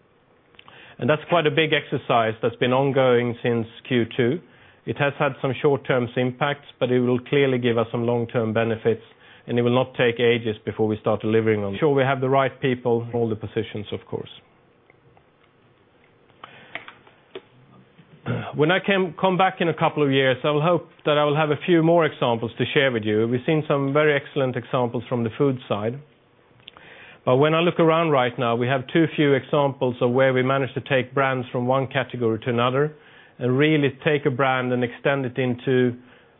That's quite a big exercise that's been ongoing since Q2. It has had some short-term impacts, but it will clearly give us some long-term benefits, and it will not take ages before we start delivering on them. Sure we have the right people in all the positions, of course. When I come back in a couple of years, I will hope that I will have a few more examples to share with you. We've seen some very excellent examples from the food side. When I look around right now, we have too few examples of where we managed to take brands from one category to another and really take a brand and extend it into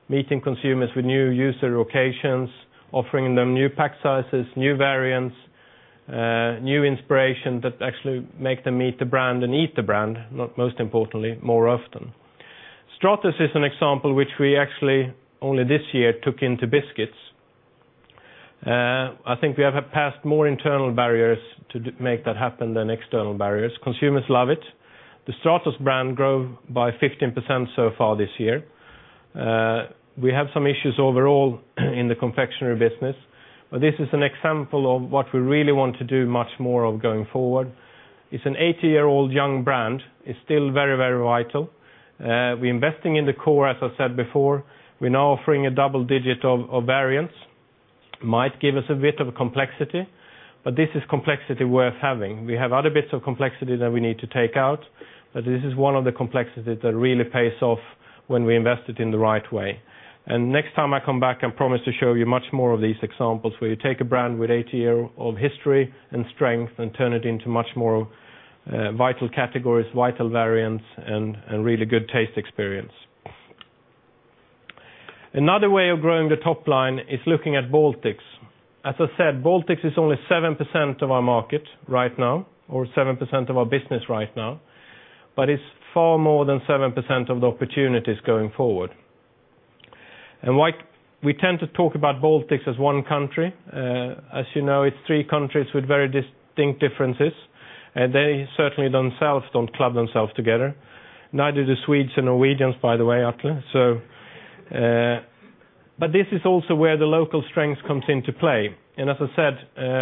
meeting consumers with new user occasions, offering them new pack sizes, new variants, new inspiration that actually make them meet the brand and eat the brand, most importantly, more often. Stratos is an example which we actually only this year took into biscuits. I think we have passed more internal barriers to make that happen than external barriers. Consumers love it. The Stratos brand grew by 15% so far this year. We have some issues overall in the confectionery business, but this is an example of what we really want to do much more of going forward. It's an 80-year-old young brand, it's still very vital. We're investing in the core, as I said before. We're now offering a double digit of variance, might give us a bit of a complexity, but this is complexity worth having. We have other bits of complexity that we need to take out, but this is one of the complexities that really pays off when we invest it in the right way. Next time I come back, I promise to show you much more of these examples where you take a brand with 80 years of history and strength and turn it into much more vital categories, vital variants, and really good taste experience. Another way of growing the top line is looking at Baltics. As I said, Baltics is only 7% of our market right now, or 7% of our business right now, but it's far more than 7% of the opportunities going forward. We tend to talk about Baltics as one country. As you know, it's three countries with very distinct differences. They certainly themselves don't club themselves together. Neither do Swedes and Norwegians, by the way, actually. This is also where the local strength comes into play. As I said,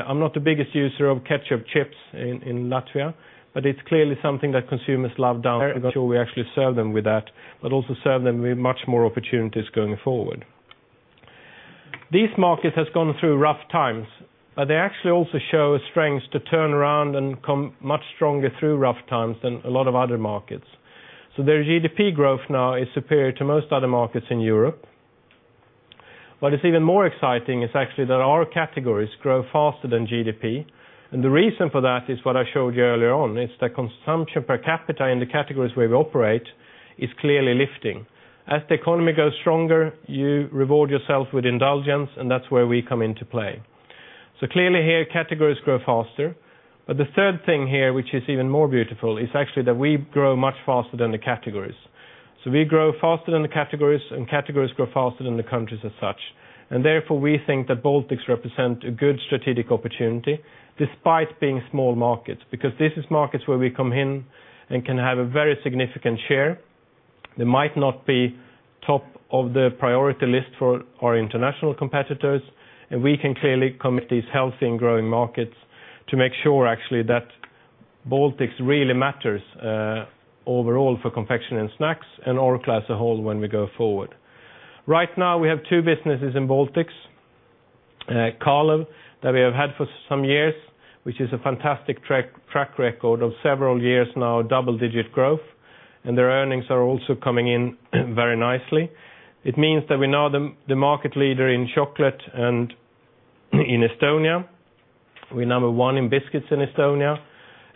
I'm not the biggest user of ketchup chips in Latvia, but it's clearly something that consumers love down- sure we actually serve them with that, but also serve them with much more opportunities going forward. These markets have gone through rough times, but they actually also show a strength to turn around and come much stronger through rough times than a lot of other markets. Their GDP growth now is superior to most other markets in Europe. What is even more exciting is actually that our categories grow faster than GDP. The reason for that is what I showed you earlier on, it's the consumption per capita in the categories where we operate is clearly lifting. As the economy goes stronger, you reward yourself with indulgence, and that's where we come into play. Clearly here, categories grow faster. The third thing here, which is even more beautiful, is actually that we grow much faster than the categories. We grow faster than the categories, and categories grow faster than the countries as such. Therefore, we think that Baltics represent a good strategic opportunity despite being small markets, because this is markets where we come in and can have a very significant share. They might not be top of the priority list for our international competitors. We can clearly commit these healthy and growing markets to make sure actually that Baltics really matters overall for Orkla Confectionery & Snacks, and Orkla as a whole when we go forward. Right now, we have two businesses in Baltics. Kalev, that we have had for some years, which is a fantastic track record of several years now, double-digit growth, and their earnings are also coming in very nicely. It means that we're now the market leader in chocolate and in Estonia. We're number 1 in biscuits in Estonia.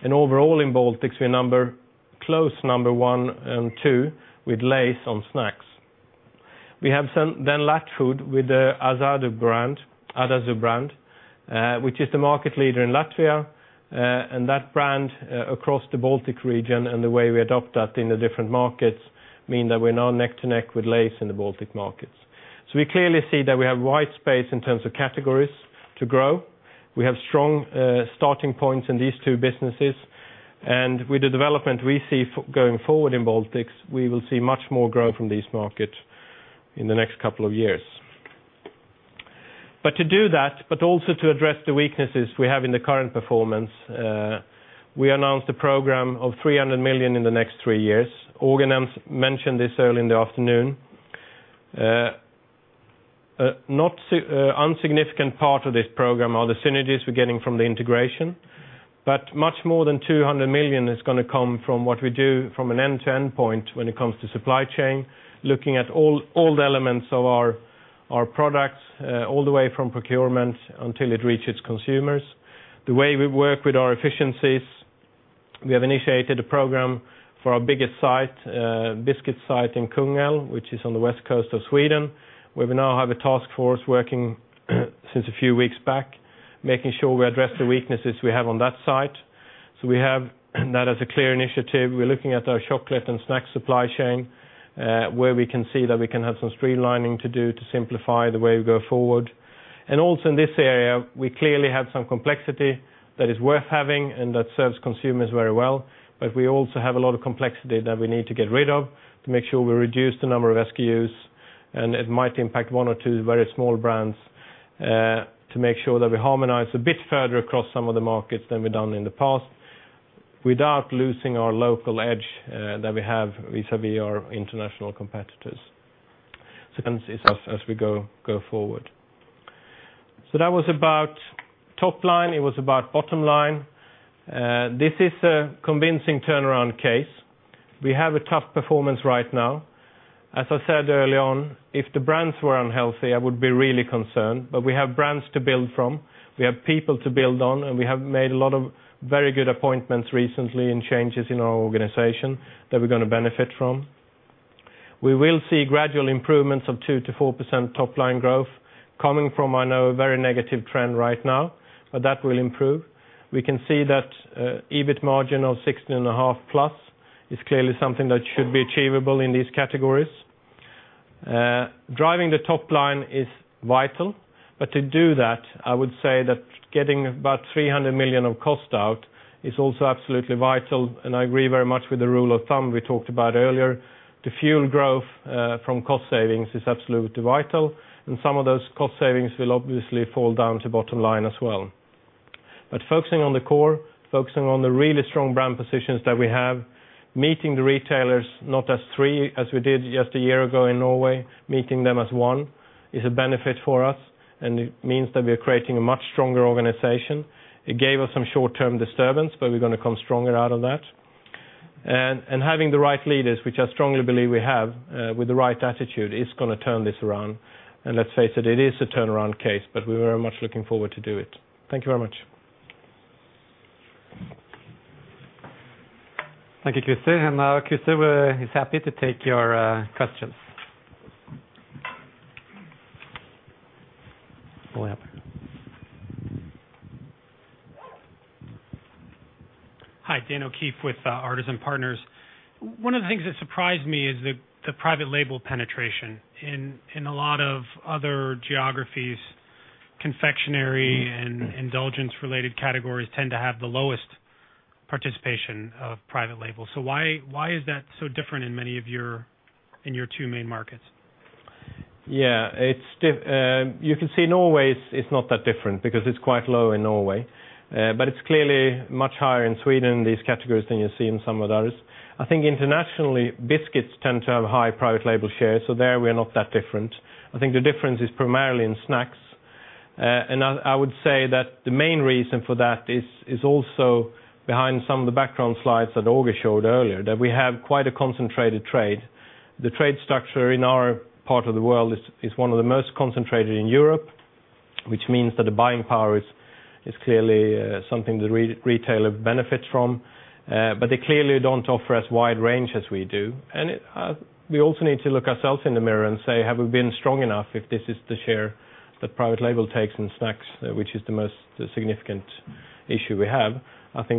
Overall in Baltics, we're close number 1 and 2 with Lay's on snacks. We have Latfood with the Ādažu brand, which is the market leader in Latvia. That brand across the Baltic region and the way we adopt that in the different markets mean that we're now neck and neck with Lay's in the Baltic markets. We clearly see that we have wide space in terms of categories to grow. We have strong starting points in these two businesses. With the development we see going forward in Baltics, we will see much more growth from these markets in the next couple of years. To do that, but also to address the weaknesses we have in the current performance, we announced a program of 300 million in the next three years. Åge mentioned this early in the afternoon. An insignificant part of this program are the synergies we're getting from the integration. Much more than 200 million is going to come from what we do from an end-to-end point when it comes to supply chain, looking at all the elements of our products, all the way from procurement until it reaches consumers. The way we work with our efficiencies, we have initiated a program for our biggest site, biscuit site in Kungälv, which is on the west coast of Sweden, where we now have a task force working since a few weeks back, making sure we address the weaknesses we have on that site. We have that as a clear initiative. We're looking at our chocolate and snack supply chain, where we can see that we can have some streamlining to do to simplify the way we go forward. Also in this area, we clearly have some complexity that is worth having and that serves consumers very well. We also have a lot of complexity that we need to get rid of to make sure we reduce the number of SKUs, and it might impact one or two very small brands, to make sure that we harmonize a bit further across some of the markets than we've done in the past without losing our local edge that we have vis-à-vis our international competitors. As we go forward. That was about top line, it was about bottom line. This is a convincing turnaround case. We have a tough performance right now. As I said early on, if the brands were unhealthy, I would be really concerned. We have brands to build from, we have people to build on, and we have made a lot of very good appointments recently and changes in our organization that we're going to benefit from. We will see gradual improvements of 2%-4% top-line growth coming from, I know, a very negative trend right now, but that will improve. We can see that EBIT margin of 16.5% plus is clearly something that should be achievable in these categories. Driving the top line is vital, but to do that, I would say that getting about 300 million of cost out is also absolutely vital, and I agree very much with the rule of thumb we talked about earlier. To fuel growth from cost savings is absolutely vital, and some of those cost savings will obviously fall down to bottom line as well. Focusing on the core, focusing on the really strong brand positions that we have, meeting the retailers not as three, as we did just a year ago in Norway, meeting them as one is a benefit for us, and it means that we are creating a much stronger organization. It gave us some short-term disturbance, but we're going to come stronger out of that. Having the right leaders, which I strongly believe we have, with the right attitude, is going to turn this around. Let's face it is a turnaround case, but we're very much looking forward to do it. Thank you very much. Thank you, Christer. Now Christer is happy to take your questions. Pull up. Hi. Dan O'Keefe with Artisan Partners. One of the things that surprised me is the private label penetration. In a lot of other geographies, confectionery and indulgence-related categories tend to have the lowest participation of private labels. Why is that so different in your two main markets? Yeah. Norway is not that different because it is quite low in Norway, but it is clearly much higher in Sweden, these categories, than you see in some of the others. Internationally, biscuits tend to have high private label share. There we are not that different. I think the difference is primarily in snacks. I would say that the main reason for that is also behind some of the background slides that Åge showed earlier, that we have quite a concentrated trade. The trade structure in our part of the world is one of the most concentrated in Europe, which means that the buying power is clearly something the retailer benefits from. They clearly don't offer as wide range as we do. We also need to look ourselves in the mirror and say, have we been strong enough if this is the share that private label takes in snacks, which is the most significant issue we have?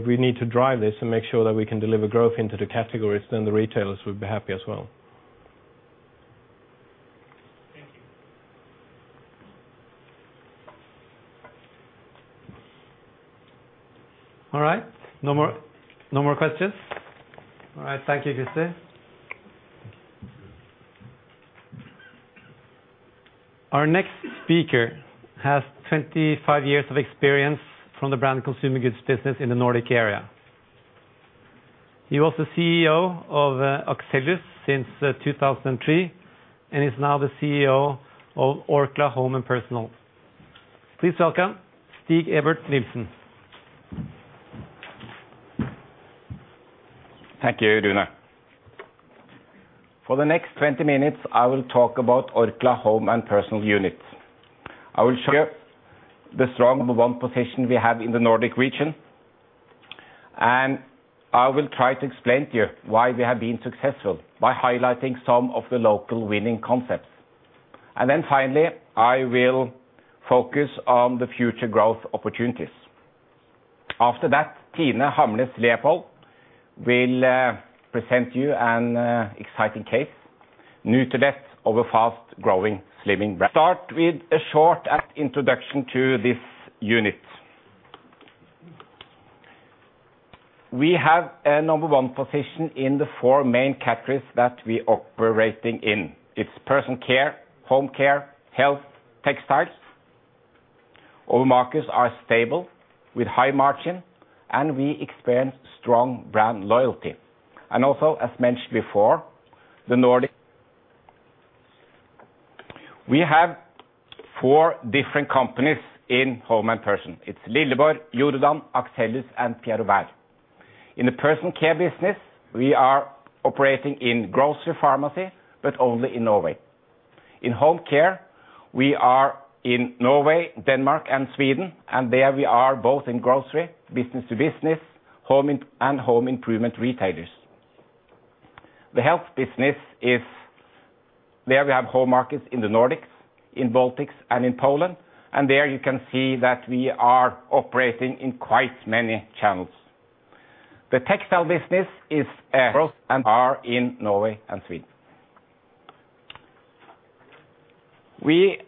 We need to drive this and make sure that we can deliver growth into the categories. The retailers will be happy as well. Thank you. All right. No more questions? All right. Thank you, Kriss. Our next speaker has 25 years of experience from the Branded Consumer Goods business in the Nordic area. He was the CEO of Axellus since 2003 and is now the CEO of Orkla Home & Personal. Please welcome Stig Ebert-Nilssen. Thank you, Rune. For the next 20 minutes, I will talk about Orkla Home & Personal unit. I will show you the strong number 1 position we have in the Nordic region, and I will try to explain to you why we have been successful by highlighting some of the local winning concepts. Finally, I will focus on the future growth opportunities. After that, Tine Hammernes Leopold will present you an exciting case, Nutrilett, of a fast-growing slimming brand. I will start with a short introduction to this unit. We have a number 1 position in the 4 main categories that we operate in. These are personal care, home care, health, and textiles. Our markets are stable with high margin, and we experience strong brand loyalty. Also, as mentioned before, the Nordics. We have 4 different companies in Home & Personal. These are Lilleborg, Jordan, Axellus, and Pierre Robert. In the personal care business, we are operating in grocery, pharmacy, but only in Norway. In home care, we are in Norway, Denmark, and Sweden, and there we are both in grocery, B2B, and home improvement retailers. The health business: There we have home markets in the Nordics, in the Baltics, and in Poland, and there you can see that we are operating in quite many channels. The textile business is across Norway and Sweden. We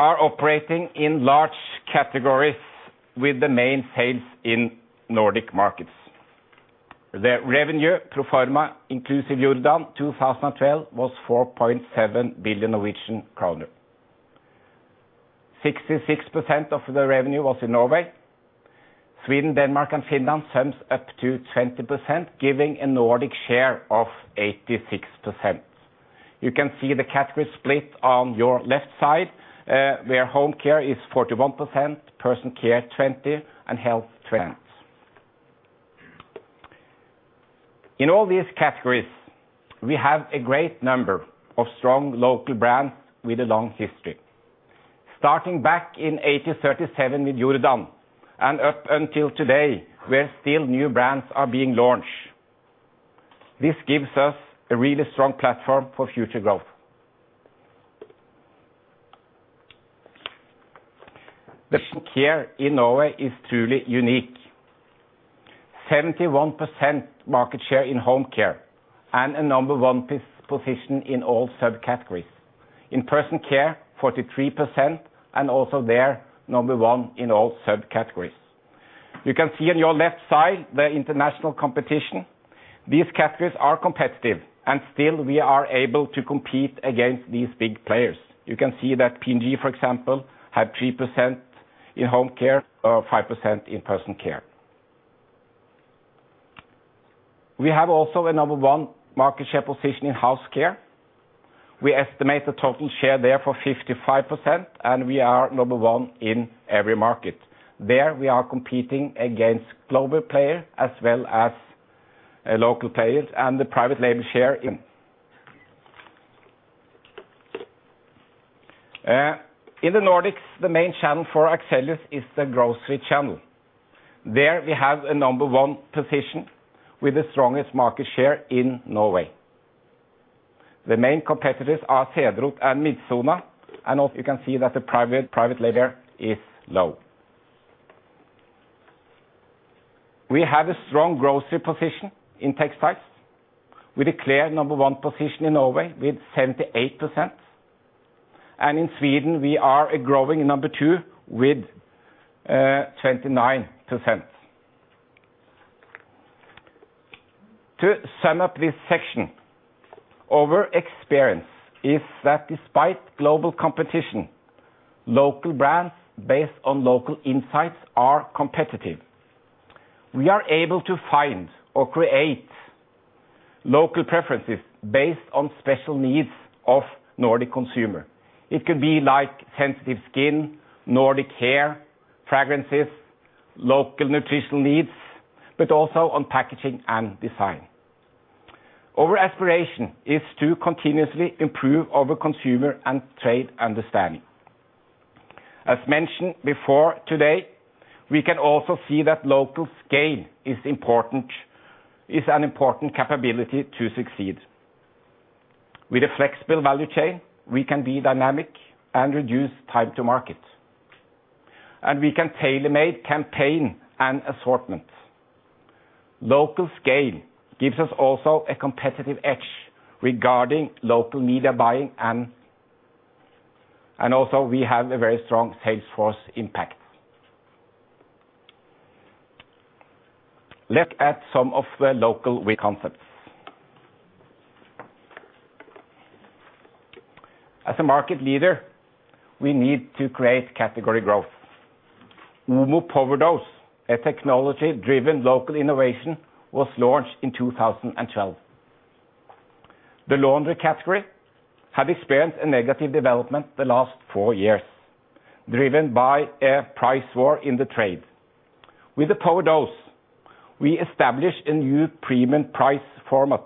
are operating in large categories with the main sales in Nordic markets. The revenue pro forma, including Jordan in 2012, was 4.7 billion Norwegian kroner. 66% of the revenue was in Norway. Sweden, Denmark, and Finland sum up to 20%, giving a Nordic share of 86%. You can see the category split on your left side, where home care is 41%, personal care 20%, and health 20%. In all these categories, we have a great number of strong local brands with a long history. Starting back in 1837 with Jordan and up until today, where still new brands are being launched. This gives us a really strong platform for future growth. Personal care in Norway is truly unique. 71% market share in home care and a number 1 position in all sub-categories. In personal care, 43% and also there, number 1 in all sub-categories. You can see on your left side the international competition. These categories are competitive, and still we are able to compete against these big players. You can see that P&G, for example, has 3% in home care or 5% in personal care. We have also a number 1 market share position in home care. We estimate the total share there for 55%, and we are number 1 in every market. There we are competing against global players as well as local players and the private label share. In the Nordics, the main channel for Axellus is the grocery channel. There we have a number 1 position with the strongest market share in Norway. The main competitors are Cederroth and Midsona, and also you can see that the private label is low. We have a strong grocery position in textiles. With a clear number 1 position in Norway with 78%. In Sweden, we are a growing number 2 with 29%. To sum up this section, our experience is that despite global competition, local brands based on local insights are competitive. We are able to find or create local preferences based on special needs of Nordic consumers. It could be sensitive skin, Nordic hair, fragrances, local nutritional needs, but also on packaging and design. Our aspiration is to continuously improve our consumer and trade understanding. As mentioned before today, we can also see that local scale is an important capability to succeed. With a flexible value chain, we can be dynamic and reduce time to market, and we can tailor-make campaign and assortment. Local scale gives us also a competitive edge regarding local media buying, and also we have a very strong sales force impact. Let's look at some of the local win concepts. As a market leader, we need to create category growth. OMO Powerdose, a technology-driven local innovation, was launched in 2012. The laundry category had experienced a negative development the last four years, driven by a price war in the trade. With the Powerdose, we established a new premium price format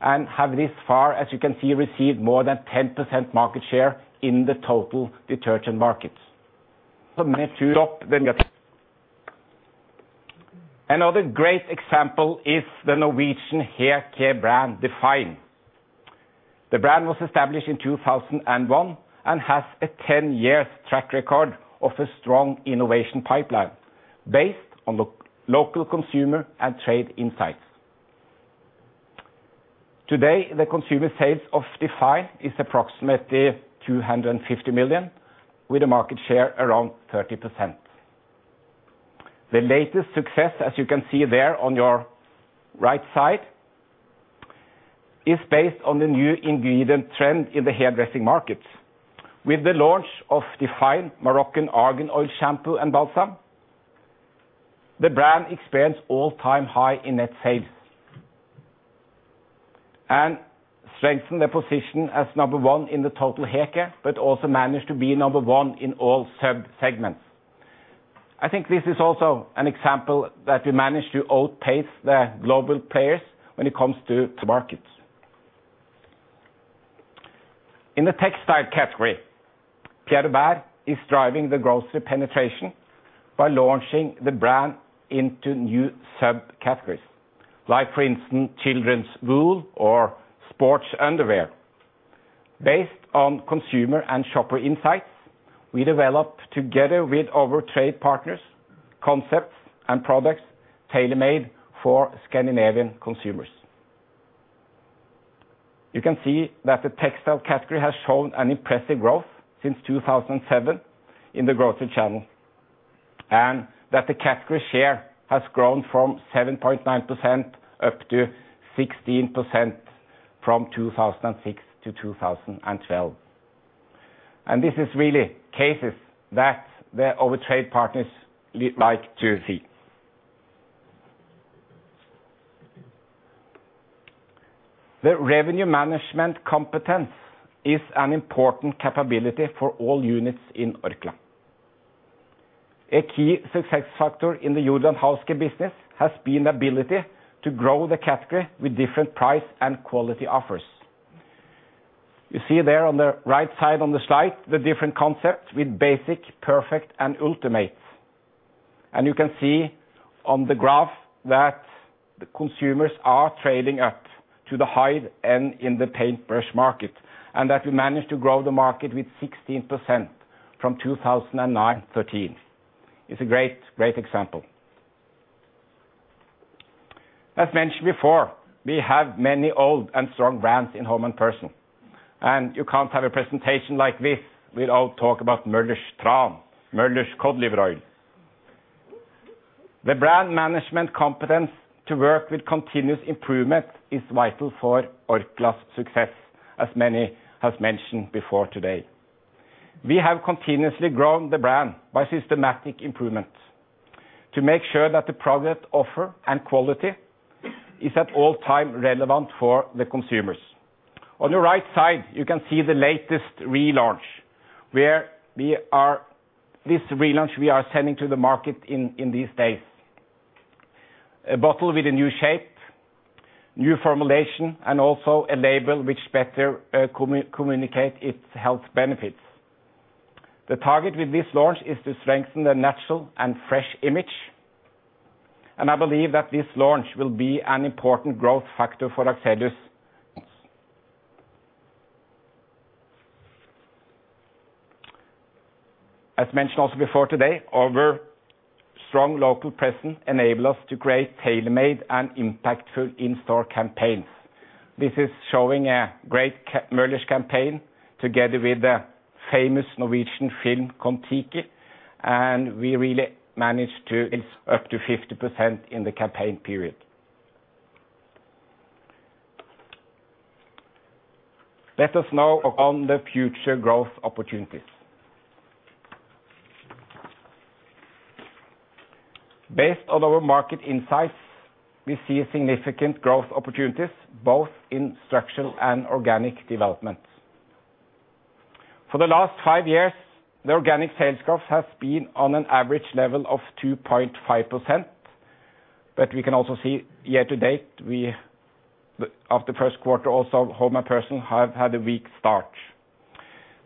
and have this far, as you can see, received more than 10% market share in the total detergent market. Another great example is the Norwegian hair care brand, Define. The brand was established in 2001 and has a 10-year track record of a strong innovation pipeline based on the local consumer and trade insights. Today, the consumer sales of Define is approximately 250 million, with a market share around 30%. The latest success, as you can see there on your right side, is based on the new ingredient trend in the hairdressing market. With the launch of Define Moroccan Argan Oil Shampoo and Balsam, the brand experienced all-time high in net sales and strengthened their position as number one in the total hair care, but also managed to be number one in all sub-segments. I think this is also an example that we managed to outpace the global players when it comes to markets. In the textile category, Pierre Robert is driving the grocery penetration by launching the brand into new sub-categories, like for instance, children's wool or sports underwear. Based on consumer and shopper insights, we develop together with our trade partners, concepts and products tailor-made for Scandinavian consumers. You can see that the textile category has shown an impressive growth since 2007 in the grocery channel, and that the category share has grown from 7.9% up to 16% from 2006 to 2012. This is really cases that our trade partners like to see. The revenue management competence is an important capability for all units in Orkla. A key success factor in the Jordan House Care business has been the ability to grow the category with different price and quality offers. You see there on the right side on the slide, the different concepts with Basic, Perfect and Ultimate. You can see on the graph that the consumers are trading up to the high-end in the paintbrush market, and that we managed to grow the market with 16% from 2009 to 2013. It's a great example. As mentioned before, we have many old and strong brands in Home & Personal, and you can't have a presentation like this without talk about Möller's Tran, Möller's cod liver oil. The brand management competence to work with continuous improvement is vital for Orkla's success, as many have mentioned before today. We have continuously grown the brand by systematic improvement to make sure that the product offer and quality is at all time relevant for the consumers. On the right side, you can see the latest relaunch. This relaunch we are sending to the market in these days. A bottle with a new shape, new formulation, and also a label which better communicates its health benefits. The target with this launch is to strengthen the natural and fresh image, and I believe that this launch will be an important growth factor for Axellus. As mentioned also before today, our strong local presence enable us to create tailor-made and impactful in-store campaigns. This is showing a great Möller's campaign together with the famous Norwegian film, "Kon-Tiki," and we really managed to increase up to 50% in the campaign period. Let us now focus on the future growth opportunities. Based on our market insights, we see significant growth opportunities both in structural and organic development. For the last five years, the organic sales growth has been on an average level of 2.5%, but we can also see year to date, of the first quarter also, Home & Personal have had a weak start.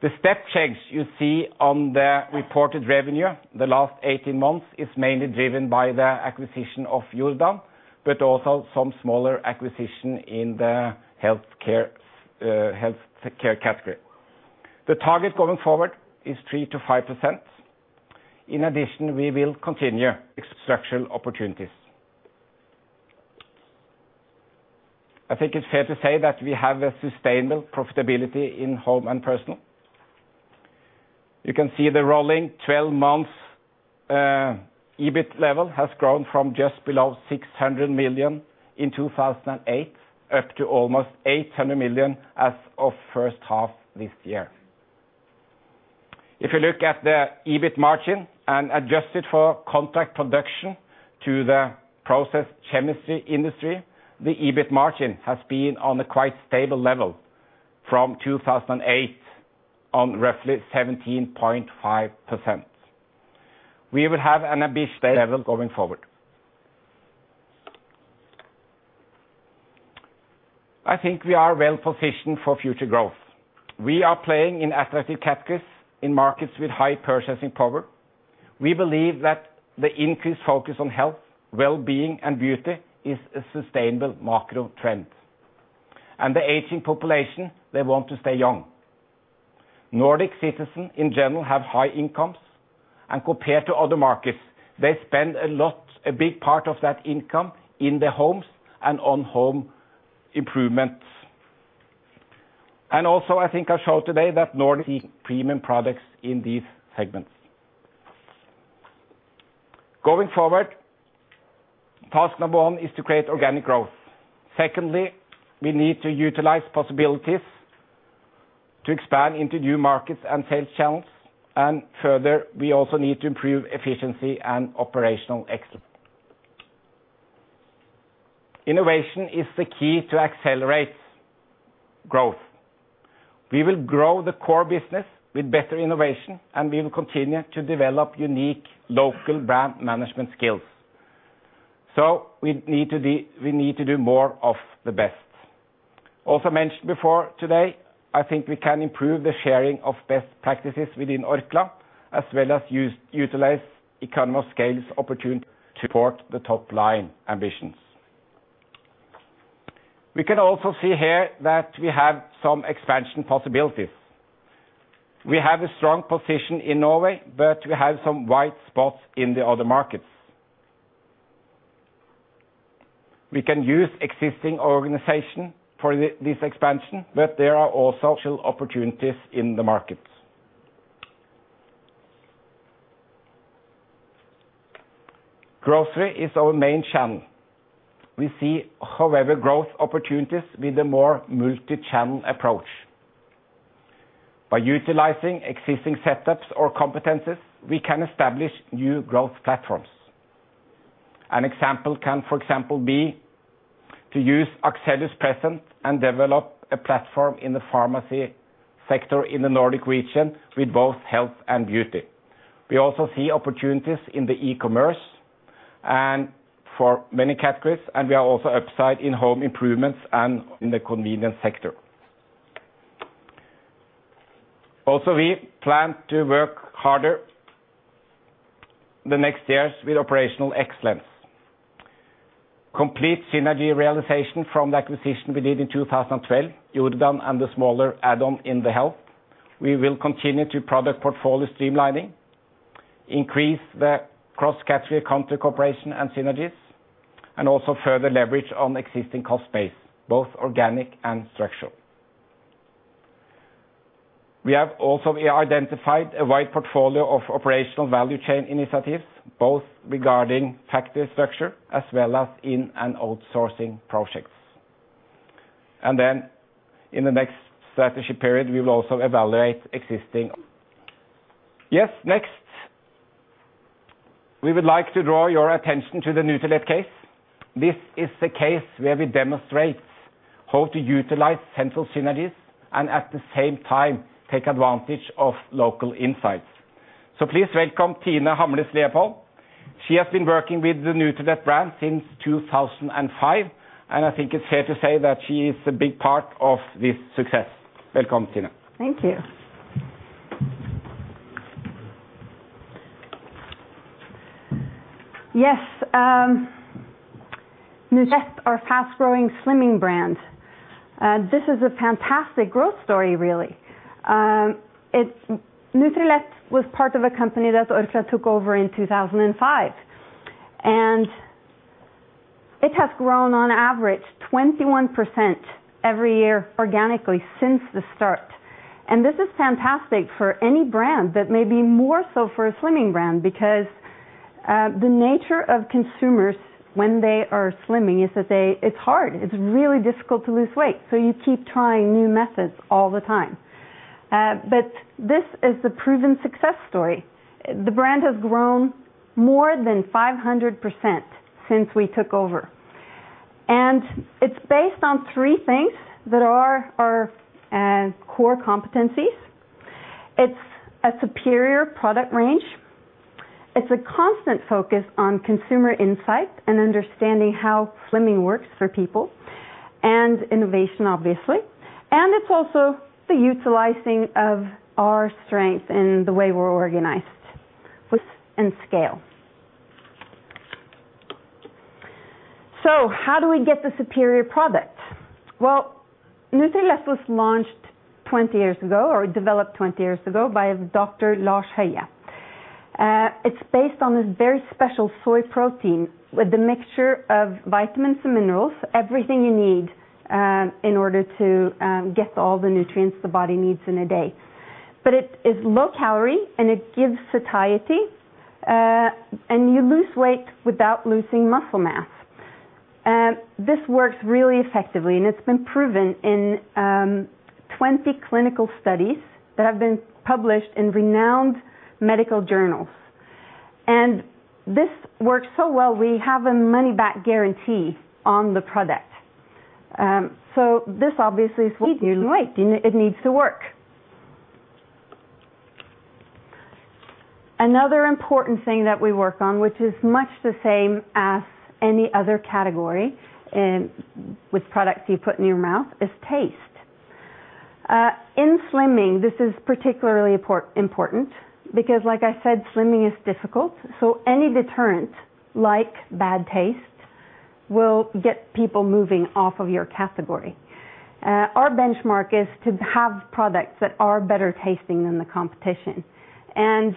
The step change you see on the reported revenue the last 18 months is mainly driven by the acquisition of Jordan, but also some smaller acquisition in the healthcare category. The target going forward is 3%-5%. In addition, we will continue structural opportunities. I think it's fair to say that we have a sustainable profitability in Home & Personal. You can see the rolling 12 months EBIT level has grown from just below 600 million in 2008 up to almost 800 million as of first half this year. If you look at the EBIT margin and adjust it for contract production to the process chemistry industry, the EBIT margin has been on a quite stable level from 2008, on roughly 17.5%. We will have an ambitious level going forward. I think we are well-positioned for future growth. We are playing in attractive categories in markets with high purchasing power. We believe that the increased focus on health, well-being, and beauty is a sustainable macro trend. The aging population, they want to stay young. Nordic citizens, in general, have high incomes, and compared to other markets, they spend a big part of that income in their homes and on home improvements. Also, I think I showed today that Nordic premium products in these segments. Going forward, task number one is to create organic growth. Secondly, we need to utilize possibilities to expand into new markets and sales channels. Further, we also need to improve efficiency and operational excellence. Innovation is the key to accelerate growth. We will grow the core business with better innovation, and we will continue to develop unique local brand management skills. So we need to do more of the best. Also mentioned before today, I think we can improve the sharing of best practices within Orkla, as well as utilize economies of scales opportunities to support the top-line ambitions. We can also see here that we have some expansion possibilities. We have a strong position in Norway, but we have some white spots in the other markets. We can use existing organization for this expansion, but there are also opportunities in the market. Grocery is our main channel. We see, however, growth opportunities with a more multi-channel approach. By utilizing existing setups or competencies, we can establish new growth platforms. An example can, for example, be to use Axellus' presence and develop a platform in the pharmacy sector in the Nordic region with both health and beauty. We also see opportunities in the e-commerce and for many categories, and we are also upside in home improvements and in the convenience sector. Also, we plan to work harder the next years with operational excellence. Complete synergy realization from the acquisition we did in 2012, Jordan and the smaller add-on in the health. We will continue to product portfolio streamlining, increase the cross-category country cooperation and synergies, and also further leverage on existing cost base, both organic and structural. We have also identified a wide portfolio of operational value chain initiatives, both regarding factory structure as well as in and outsourcing projects. Then in the next strategy period, we will also evaluate existing. Yes, next. We would like to draw your attention to the Nutrilett case. This is a case where we demonstrate how to utilize central synergies and at the same time take advantage of local insights. Please welcome Tine Hammernes Leopold. She has been working with the Nutrilett brand since 2005, and I think it's fair to say that she is a big part of this success. Welcome, Tine. Thank you. Yes, Nutrilett are fast-growing slimming brand. This is a fantastic growth story, really. Nutrilett was part of a company that Orkla took over in 2005, and it has grown on average 21% every year organically since the start. This is fantastic for any brand, but maybe more so for a slimming brand because the nature of consumers when they are slimming is that it's hard. It's really difficult to lose weight, so you keep trying new methods all the time. This is a proven success story. The brand has grown more than 500% since we took over, and it's based on three things that are our core competencies. It's a superior product range, it's a constant focus on consumer insight and understanding how slimming works for people, and innovation, obviously, and it's also the utilizing of our strength in the way we're organized with and scale. Well, how do we get the superior product? Nutrilett was launched 20 years ago or developed 20 years ago by Lars H. Heier. It's based on this very special soy protein with a mixture of vitamins and minerals, everything you need in order to get all the nutrients the body needs in a day. It is low calorie, and it gives satiety, and you lose weight without losing muscle mass. This works really effectively, and it's been proven in 20 clinical studies that have been published in renowned medical journals. This works so well we have a money back guarantee on the product. This obviously is it needs to work. Another important thing that we work on, which is much the same as any other category with products you put in your mouth, is taste. In slimming, this is particularly important because like I said, slimming is difficult. Any deterrent, like bad taste, will get people moving off of your category. Our benchmark is to have products that are better tasting than the competition, and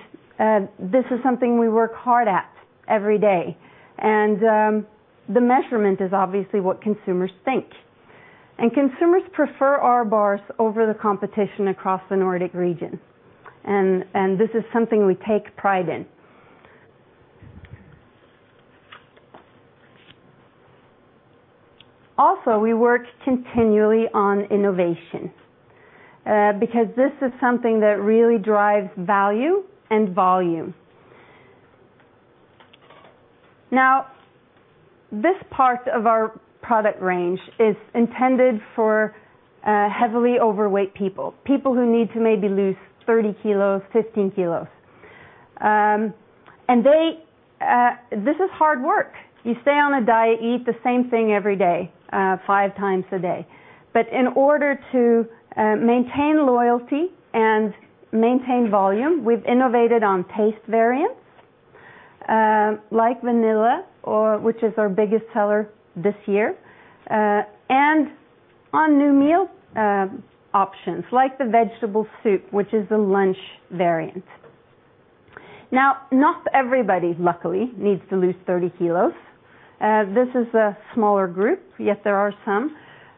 this is something we work hard at every day. The measurement is obviously what consumers think, and consumers prefer our bars over the competition across the Nordic region, and this is something we take pride in. We work continually on innovation because this is something that really drives value and volume. This part of our product range is intended for heavily overweight people who need to maybe lose 30 kilos, 15 kilos. This is hard work. You stay on a diet, eat the same thing every day, five times a day. In order to maintain loyalty and maintain volume, we've innovated on taste variants like vanilla, which is our biggest seller this year, and on new meal options like the vegetable soup, which is a lunch variant. Not everybody, luckily, needs to lose 30 kilos. This is a smaller group, yet there are some.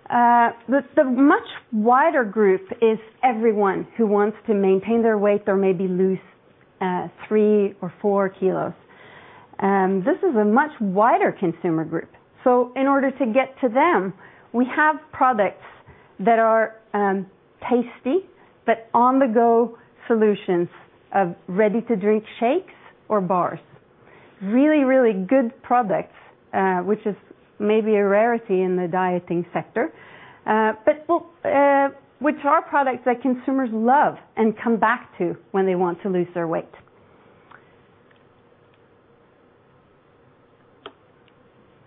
The much wider group is everyone who wants to maintain their weight or maybe lose three or four kilos. This is a much wider consumer group. In order to get to them, we have products that are tasty, but on-the-go solutions of ready-to-drink shakes or bars. Really good products, which is maybe a rarity in the dieting sector, but which are products that consumers love and come back to when they want to lose their weight.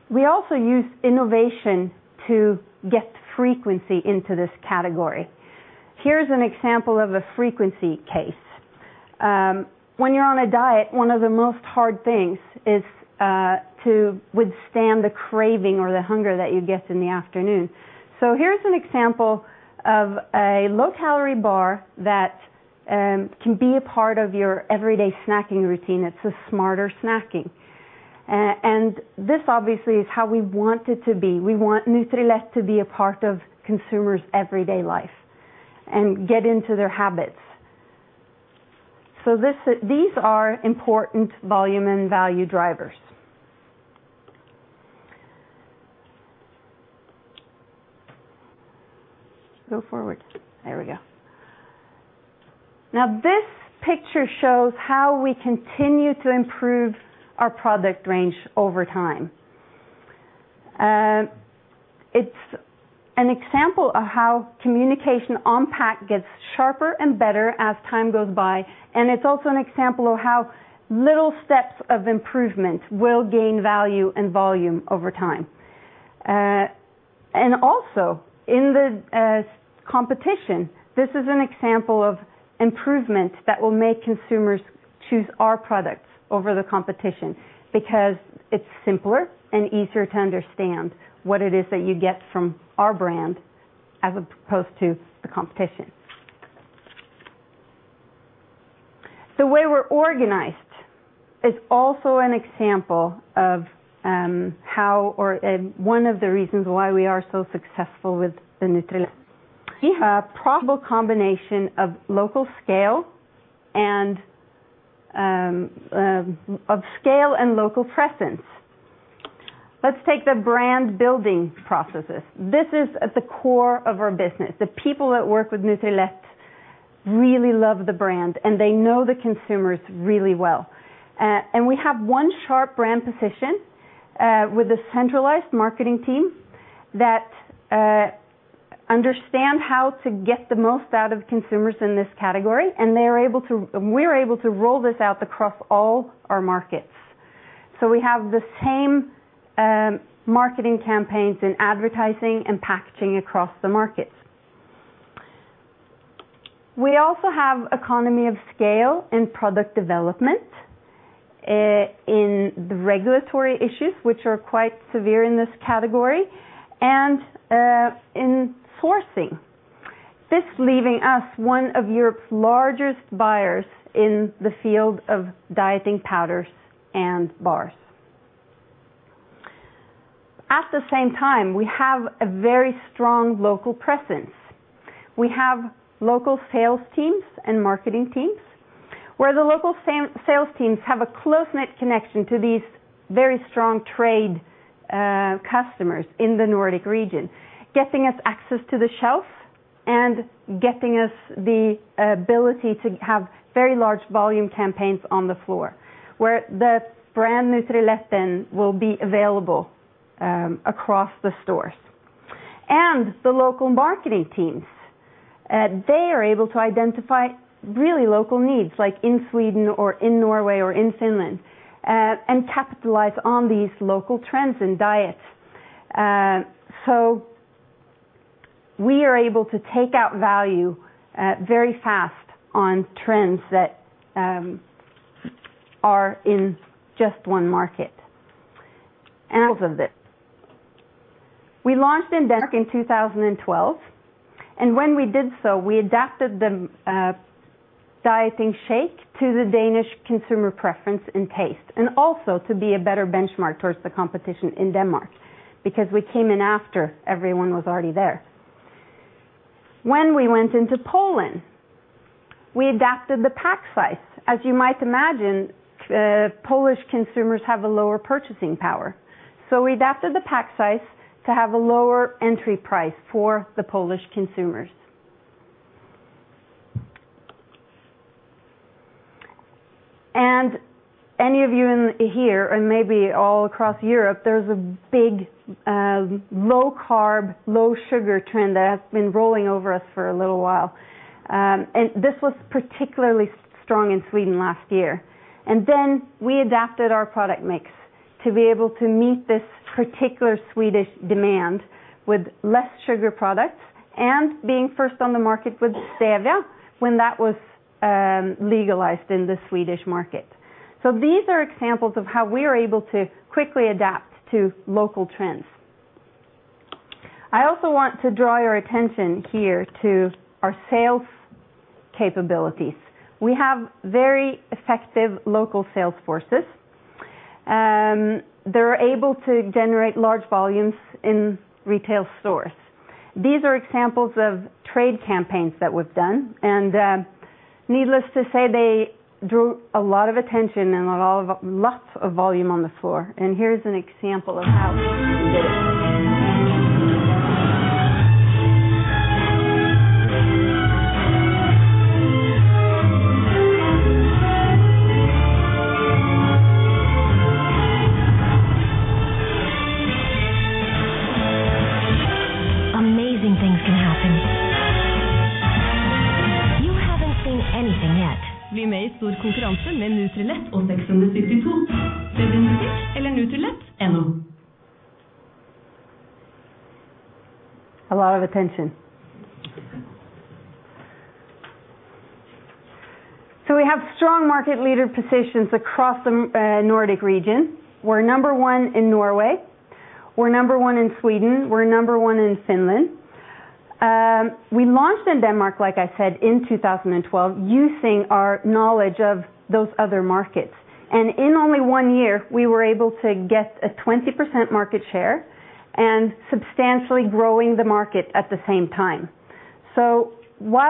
We also use innovation to get frequency into this category. Here's an example of a frequency case. When you're on a diet, one of the most hard things is to withstand the craving or the hunger that you get in the afternoon. Here's an example of a low-calorie bar that can be a part of your everyday snacking routine. It's a smarter snacking. This obviously is how we want it to be. We want Nutrilett to be a part of consumers' everyday life and get into their habits. These are important volume and value drivers. Go forward. There we go. This picture shows how we continue to improve our product range over time. It's an example of how communication on pack gets sharper and better as time goes by, and it's also an example of how little steps of improvement will gain value and volume over time. Also in the competition, this is an example of improvement that will make consumers choose our products over the competition because it's simpler and easier to understand what it is that you get from our brand as opposed to the competition. The way we're organized is also an example of how, or one of the reasons why we are so successful with the Nutrilett. We have a probable combination of local scale and of scale and local presence. Let's take the brand-building processes. This is at the core of our business. The people that work with Nutrilett really love the brand, and they know the consumers really well. We have one sharp brand position, with a centralized marketing team that understand how to get the most out of consumers in this category, and we're able to roll this out across all our markets. We have the same marketing campaigns in advertising and packaging across the markets. We also have economy of scale in product development, in the regulatory issues, which are quite severe in this category, and in sourcing. This leaving us one of Europe's largest buyers in the field of dieting powders and bars. At the same time, we have a very strong local presence. We have local sales teams and marketing teams, where the local sales teams have a close-knit connection to these very strong trade customers in the Nordic region, getting us access to the shelf and getting us the ability to have very large volume campaigns on the floor, where the brand Nutrilett will be available across the stores. The local marketing teams, they are able to identify really local needs, like in Sweden or in Norway or in Finland, and capitalize on these local trends and diets. We are able to take out value very fast on trends that are in just one market. Examples of this. We launched in Denmark in 2012, and when we did so, we adapted the dieting shake to the Danish consumer preference and taste, and also to be a better benchmark towards the competition in Denmark because we came in after everyone was already there. When we went into Poland, we adapted the pack size. As you might imagine, Polish consumers have a lower purchasing power. We adapted the pack size to have a lower entry price for the Polish consumers. Any of you in here, and maybe all across Europe, there's a big low-carb, low-sugar trend that has been rolling over us for a little while. This was particularly strong in Sweden last year. We adapted our product mix to be able to meet this particular Swedish demand with less sugar products and being first on the market with Stevia when that was legalized in the Swedish market. These are examples of how we are able to quickly adapt to local trends. I also want to draw your attention here to our sales capabilities. We have very effective local sales forces. They're able to generate large volumes in retail stores. These are examples of trade campaigns that we've done. Needless to say, they drew a lot of attention and lots of volume on the floor. Here's an example of how they did it. Amazing things can happen. You haven't seen anything yet. A lot of attention. We have strong market leader positions across the Nordic region. We're number one in Norway, we're number one in Sweden, we're number one in Finland. We launched in Denmark, like I said, in 2012, using our knowledge of those other markets. In only one year, we were able to get a 20% market share and substantially growing the market at the same time. To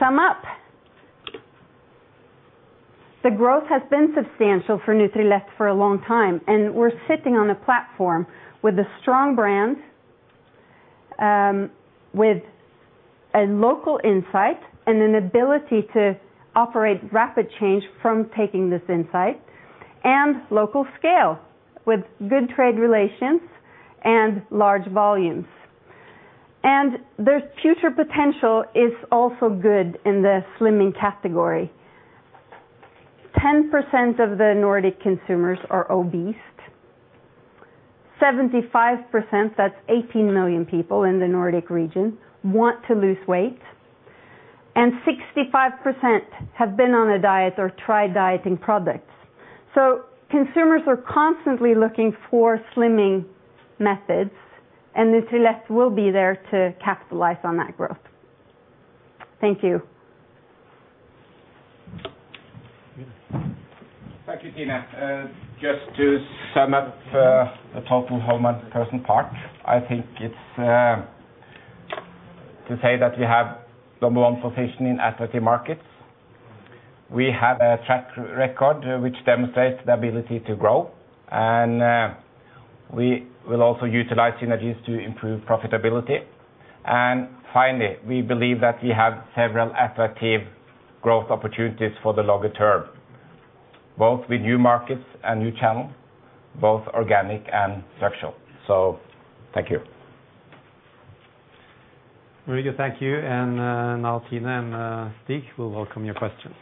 sum up, the growth has been substantial for Nutrilett for a long time, and we're sitting on a platform with a strong brand, with a local insight and an ability to operate rapid change from taking this insight, local scale with good trade relations and large volumes. The future potential is also good in the slimming category. 10% of the Nordic consumers are obese. 75%, that's 18 million people in the Nordic region, want to lose weight, 65% have been on a diet or tried dieting products. Consumers are constantly looking for slimming methods, Nutrilett will be there to capitalize on that growth. Thank you. Thank you, Tine. Just to sum up the total Home & Personal part, I think it's to say that we have number one position in attractive markets. We have a track record which demonstrates the ability to grow, we will also utilize synergies to improve profitability. Finally, we believe that we have several attractive growth opportunities for the longer term, both with new markets and new channels, both organic and structural. Thank you. Very good. Thank you. Now Tine and Stig will welcome your questions.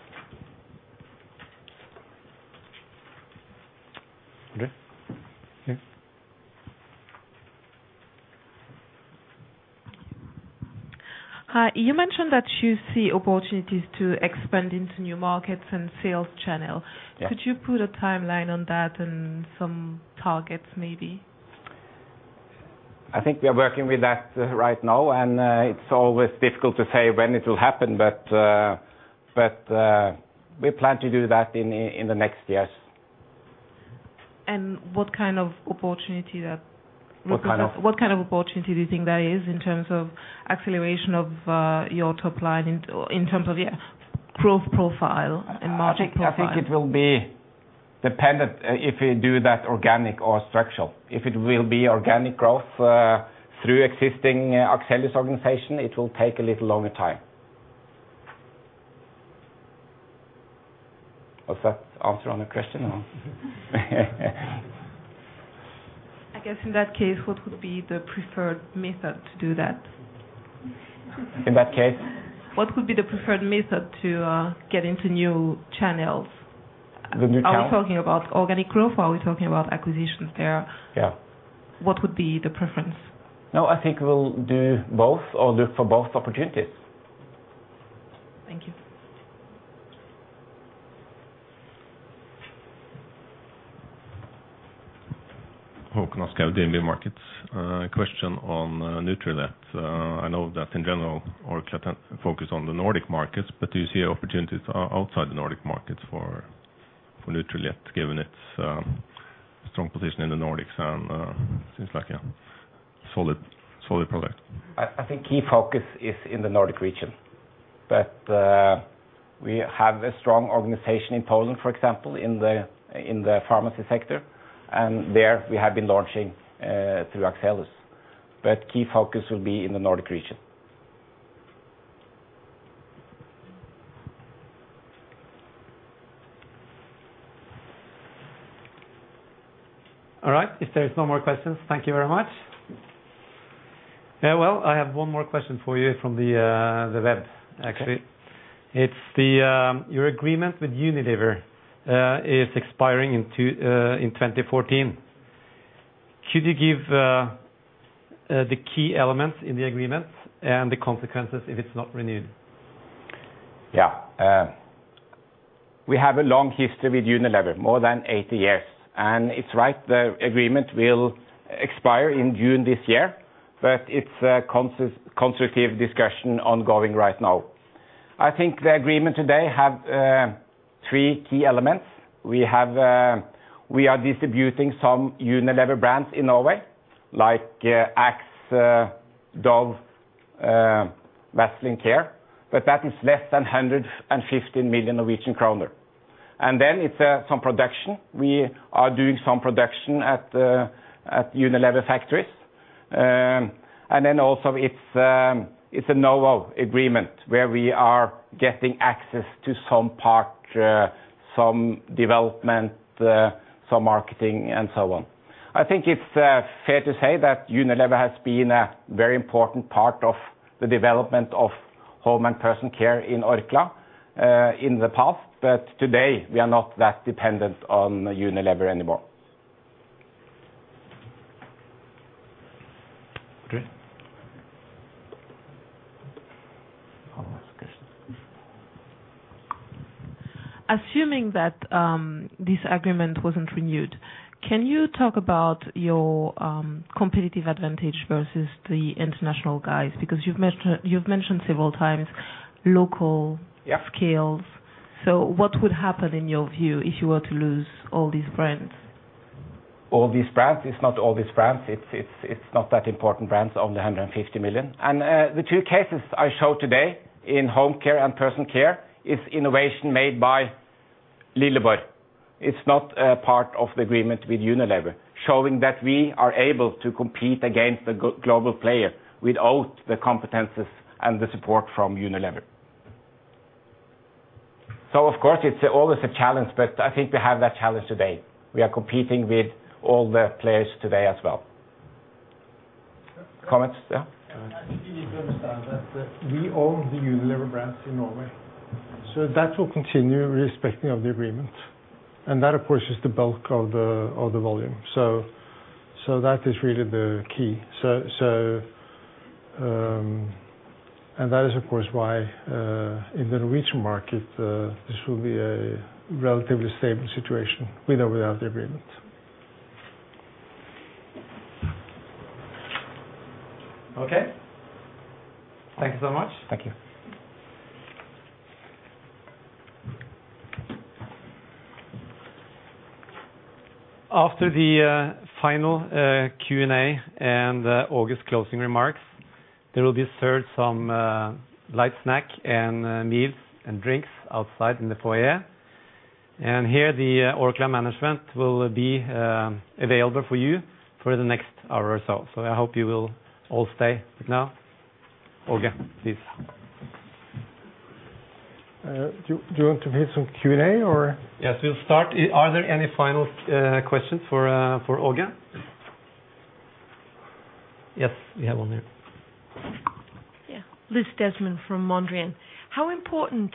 Okay. Here. Hi, you mentioned that you see opportunities to expand into new markets and sales channel. Yeah. Could you put a timeline on that and some targets maybe? I think we are working with that right now. It's always difficult to say when it will happen. We plan to do that in the next years. What kind of opportunity that? What kind of- What kind of opportunity do you think that is in terms of acceleration of your top line in terms of growth profile and margin profile? I think it will be dependent if we do that organic or structural. If it will be organic growth through existing Axellus organization, it will take a little longer time. Was that answer on the question or? I guess in that case, what would be the preferred method to do that? In that case? What would be the preferred method to get into new channels? The new channel? Are we talking about organic growth or are we talking about acquisitions there? Yeah. What would be the preference? No, I think we'll do both or look for both opportunities. Thank you. Håkon Oskjæv, DNB Markets. Question on Nutrilett. I know that in general, Orkla focus on the Nordic markets, but do you see opportunities outside the Nordic markets for Nutrilett, given its strong position in the Nordics and seems like a solid product. Key focus is in the Nordic region, but we have a strong organization in Poland, for example, in the pharmacy sector, and there we have been launching through Axellus. Key focus will be in the Nordic region. All right. If there is no more questions, thank you very much. Yeah, well, I have one more question for you from the web, actually. Okay. It's your agreement with Unilever is expiring in 2014. Should you give the key elements in the agreement and the consequences if it's not renewed? Yeah. We have a long history with Unilever, more than 80 years, and it's right, the agreement will expire in June this year, but it's a constructive discussion ongoing right now. I think the agreement today has three key elements. We are distributing some Unilever brands in Norway, like Axe, Dove, Vaseline Care, but that is less than 150 million Norwegian kroner. It's some production. We are doing some production at Unilever factories. Also it's a know-how agreement where we are getting access to some part, some development, some marketing and so on. I think it's fair to say that Unilever has been a very important part of the development of Home & Personal Care in Orkla, in the past, but today we are not that dependent on Unilever anymore. Okay. I'll ask questions. Assuming that this agreement wasn't renewed, can you talk about your competitive advantage versus the international guys? You've mentioned several times. Yeah scales. What would happen in your view if you were to lose all these brands? All these brands? It's not all these brands. It's not that important brands, only 150 million. The two cases I show today in Home & Personal Care, it's innovation made by Lilleborg. It's not a part of the agreement with Unilever, showing that we are able to compete against the global player without the competencies and the support from Unilever. Of course, it's always a challenge, but I think we have that challenge today. We are competing with all the players today as well. Comments? Yeah. I think you need to understand that we own the Unilever brands in Norway. That will continue irrespective of the agreement, and that, of course, is the bulk of the volume. That is really the key. That is, of course, why in the Norwegian market this will be a relatively stable situation with or without the agreement. Okay. Thank you so much. Thank you. After the final Q&A and Åge's closing remarks, there will be served some light snack and meals and drinks outside in the foyer. Here, the Orkla management will be available for you for the next hour or so. I hope you will all stay. Now, Åge, please. Do you want to take some Q&A or? Yes, we'll start. Are there any final questions for Åge? Yes, we have one here. Liz Desmond from Mondrian. How important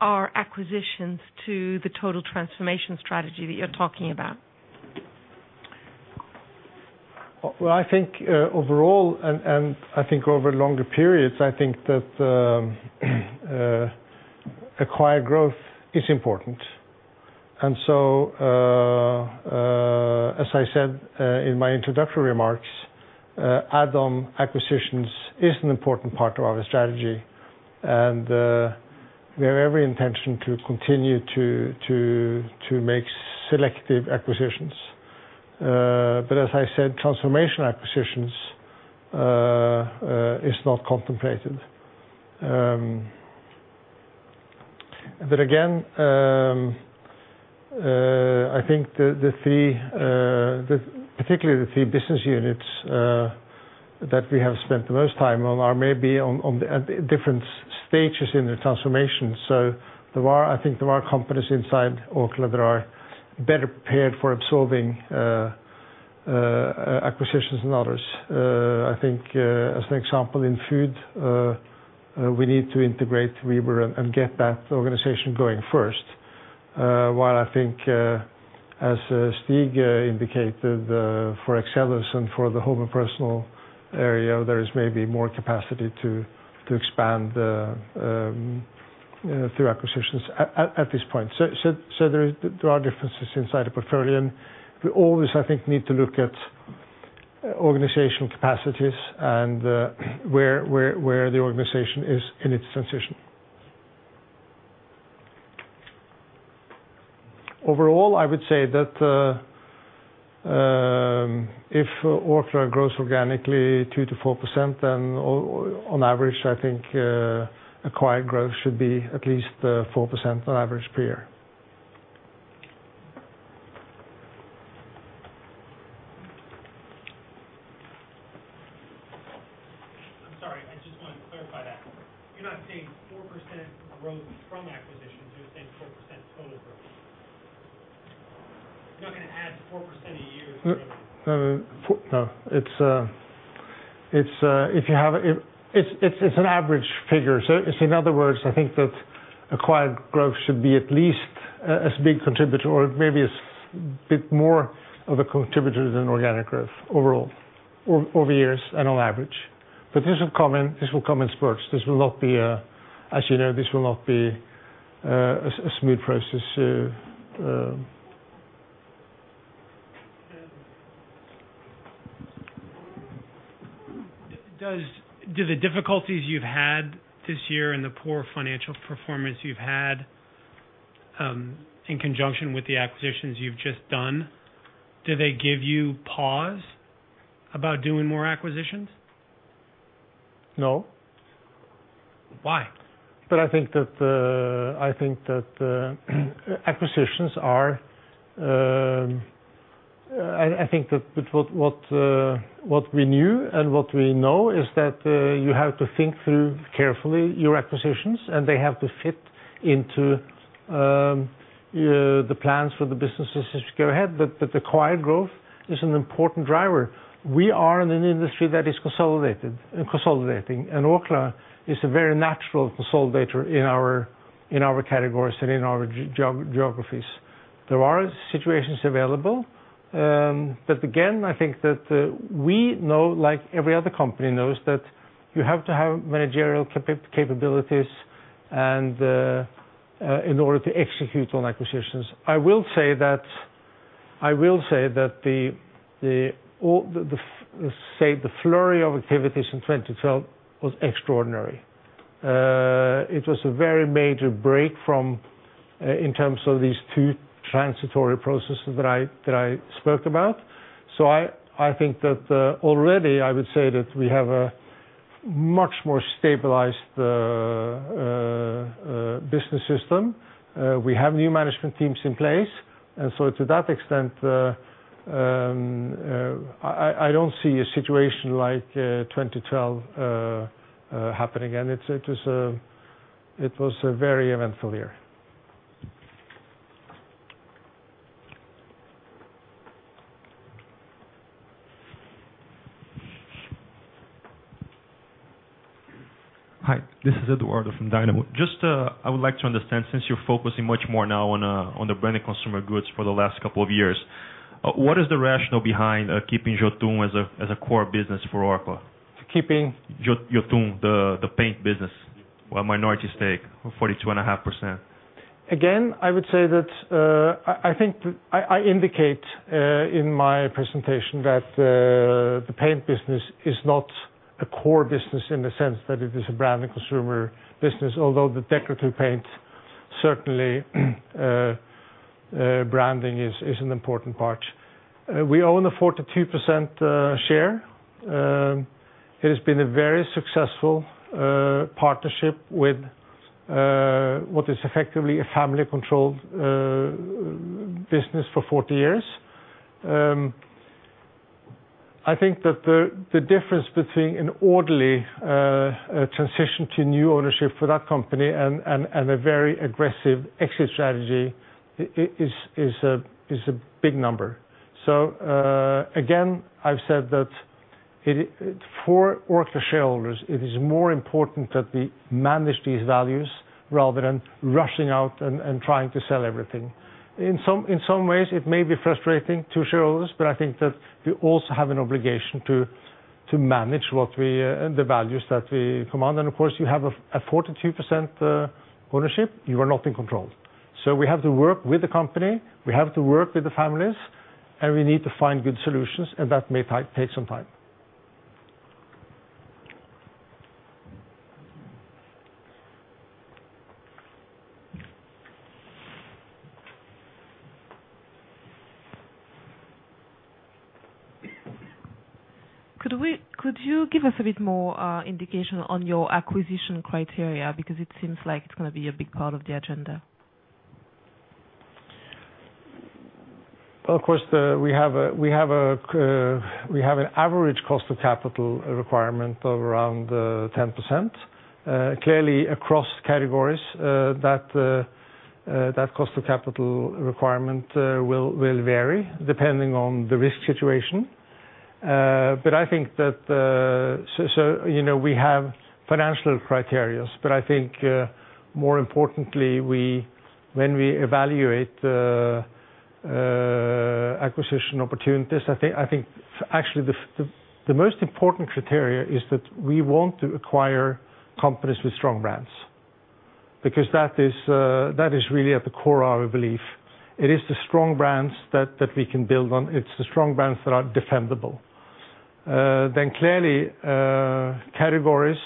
are acquisitions to the total transformation strategy that you're talking about? I think overall, I think over longer periods, I think that acquired growth is important. As I said in my introductory remarks, add-on acquisitions is an important part of our strategy, and we have every intention to continue to make selective acquisitions. As I said, transformation acquisitions is not contemplated. Again, I think particularly the three business units that we have spent the most time on are maybe at different stages in the transformation. I think there are companies inside Orkla that are better prepared for absorbing acquisitions than others. I think as an example, in food, we need to integrate Rieber and get that organization going first, while I think as Stig indicated, for Axellus and for the Home & Personal Care area, there is maybe more capacity to expand through acquisitions at this point. There are differences inside the portfolio, and we always, I think, need to look at organizational capacities and where the organization is in its transition. Overall, I would say that if Orkla grows organically 2%-4%, on average, I think acquired growth should be at least 4% on average per year. I'm sorry, I just want to clarify that. You're not saying 4% growth from acquisitions, you're saying 4% total growth. You're not going to add 4% a year- No. It's an average figure. In other words, I think that acquired growth should be at least as big contributor or maybe a bit more of a contributor than organic growth overall, over years and on average. This will come in spurts. As you know, this will not be a smooth process. Do the difficulties you've had this year and the poor financial performance you've had, in conjunction with the acquisitions you've just done, do they give you pause about doing more acquisitions? No. Why? I think that what we knew and what we know is that you have to think through, carefully, your acquisitions, and they have to fit into the plans for the businesses as you go ahead. The acquired growth is an important driver. We are in an industry that is consolidating. Orkla is a very natural consolidator in our categories and in our geographies. There are situations available. Again, I think that we know, like every other company knows, that you have to have managerial capabilities in order to execute on acquisitions. I will say that the flurry of activities in 2012 was extraordinary. It was a very major break in terms of these two transitory processes that I spoke about. I think that already I would say that we have a much more stabilized business system. We have new management teams in place. To that extent, I don't see a situation like 2012 happening again. It was a very eventful year. Hi, this is Eduardo from Dynamo. I would like to understand, since you're focusing much more now on the Branded Consumer Goods for the last couple of years, what is the rationale behind keeping Jotun as a core business for Orkla? Keeping? Jotun, the paint business, a minority stake of 42.5%. Again, I indicate in my presentation that the paint business is not a core business in the sense that it is a brand and consumer business, although the decorative paint, certainly, branding is an important part. We own a 42% share. It has been a very successful partnership with what is effectively a family-controlled business for 40 years. I think that the difference between an orderly transition to new ownership for that company and a very aggressive exit strategy is a big number. Again, I've said that for Orkla shareholders, it is more important that we manage these values rather than rushing out and trying to sell everything. In some ways, it may be frustrating to shareholders, but I think that we also have an obligation to manage the values that we command, and of course, you have a 42% ownership, you are not in control. We have to work with the company, we have to work with the families, and we need to find good solutions, and that may take some time. Could you give us a bit more indication on your acquisition criteria? It seems like it's going to be a big part of the agenda. Of course, we have an average cost of capital requirement of around 10%. Clearly, across categories, that cost of capital requirement will vary depending on the risk situation. We have financial criteria, but I think more importantly, when we evaluate acquisition opportunities, I think, actually, the most important criteria is that we want to acquire companies with strong brands, because that is really at the core of our belief. It is the strong brands that we can build on. It's the strong brands that are defendable. Clearly, categories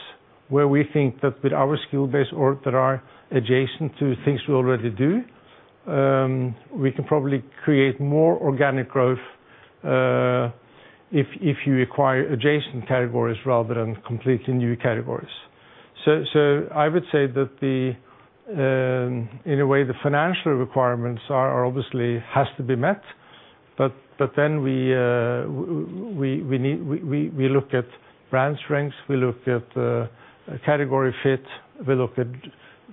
where we think that with our skill base or that are adjacent to things we already do, we can probably create more organic growth if you acquire adjacent categories rather than completely new categories. I would say that, in a way, the financial requirements obviously has to be met, but then we look at brand strengths, we look at category fit, we look at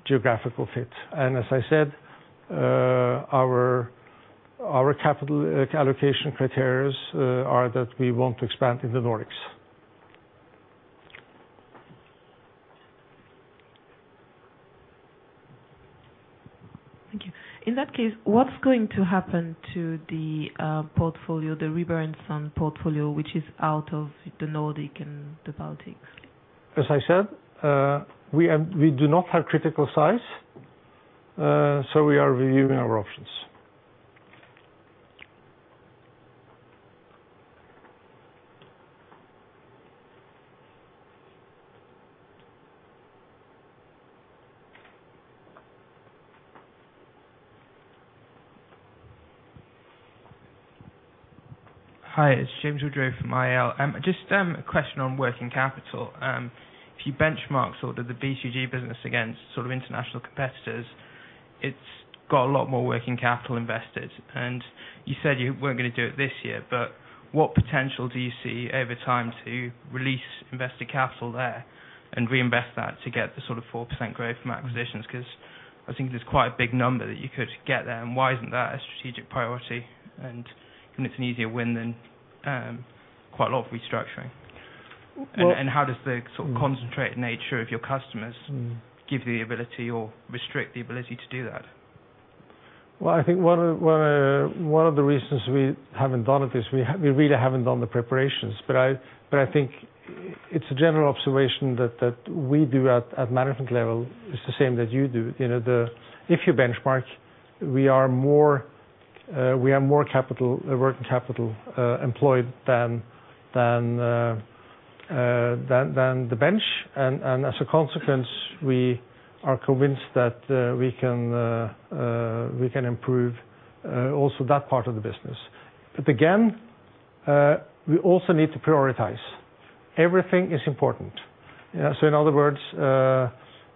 geographical fit. As I said, our capital allocation criteria are that we want to expand in the Nordics. Thank you. In that case, what's going to happen to the Rieber & Søn portfolio, which is out of the Nordics and the Baltics? As I said, we do not have critical size, so we are reviewing our options. Hi, it's James Woodrow from IL. Just a question on working capital. If you benchmark the BCG business against international competitors, it's got a lot more working capital invested. You said you weren't going to do it this year, but what potential do you see over time to release invested capital there and reinvest that to get the 4% growth from acquisitions? I think there's quite a big number that you could get there, and why isn't that a strategic priority? It's an easier win than quite a lot of restructuring. Well- How does the concentrated nature of your customers give the ability or restrict the ability to do that? Well, I think one of the reasons we haven't done it is we really haven't done the preparations. I think it's a general observation that we do at management level is the same that you do. If you benchmark, we have more working capital employed than the bench. As a consequence, we are convinced that we can improve also that part of the business. Again, we also need to prioritize. Everything is important. In other words,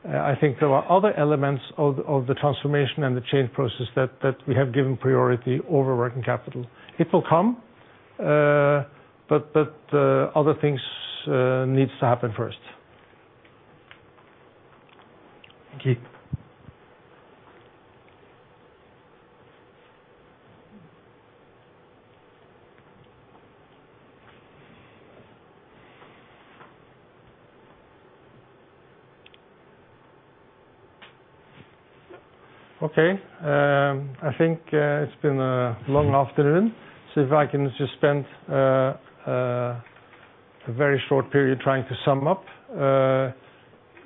I think there are other elements of the transformation and the change process that we have given priority over working capital. It will come, but other things need to happen first. Thank you. I think it's been a long afternoon. If I can just spend a very short period trying to sum up.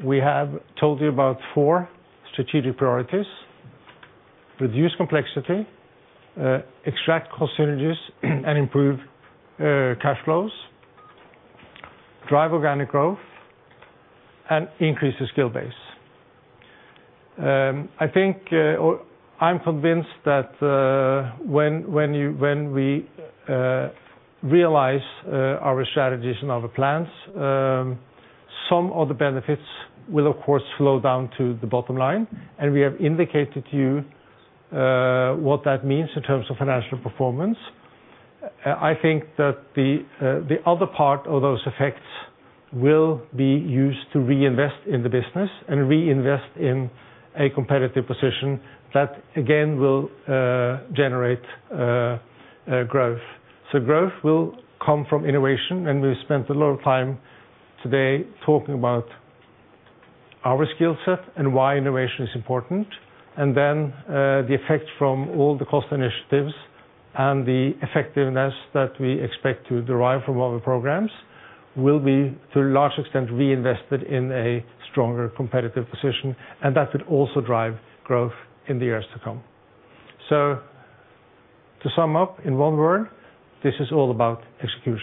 We have told you about four strategic priorities: reduce complexity, extract cost synergies and improve cash flows, drive organic growth, and increase the skill base. I'm convinced that when we realize our strategies and our plans, some of the benefits will, of course, flow down to the bottom line, and we have indicated to you what that means in terms of financial performance. I think that the other part of those effects will be used to reinvest in the business and reinvest in a competitive position that, again, will generate growth. Growth will come from innovation, and we've spent a lot of time today talking about our skill set and why innovation is important. The effect from all the cost initiatives and the effectiveness that we expect to derive from our programs will be, to a large extent, reinvested in a stronger competitive position, and that could also drive growth in the years to come. To sum up in one word, this is all about execution.